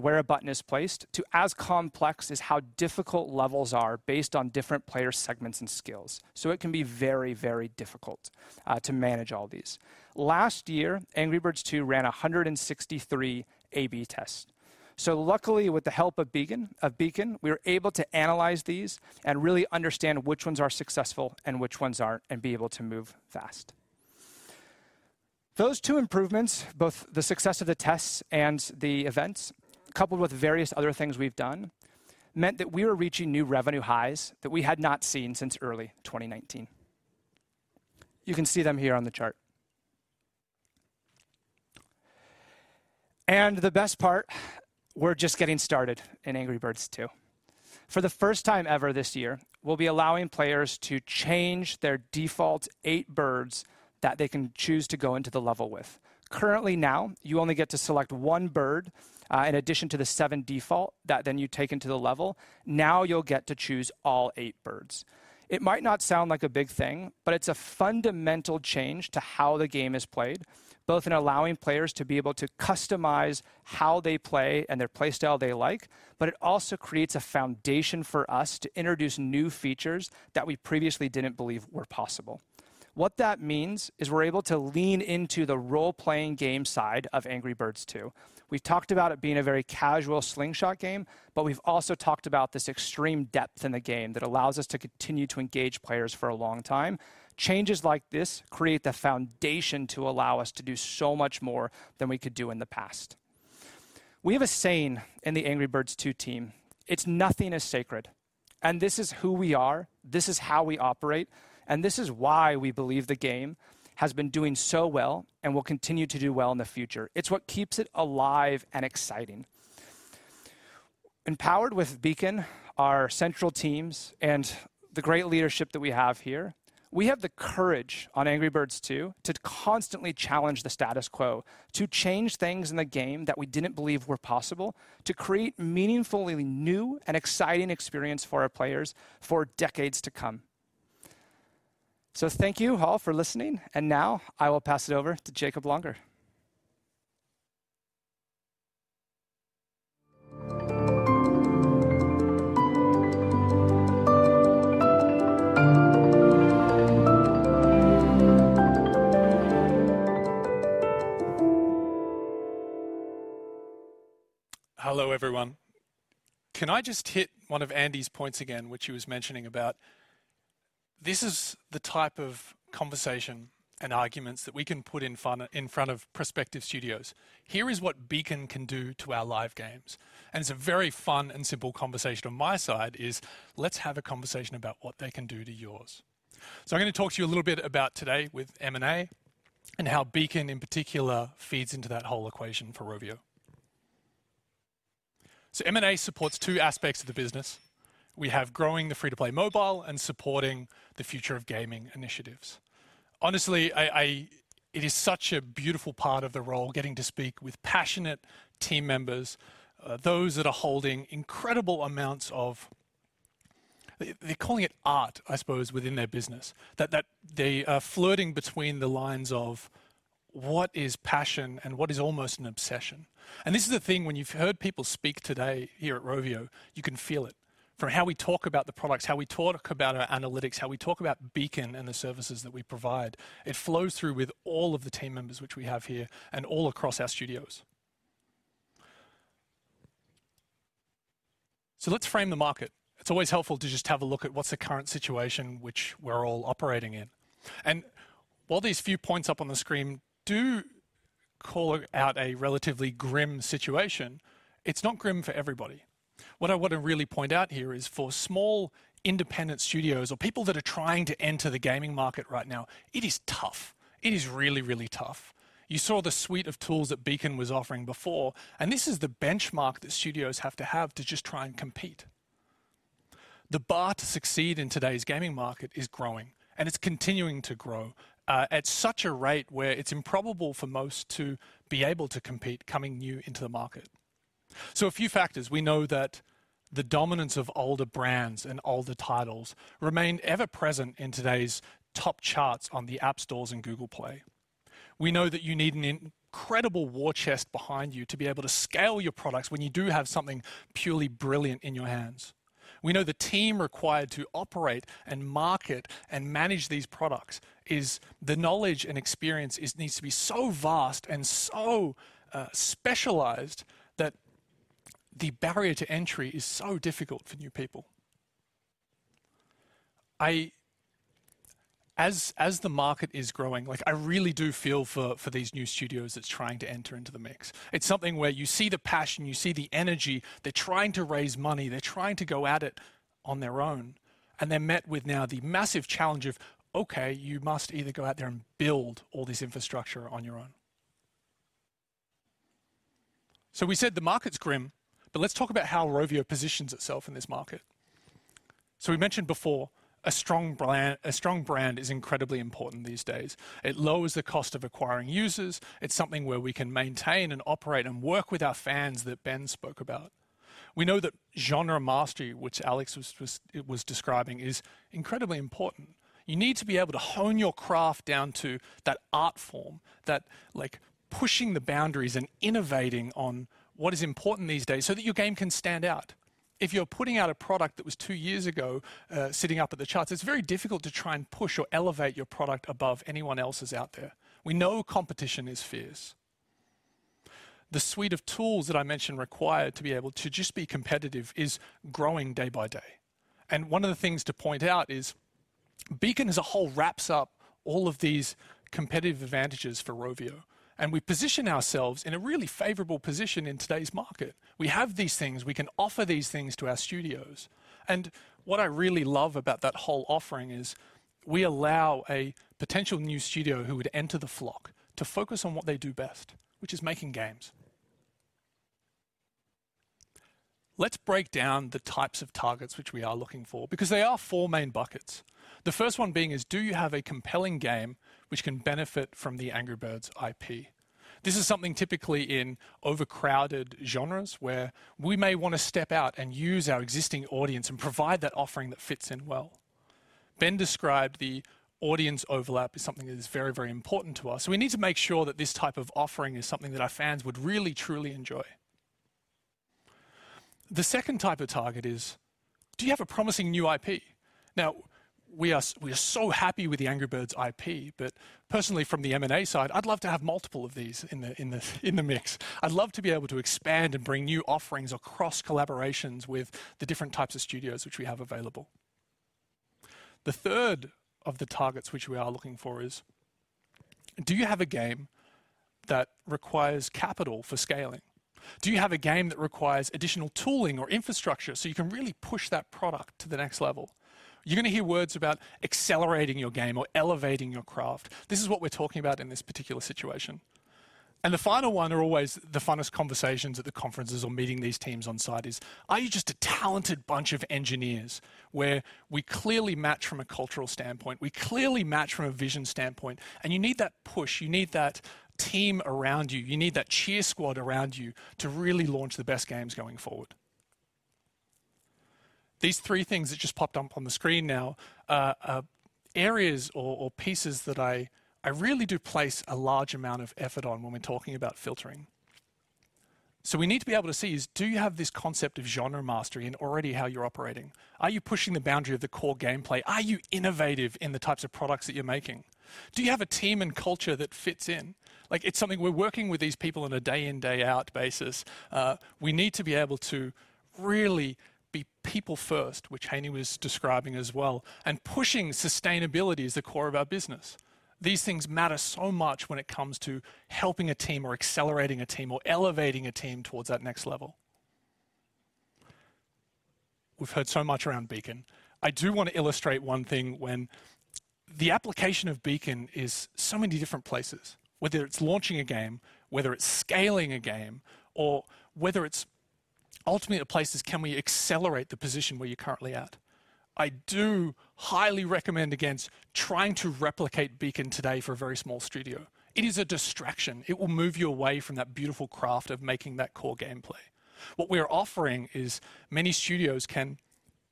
where a button is placed to as complex as how difficult levels are based on different player segments and skills. It can be very, very difficult to manage all these. Last year, Angry Birds 2 ran 163 A/B tests. Luckily, with the help of Beacon, we were able to analyze these and really understand which ones are successful and which ones aren't, and be able to move fast. Those two improvements, both the success of the tests and the events, coupled with various other things we've done, meant that we were reaching new revenue highs that we had not seen since early 2019. You can see them here on the chart. The best part, we're just getting started in Angry Birds 2. For the first time ever this year, we'll be allowing players to change their default eight birds that they can choose to go into the level with. Currently now, you only get to select one bird, in addition to the seven default that then you take into the level. Now you'll get to choose all eight birds. It might not sound like a big thing, but it's a fundamental change to how the game is played, both in allowing players to be able to customize how they play and their play style they like, but it also creates a foundation for us to introduce new features that we previously didn't believe were possible. What that means is we're able to lean into the role-playing game side of Angry Birds 2. We've talked about it being a very casual slingshot game, but we've also talked about this extreme depth in the game that allows us to continue to engage players for a long time. Changes like this create the foundation to allow us to do so much more than we could do in the past. We have a saying in the Angry Birds 2 team, "Nothing is sacred," and this is who we are, this is how we operate, and this is why we believe the game has been doing so well and will continue to do well in the future. It's what keeps it alive and exciting. Empowered with Beacon, our central teams, and the great leadership that we have here, we have the courage on Angry Birds 2 to constantly challenge the status quo, to change things in the game that we didn't believe were possible, to create meaningfully new and exciting experience for our players for decades to come. Thank you all for listening, and now I will pass it over to Jakob Langer. Hello everyone. Can I just hit one of Andy's points again, which he was mentioning about this is the type of conversation and arguments that we can put in front of prospective studios. Here is what Beacon can do to our live games, and it's a very fun and simple conversation on my side is, let's have a conversation about what they can do to yours. I'm gonna talk to you a little bit about today with M&A, and how Beacon in particular feeds into that whole equation for Rovio. M&A supports two aspects of the business. We have growing the free-to-play mobile and supporting the future of gaming initiatives. Honestly, it is such a beautiful part of the role getting to speak with passionate team members, those that are holding incredible amounts of, they're calling it art, I suppose, within their business. That they are flirting between the lines of what is passion and what is almost an obsession. This is the thing, when you've heard people speak today here at Rovio, you can feel it. From how we talk about the products, how we talk about our analytics, how we talk about Beacon and the services that we provide. It flows through with all of the team members which we have here and all across our studios. Let's frame the market. It's always helpful to just have a look at what's the current situation which we're all operating in. While these few points up on the screen do call out a relatively grim situation, it's not grim for everybody. What I want to really point out here is for small independent studios or people that are trying to enter the gaming market right now, it is tough. It is really, really tough. You saw the suite of tools that Beacon was offering before, and this is the benchmark that studios have to have to just try and compete. The bar to succeed in today's gaming market is growing, and it's continuing to grow at such a rate where it's improbable for most to be able to compete coming new into the market. A few factors. We know that the dominance of older brands and older titles remain ever present in today's top charts on the app stores and Google Play. We know that you need an incredible war chest behind you to be able to scale your products when you do have something purely brilliant in your hands. We know the team required to operate and market and manage these products, the knowledge and experience, needs to be so vast and so specialized that the barrier to entry is so difficult for new people. As the market is growing, like, I really do feel for these new studios that's trying to enter into the mix. It's something where you see the passion, you see the energy. They're trying to raise money. They're trying to go at it on their own, and they're met with now the massive challenge of, okay, you must either go out there and build all this infrastructure on your own. We said the market's grim, but let's talk about how Rovio positions itself in this market. We mentioned before, a strong brand is incredibly important these days. It lowers the cost of acquiring users. It's something where we can maintain and operate and work with our fans that Ben spoke about. We know that genre mastery, which Alex was describing, is incredibly important. You need to be able to hone your craft down to that art form, that, like, pushing the boundaries and innovating on what is important these days so that your game can stand out. If you're putting out a product that was two years ago, sitting up at the charts, it's very difficult to try and push or elevate your product above anyone else's out there. We know competition is fierce. The suite of tools that I mentioned required to be able to just be competitive is growing day by day. One of the things to point out is Beacon as a whole wraps up all of these competitive advantages for Rovio, and we position ourselves in a really favorable position in today's market. We have these things. We can offer these things to our studios. What I really love about that whole offering is we allow a potential new studio who would enter the flock to focus on what they do best, which is making games. Let's break down the types of targets which we are looking for, because there are four main buckets. The first one being is, do you have a compelling game which can benefit from the Angry Birds IP? This is something typically in overcrowded genres where we may wanna step out and use our existing audience and provide that offering that fits in well. Ben described the audience overlap as something that is very, very important to us, so we need to make sure that this type of offering is something that our fans would really, truly enjoy. The second type of target is, do you have a promising new IP? Now, we are so happy with the Angry Birds IP, but personally from the M&A side, I'd love to have multiple of these in the mix. I'd love to be able to expand and bring new offerings or cross-collaborations with the different types of studios which we have available. The third of the targets which we are looking for is, do you have a game that requires capital for scaling? Do you have a game that requires additional tooling or infrastructure so you can really push that product to the next level? You're gonna hear words about accelerating your game or elevating your craft. This is what we're talking about in this particular situation. The final one are always the funnest conversations at the conferences or meeting these teams on-site is, are you just a talented bunch of engineers? Where we clearly match from a cultural standpoint, we clearly match from a vision standpoint, and you need that push, you need that team around you need that cheer squad around you to really launch the best games going forward. These three things that just popped up on the screen now are areas or pieces that I really do place a large amount of effort on when we're talking about filtering. We need to be able to see is do you have this concept of genre mastery in already how you're operating? Are you pushing the boundary of the core gameplay? Are you innovative in the types of products that you're making? Do you have a team and culture that fits in? Like it's something we're working with these people on a day in, day out basis. We need to be able to really be people first, which Heini was describing as well, and pushing sustainability as the core of our business. These things matter so much when it comes to helping a team or accelerating a team or elevating a team towards that next level. We've heard so much around Beacon. I do wanna illustrate one thing when the application of Beacon is so many different places, whether it's launching a game, whether it's scaling a game, or whether it's ultimately the place is can we accelerate the position where you're currently at? I do highly recommend against trying to replicate Beacon today for a very small studio. It is a distraction. It will move you away from that beautiful craft of making that core gameplay. What we are offering is many studios can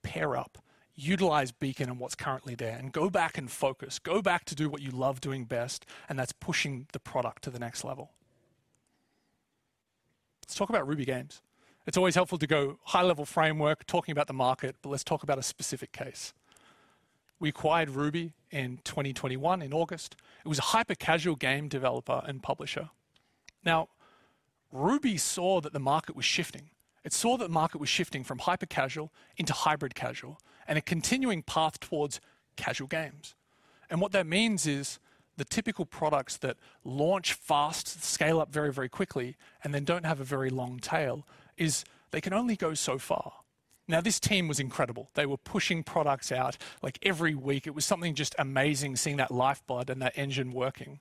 pair up, utilize Beacon and what's currently there, and go back and focus, go back to do what you love doing best, and that's pushing the product to the next level. Let's talk about Ruby Games. It's always helpful to go high-level framework, talking about the market, but let's talk about a specific case. We acquired Ruby Games in 2021 in August. It was a hyper-casual game developer and publisher. Now, Ruby Games saw that the market was shifting. It saw that market was shifting from hyper-casual into hybrid casual and a continuing path towards casual games. What that means is the typical products that launch fast, scale up very, very quickly, and then don't have a very long tail, is they can only go so far. Now, this team was incredible. They were pushing products out like every week. It was something just amazing seeing that lifeblood and that engine working.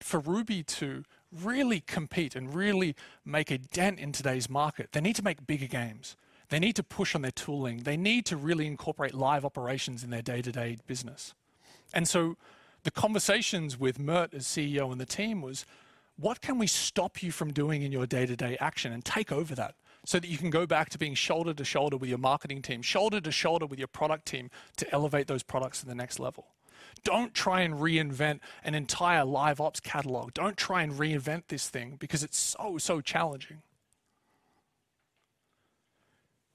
For Ruby to really compete and really make a dent in today's market, they need to make bigger games. They need to push on their tooling. They need to really incorporate live operations in their day-to-day business. The conversations with Mert as CEO and the team was, "What can we stop you from doing in your day-to-day action and take over that so that you can go back to being shoulder to shoulder with your marketing team, shoulder to shoulder with your product team to elevate those products to the next level? Don't try and reinvent an entire Liveops catalog. Don't try and reinvent this thing because it's so challenging."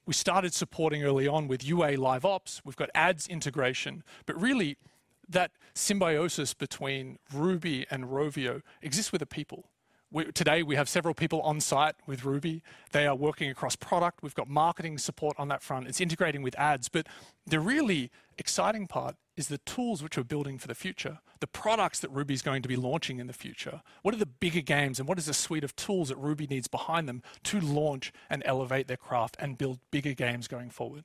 We started supporting early on with UA Liveops. We've got ads integration, but really that symbiosis between Ruby and Rovio exists with the people. Today, we have several people on site with Ruby. They are working across product. We've got marketing support on that front. It's integrating with ads. The really exciting part is the tools which we're building for the future, the products that Ruby's going to be launching in the future. What are the bigger games and what is the suite of tools that Ruby needs behind them to launch and elevate their craft and build bigger games going forward?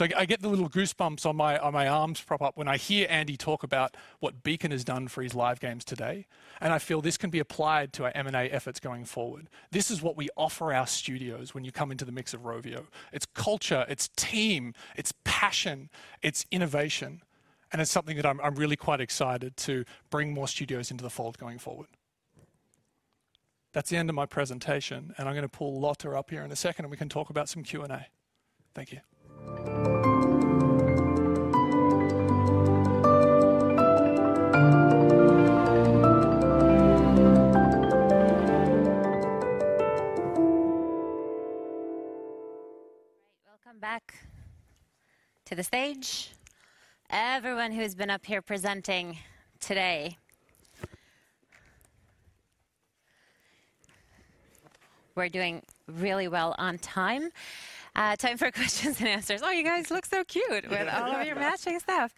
I get the little goosebumps on my arms pop up when I hear Andy talk about what Beacon has done for his live games today, and I feel this can be applied to our M&A efforts going forward. This is what we offer our studios when you come into the mix of Rovio. It's culture, it's team, it's passion, it's innovation, and it's something that I'm really quite excited to bring more studios into the fold going forward. That's the end of my presentation, and I'm gonna pull Lotta up here in a second, and we can talk about some Q&A. Thank you. All right. Welcome back to the stage. Everyone who's been up here presenting today. We're doing really well on time. Time for questions and answers. Oh, you guys look so cute. Yeah. with all of your matching stuff.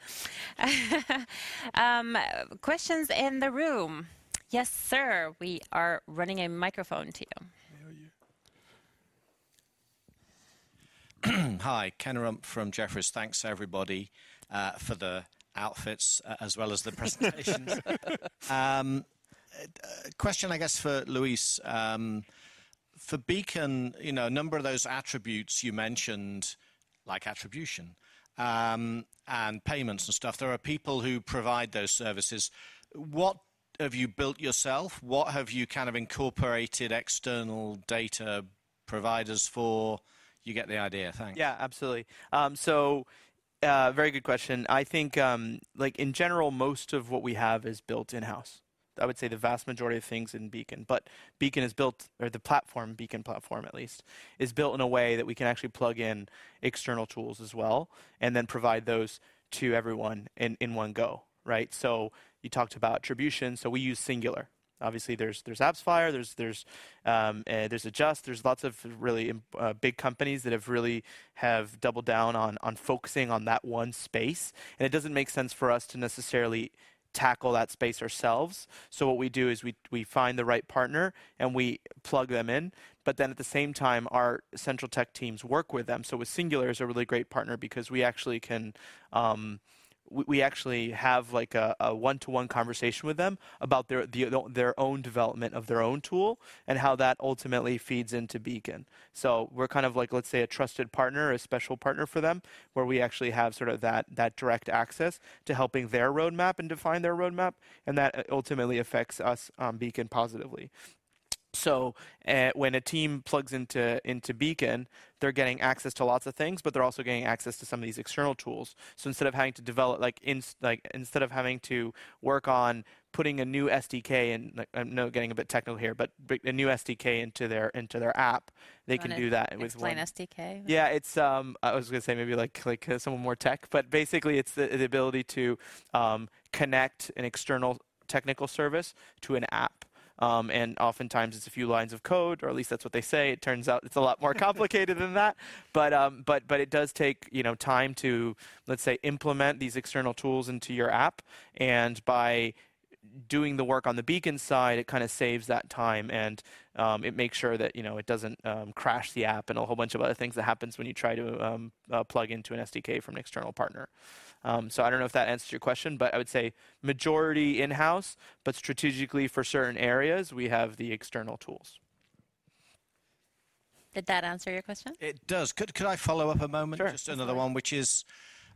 Questions in the room. Yes, sir. We are running a microphone to you. There we go. Hi, Ken Rumph from Jefferies. Thanks, everybody, for the outfits, as well as the presentations. Question, I guess, for Luis. For Beacon, you know, a number of those attributes you mentioned, like attribution, and payments and stuff, there are people who provide those services. What have you built yourself? What have you kind of incorporated external data providers for? You get the idea. Thanks. Yeah, absolutely. Very good question. I think, like, in general, most of what we have is built in-house. I would say the vast majority of things in Beacon. Beacon is built, or the platform, Beacon platform at least, is built in a way that we can actually plug in external tools as well and then provide those to everyone in one go, right? You talked about attribution, so we use Singular. Obviously, there's AppsFlyer, there's Adjust, there's lots of really big companies that have really doubled down on focusing on that one space. It doesn't make sense for us to necessarily tackle that space ourselves. What we do is we find the right partner, and we plug them in, but then at the same time, our central tech teams work with them. Singular is a really great partner because we actually have like a one-to-one conversation with them about their own development of their own tool and how that ultimately feeds into Beacon. We're kind of like, let's say, a trusted partner or a special partner for them, where we actually have sort of that direct access to helping their roadmap and define their roadmap, and that ultimately affects us, Beacon positively. When a team plugs into Beacon, they're getting access to lots of things, but they're also getting access to some of these external tools. Instead of having to work on putting a new SDK in, like I know I'm getting a bit technical here, but a new SDK into their app, they can do that with one- Wanna explain SDK? Yeah. Basically it's the ability to connect an external technical service to an app. Oftentimes it's a few lines of code, or at least that's what they say. It turns out it's a lot more complicated than that. It does take, you know, time to, let's say, implement these external tools into your app. By doing the work on the Beacon side, it kind of saves that time and it makes sure that, you know, it doesn't crash the app and a whole bunch of other things that happens when you try to plug into an SDK from an external partner. I don't know if that answers your question, but I would say majority in-house, but strategically for certain areas, we have the external tools. Did that answer your question? It does. Could I follow up a moment? Sure. Just another one, which is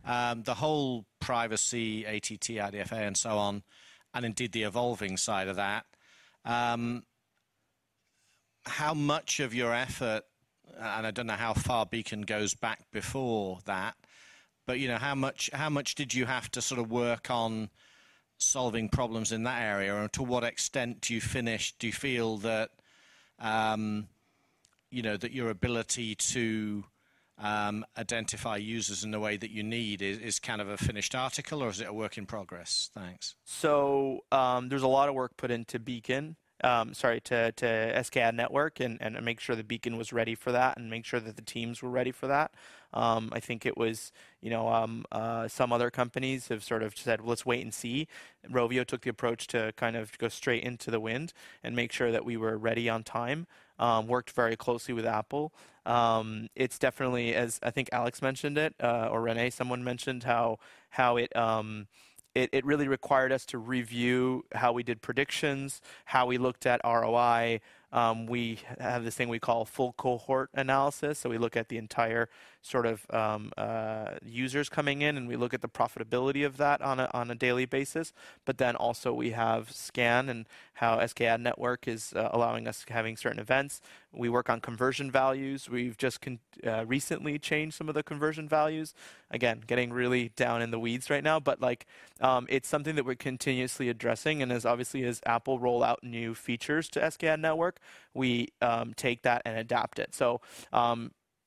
the whole privacy, ATT, IDFA and so on, and indeed the evolving side of that. How much of your effort, and I don't know how far Beacon goes back before that, but you know, how much did you have to sort of work on solving problems in that area? Or to what extent do you feel that, you know, that your ability to identify users in the way that you need is kind of a finished article, or is it a work in progress? Thanks. There's a lot of work put into Beacon to SKAdNetwork and make sure that Beacon was ready for that and make sure that the teams were ready for that. I think it was some other companies have sort of said, "Let's wait and see." Rovio took the approach to kind of go straight into the wind and make sure that we were ready on time, worked very closely with Apple. It's definitely, as I think Alex mentioned it or René, someone mentioned how it really required us to review how we did predictions, how we looked at ROI. We have this thing we call full cohort analysis, so we look at the entire sort of users coming in, and we look at the profitability of that on a daily basis. We have SKAN and how SKAdNetwork is allowing us having certain events. We work on conversion values. We've just recently changed some of the conversion values. Again, getting really down in the weeds right now, but like, it's something that we're continuously addressing, and as obviously as Apple roll out new features to SKAdNetwork, we take that and adapt it.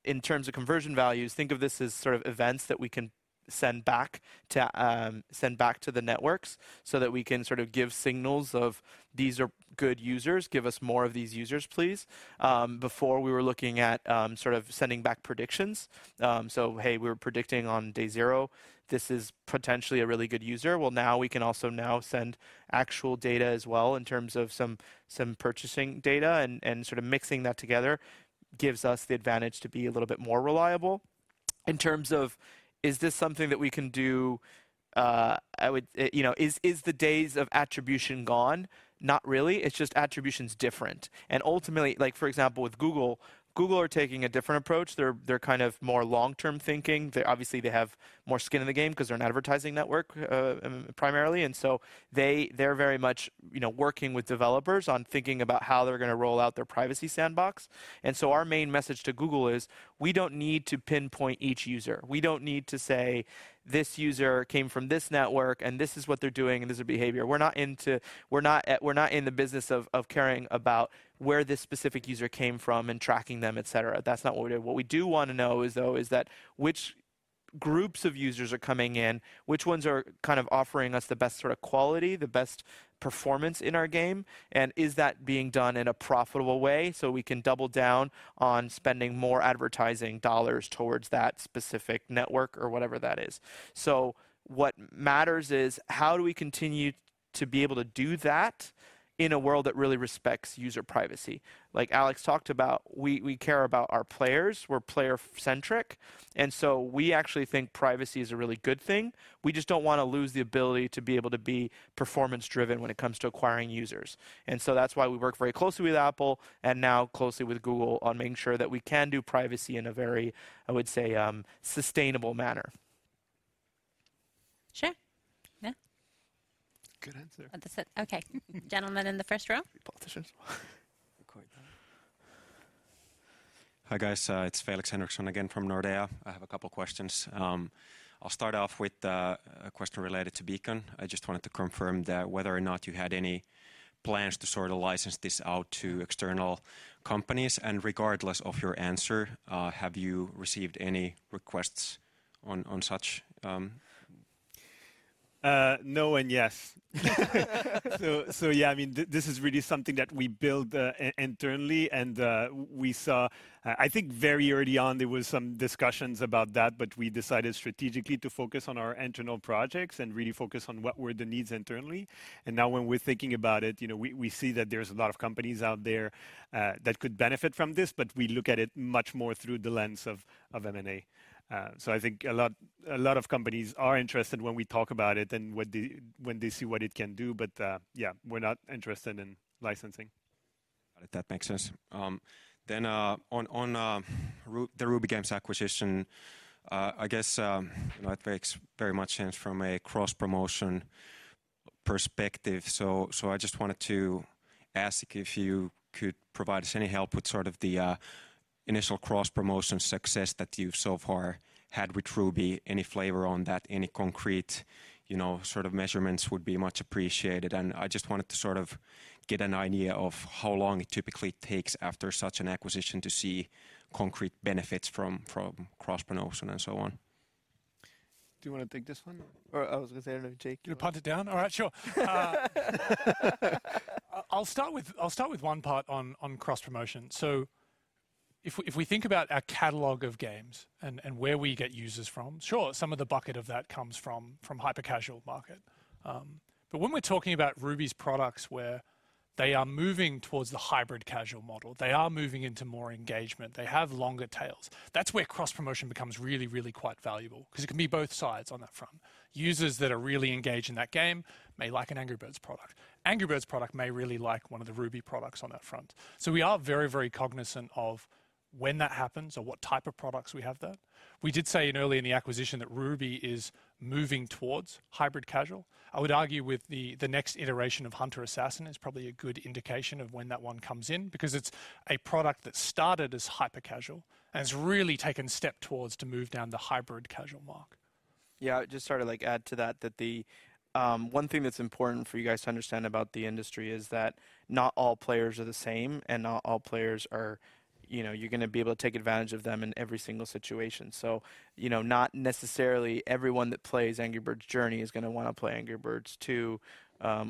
In terms of conversion values, think of this as sort of events that we can send back to the networks so that we can sort of give signals of these are good users, give us more of these users, please. Before we were looking at sort of sending back predictions. Hey, we're predicting on day zero, this is potentially a really good user. Well, now we can also send actual data as well in terms of some purchasing data and sort of mixing that together gives us the advantage to be a little bit more reliable. In terms of is this something that we can do, I would, you know, is the days of attribution gone? Not really. It's just attribution's different. Ultimately, like for example, with Google are taking a different approach. They're kind of more long-term thinking. They're obviously they have more skin in the game 'cause they're an advertising network, primarily, and so they're very much, you know, working with developers on thinking about how they're gonna roll out their Privacy Sandbox. Our main message to Google is, we don't need to pinpoint each user. We don't need to say, "This user came from this network, and this is what they're doing, and this is their behavior." We're not in the business of caring about where this specific user came from and tracking them, et cetera. That's not what we do. What we do wanna know is though, is that which groups of users are coming in, which ones are kind of offering us the best sort of quality, the best performance in our game, and is that being done in a profitable way so we can double down on spending more advertising dollars towards that specific network or whatever that is. What matters is how do we continue to be able to do that in a world that really respects user privacy? Like Alex talked about, we care about our players. We're player-centric, and so we actually think privacy is a really good thing. We just don't wanna lose the ability to be able to be performance-driven when it comes to acquiring users. That's why we work very closely with Apple and now closely with Google on making sure that we can do privacy in a very, I would say, sustainable manner. Sure. Yeah. Good answer. That's it. Okay. Gentleman in the first row. Both answers. Record that. Hi, guys. It's Felix Henriksson again from Nordea. I have a couple questions. I'll start off with a question related to Beacon. I just wanted to confirm that whether or not you had any plans to sort of license this out to external companies. Regardless of your answer, have you received any requests on such. No and yes. Yeah, I mean, this is really something that we build internally and we saw. I think very early on there was some discussions about that, but we decided strategically to focus on our internal projects and really focus on what were the needs internally. Now when we're thinking about it, you know, we see that there's a lot of companies out there that could benefit from this, but we look at it much more through the lens of M&A. I think a lot of companies are interested when we talk about it and when they see what it can do. Yeah, we're not interested in licensing. That makes sense. On the Ruby Games acquisition, I guess, you know, it makes very much sense from a cross-promotion perspective. I just wanted to ask if you could provide us any help with sort of the initial cross-promotion success that you've so far had with Ruby. Any flavor on that? Any concrete, you know, sort of measurements would be much appreciated. I just wanted to sort of get an idea of how long it typically takes after such an acquisition to see concrete benefits from cross-promotion and so on. Do you wanna take this one? I was gonna say, I don't know, Jakob, do you wanna? You wanna punt it down? All right, sure. I'll start with one part on cross-promotion. If we think about our catalog of games and where we get users from, some of the bucket of that comes from hyper-casual market. But when we're talking about Ruby's products, where they are moving towards the hybrid casual model, they are moving into more engagement. They have longer tails. That's where cross-promotion becomes really quite valuable because it can be both sides on that front. Users that are really engaged in that game may like an Angry Birds product. Angry Birds product may really like one of the Ruby products on that front. We are very cognizant of when that happens or what type of products we have there. We did say early in the acquisition that Ruby is moving towards hybrid-casual. I would argue that the next iteration of Hunter Assassin is probably a good indication of when that one comes in, because it's a product that started as hyper-casual and has really taken step towards to move down the hybrid-casual mark. Yeah, just sort of like add to that the one thing that's important for you guys to understand about the industry is that not all players are the same, and not all players are, you know, you're gonna be able to take advantage of them in every single situation. You know, not necessarily everyone that plays Angry Birds Journey is gonna wanna play Angry Birds 2,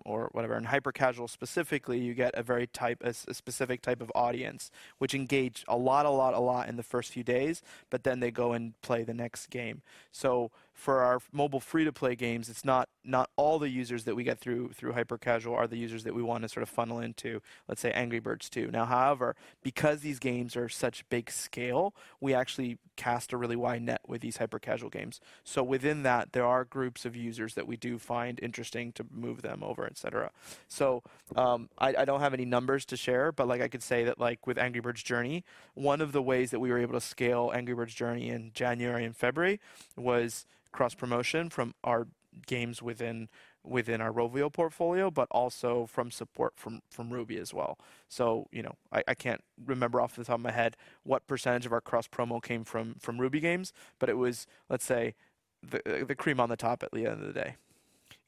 or whatever. In hyper-casual specifically, you get a very specific type of audience which engage a lot in the first few days, but then they go and play the next game. For our mobile free-to-play games, it's not all the users that we get through hyper-casual are the users that we wanna sort of funnel into, let's say, Angry Birds 2. Now, however, because these games are such big scale, we actually cast a really wide net with these hyper-casual games. Within that, there are groups of users that we do find interesting to move them over, et cetera. I don't have any numbers to share, but like I could say that like with Angry Birds Journey, one of the ways that we were able to scale Angry Birds Journey in January and February was cross-promotion from our games within our Rovio portfolio, but also from support from Ruby as well. You know, I can't remember off the top of my head what percentage of our cross-promo came from Ruby games, but it was, let's say, the cream on the top at the end of the day.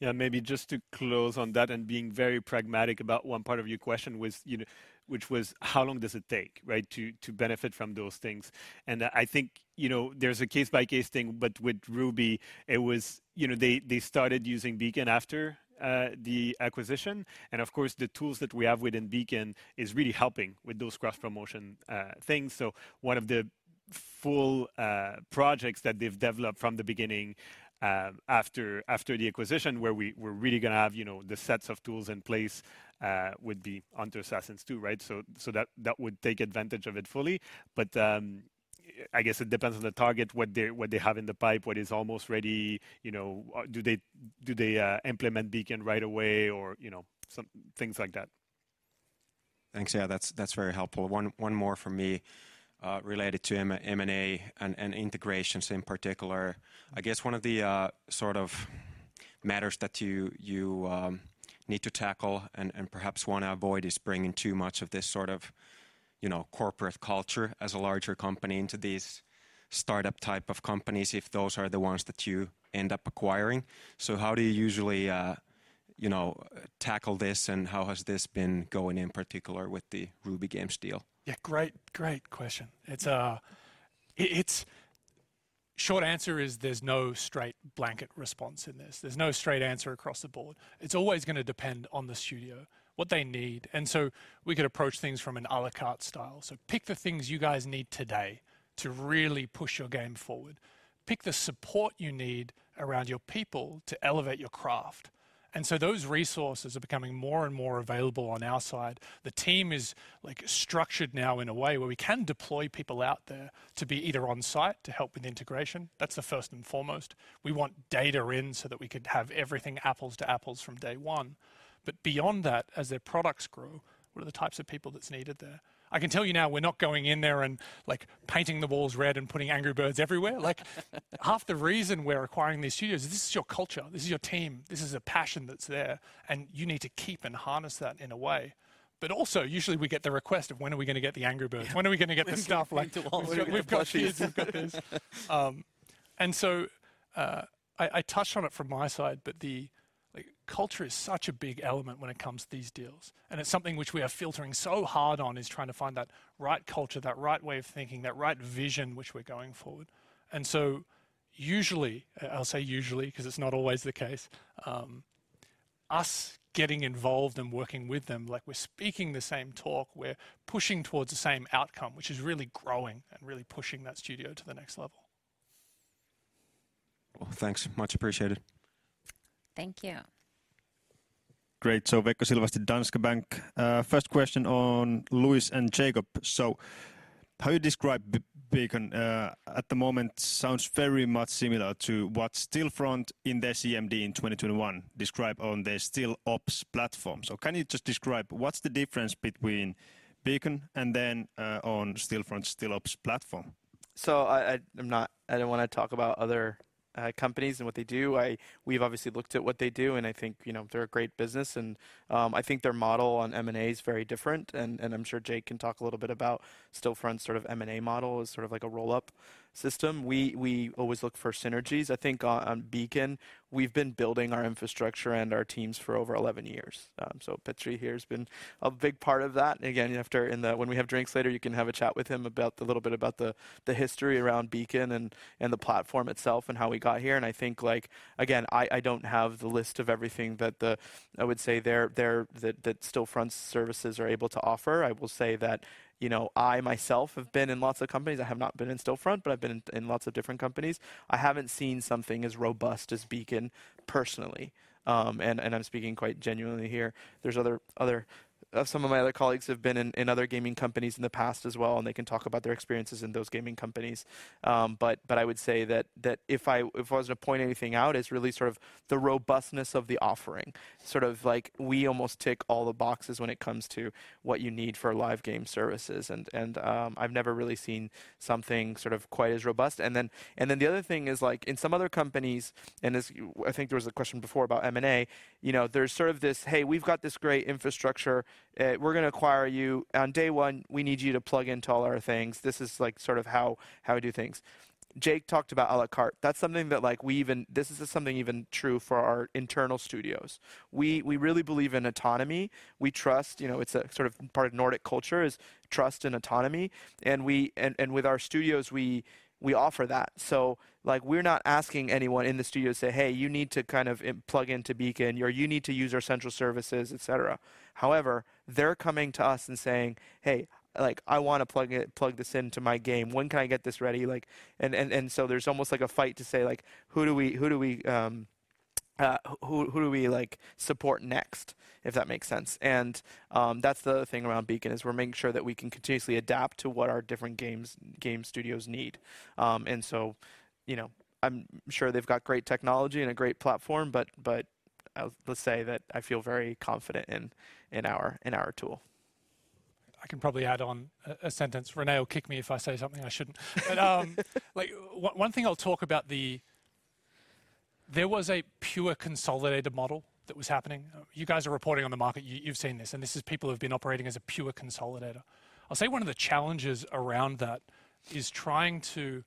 Maybe just to close on that and being very pragmatic about one part of your question was, you know, which was how long does it take, right? To benefit from those things. I think, you know, there's a case-by-case thing, but with Ruby, it was, you know, they started using Beacon after the acquisition. Of course, the tools that we have within Beacon is really helping with those cross-promotion things. One of the full projects that they've developed from the beginning after the acquisition, where we're really gonna have, you know, the sets of tools in place, would be Hunter Assassin 2, right? That would take advantage of it fully. I guess it depends on the target, what they have in the pipe, what is almost ready. You know, do they implement Beacon right away or, you know, some things like that? Thanks. Yeah, that's very helpful. One more from me, related to M&A and integrations in particular. I guess one of the sort of matters that you need to tackle and perhaps wanna avoid is bringing too much of this sort of, you know, corporate culture as a larger company into these startup type of companies, if those are the ones that you end up acquiring. How do you usually, you know, tackle this, and how has this been going in particular with the Ruby Games deal? Yeah, great question. It's short answer is there's no straight blanket response in this. There's no straight answer across the board. It's always gonna depend on the studio, what they need, and so we can approach things from an à la carte style. Pick the things you guys need today to really push your game forward. Pick the support you need around your people to elevate your craft. Those resources are becoming more and more available on our side. The team is, like, structured now in a way where we can deploy people out there to be either on site to help with integration. That's the first and foremost. We want data in so that we can have everything apples to apples from day one. But beyond that, as their products grow, what are the types of people that's needed there? I can tell you now, we're not going in there and, like, painting the walls red and putting Angry Birds everywhere. Like, half the reason we're acquiring these studios is this is your culture, this is your team, this is a passion that's there, and you need to keep and harness that in a way. Also, usually we get the request of, "When are we gonna get the Angry Birds? When are we gonna get the stuff? Been too long. We've got this. We've got this." I touched on it from my side, but the, like, culture is such a big element when it comes to these deals, and it's something which we are filtering so hard on, is trying to find that right culture, that right way of thinking, that right vision which we're going forward. Usually, I'll say usually, 'cause it's not always the case, us getting involved and working with them, like we're speaking the same talk, we're pushing towards the same outcome, which is really growing and really pushing that studio to the next level. Well, thanks. Much appreciated. Thank you. Great. Veikko Silvasti, Danske Bank. First question on Luis and Jakob. How you describe Beacon at the moment sounds very much similar to what Stillfront in their CMD in 2021 described on their Stillops platform. Can you just describe what's the difference between Beacon and then on Stillfront's Stillops platform? I don't want to talk about other companies and what they do. We've obviously looked at what they do, and I think, you know, they're a great business, and I think their model on M&A is very different, and I'm sure Jakob can talk a little bit about Stillfront's sort of M&A model, which is sort of like a roll-up system. We always look for synergies. I think on Beacon, we've been building our infrastructure and our teams for over 11 years. So Petri here has been a big part of that. Again, when we have drinks later, you can have a chat with him about a little bit about the history around Beacon and the platform itself and how we got here. I think like, again, I don't have the list of everything that I would say that Stillfront's services are able to offer. I will say that, you know, I myself have been in lots of companies. I have not been in Stillfront, but I've been in lots of different companies. I haven't seen something as robust as Beacon personally. And I'm speaking quite genuinely here. There's other. Some of my other colleagues have been in other gaming companies in the past as well, and they can talk about their experiences in those gaming companies. But I would say that if I was to point anything out, it's really sort of the robustness of the offering. Sort of like we almost tick all the boxes when it comes to what you need for live game services and I've never really seen something sort of quite as robust. The other thing is like in some other companies, and this, I think there was a question before about M&A, you know, there's sort of this, "Hey, we've got this great infrastructure. We're gonna acquire you. On day one, we need you to plug into all our things. This is like sort of how we do things." Jakob talked about à la carte. That's something that like this is just something even true for our internal studios. We really believe in autonomy. We trust, you know, it's a sort of part of Nordic culture is trust and autonomy. with our studios, we offer that. Like we're not asking anyone in the studio to say, "Hey, you need to kind of plug into Beacon," or, "You need to use our central services," et cetera. However, they're coming to us and saying, "Hey, like, I wanna plug this into my game. When can I get this ready?" Like there's almost like a fight to say like, "Who do we like support next?" If that makes sense. That's the other thing around Beacon, is we're making sure that we can continuously adapt to what our different games, game studios need. You know, I'm sure they've got great technology and a great platform, but let's say that I feel very confident in our tool. I can probably add on a sentence. René will kick me if I say something I shouldn't. One thing I'll talk about. There was a pure consolidator model that was happening. You guys are reporting on the market, you've seen this, and this is people who've been operating as a pure consolidator. I'll say one of the challenges around that is trying to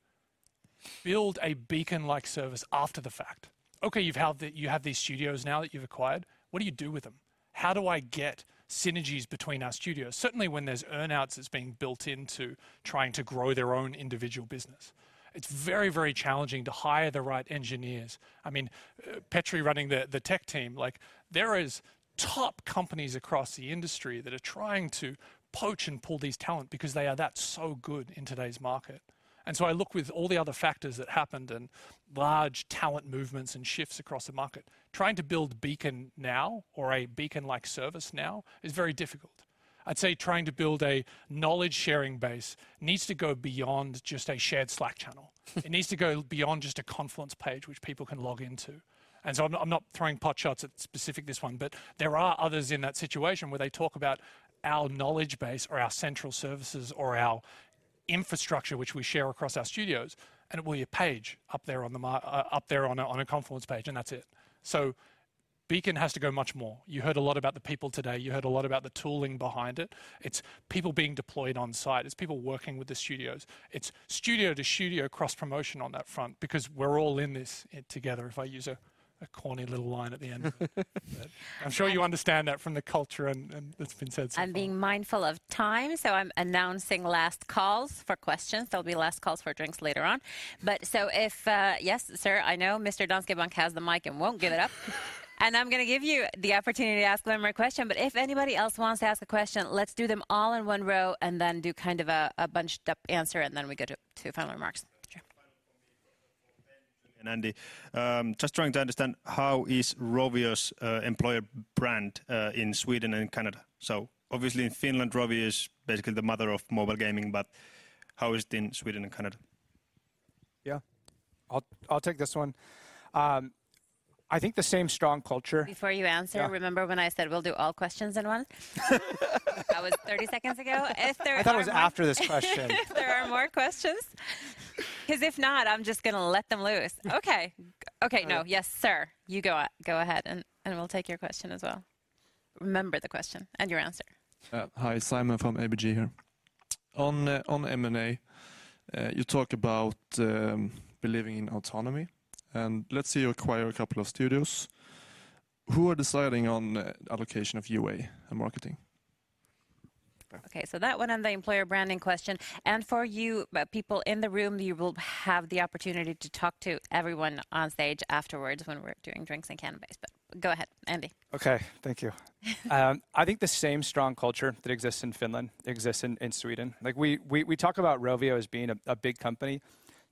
build a Beacon-like service after the fact. Okay, you have these studios now that you've acquired. What do you do with them? How do I get synergies between our studios? Certainly, when there's earn-outs that's being built into trying to grow their own individual business, it's very, very challenging to hire the right engineers. I mean, Petri running the tech team, like there are top companies across the industry that are trying to poach and pull these talent because they are that so good in today's market. I look with all the other factors that happened and large talent movements and shifts across the market, trying to build Beacon now or a Beacon-like service now is very difficult. I'd say trying to build a knowledge-sharing base needs to go beyond just a shared Slack channel. It needs to go beyond just a Confluence page which people can log into. I'm not throwing potshots at specific this one, but there are others in that situation where they talk about our knowledge base or our central services or our infrastructure, which we share across our studios, and it will be a page up there on a Confluence page, and that's it. Beacon has to go much more. You heard a lot about the people today. You heard a lot about the tooling behind it. It's people being deployed on-site. It's people working with the studios. It's studio-to-studio cross-promotion on that front because we're all in this, it together, if I use a corny little line at the end. I'm sure you understand that from the culture and it's been said before. I'm being mindful of time, so I'm announcing last calls for questions. There'll be last calls for drinks later on. If yes, sir, I know Mr. Danske Bank has the mic and won't give it up. I'm gonna give you the opportunity to ask one more question, but if anybody else wants to ask a question, let's do them all in one row and then do kind of a bunched up answer, and then we go to final remarks. Sure. Final one for me. Both for Petri and Andy. Just trying to understand how is Rovio's employer brand in Sweden and Canada. Obviously in Finland, Rovio is basically the mother of mobile gaming, but how is it in Sweden and Canada? Yeah. I'll take this one. I think the same strong culture- Before you answer. Yeah. Remember when I said we'll do all questions in one? That was 30 seconds ago. If there are more. I thought it was after this question. If there are more questions, 'cause if not, I'm just gonna let them loose. Okay. Okay. No. Yes, sir. You go ahead, and we'll take your question as well. Remember the question and your answer. Hi. Simon from ABG here. On M&A, you talk about believing in autonomy, and let's say you acquire a couple of studios. Who are deciding on allocation of UA and marketing? Okay. That one on the employer branding question, and for you, people in the room, you will have the opportunity to talk to everyone on stage afterwards when we're doing drinks and canapes. Go ahead, Andy. Okay. Thank you. I think the same strong culture that exists in Finland exists in Sweden. Like we talk about Rovio as being a big company,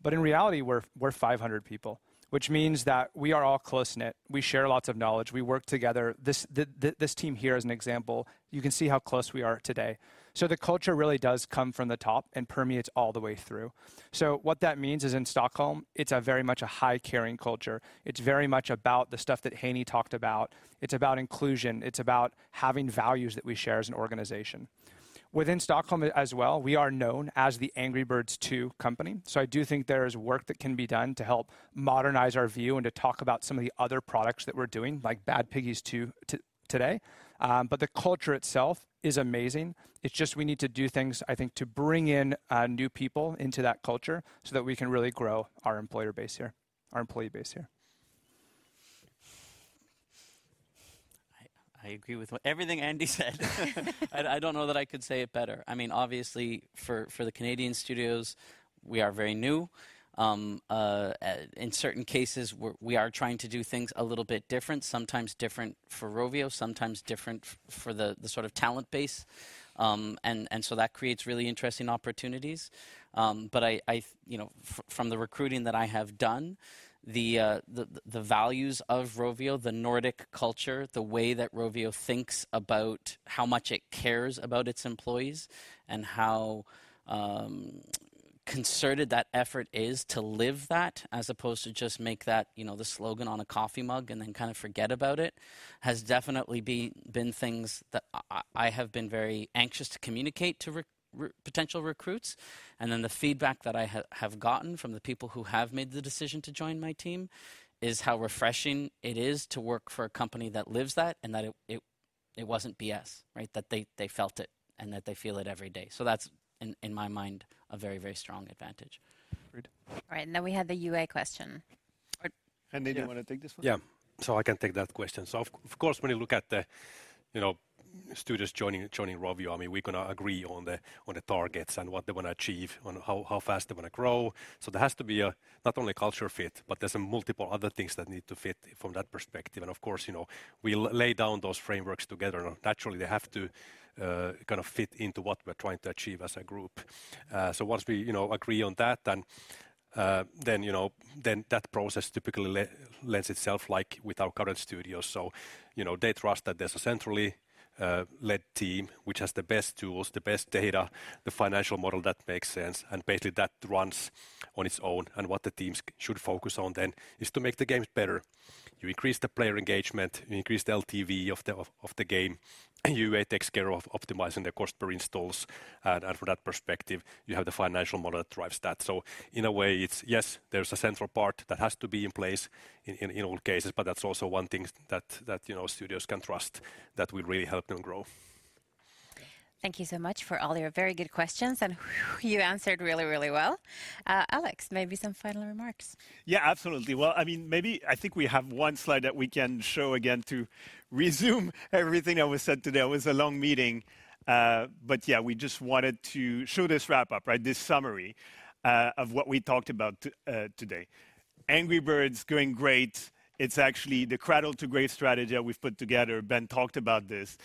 but in reality, we're 500 people, which means that we are all close-knit. We share lots of knowledge. We work together. This team here as an example, you can see how close we are today. The culture really does come from the top and permeates all the way through. What that means is in Stockholm, it's a very much a high caring culture. It's very much about the stuff that Heini talked about. It's about inclusion. It's about having values that we share as an organization. Within Stockholm as well, we are known as the Angry Birds 2 company, so I do think there is work that can be done to help modernize our view and to talk about some of the other products that we're doing, like Bad Piggies 2 today. The culture itself is amazing. It's just, we need to do things, I think, to bring in new people into that culture so that we can really grow our employer base here, our employee base here. I agree with everything Andy said. I don't know that I could say it better. I mean, obviously for the Canadian studios, we are very new. In certain cases, we are trying to do things a little bit different, sometimes different for Rovio, sometimes different for the sort of talent base. That creates really interesting opportunities. From the recruiting that I have done, the values of Rovio, the Nordic culture, the way that Rovio thinks about how much it cares about its employees and how concerted that effort is to live that as opposed to just make that, you know, the slogan on a coffee mug and then kind of forget about it, has definitely been things that I have been very anxious to communicate to potential recruits. The feedback that I have gotten from the people who have made the decision to join my team is how refreshing it is to work for a company that lives that and that it wasn't BS, right? That they felt it and that they feel it every day. That's in my mind a very strong advantage. Great. All right. We had the UA question Andy, do you wanna take this one? I can take that question. Of course, when you look at the, you know, studios joining Rovio, I mean, we're gonna agree on the targets and what they wanna achieve, on how fast they wanna grow. There has to be not only a culture fit, but there's multiple other things that need to fit from that perspective. Of course, you know, we lay down those frameworks together, and naturally, they have to kind of fit into what we're trying to achieve as a group. Once we, you know, agree on that, then, you know, that process typically lends itself like with our current studios. You know, they trust that there's a centrally led team which has the best tools, the best data, the financial model that makes sense, and basically that runs on its own. What the teams should focus on then is to make the games better. You increase the player engagement, you increase the LTV of the game, UA takes care of optimizing the cost per install. From that perspective, you have the financial model that drives that. In a way, it's yes, there's a central part that has to be in place in all cases, but that's also one thing that you know, studios can trust that will really help them grow. Thank you so much for all your very good questions and you answered really, really well. Alex, maybe some final remarks. Yeah, absolutely. Well, I mean, maybe I think we have one slide that we can show again to resume everything that was said today. It was a long meeting. But yeah, we just wanted to show this wrap-up, right? This summary, of what we talked about today. Angry Birds doing great. It's actually the cradle to grave strategy that we've put together, Ben talked about this,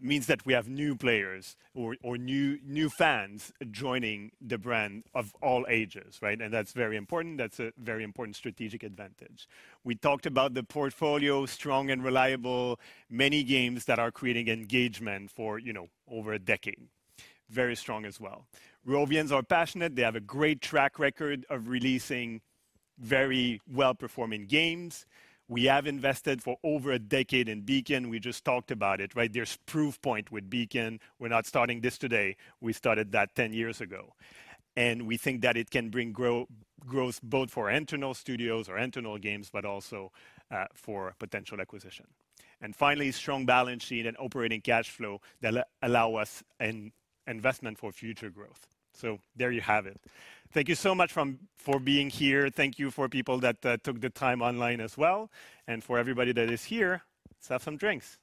means that we have new players or new fans joining the brand of all ages, right? That's very important. That's a very important strategic advantage. We talked about the portfolio, strong and reliable, many games that are creating engagement for, you know, over a decade. Very strong as well. Rovians are passionate. They have a great track record of releasing very well-performing games. We have invested for over a decade in Beacon. We just talked about it, right? There's proof point with Beacon. We're not starting this today. We started that 10 years ago, and we think that it can bring growth both for internal studios or internal games, but also for potential acquisition. Finally, strong balance sheet and operating cash flow that allow us investment for future growth. There you have it. Thank you so much for being here. Thank you for people that took the time online as well. For everybody that is here, let's have some drinks.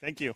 Thank you.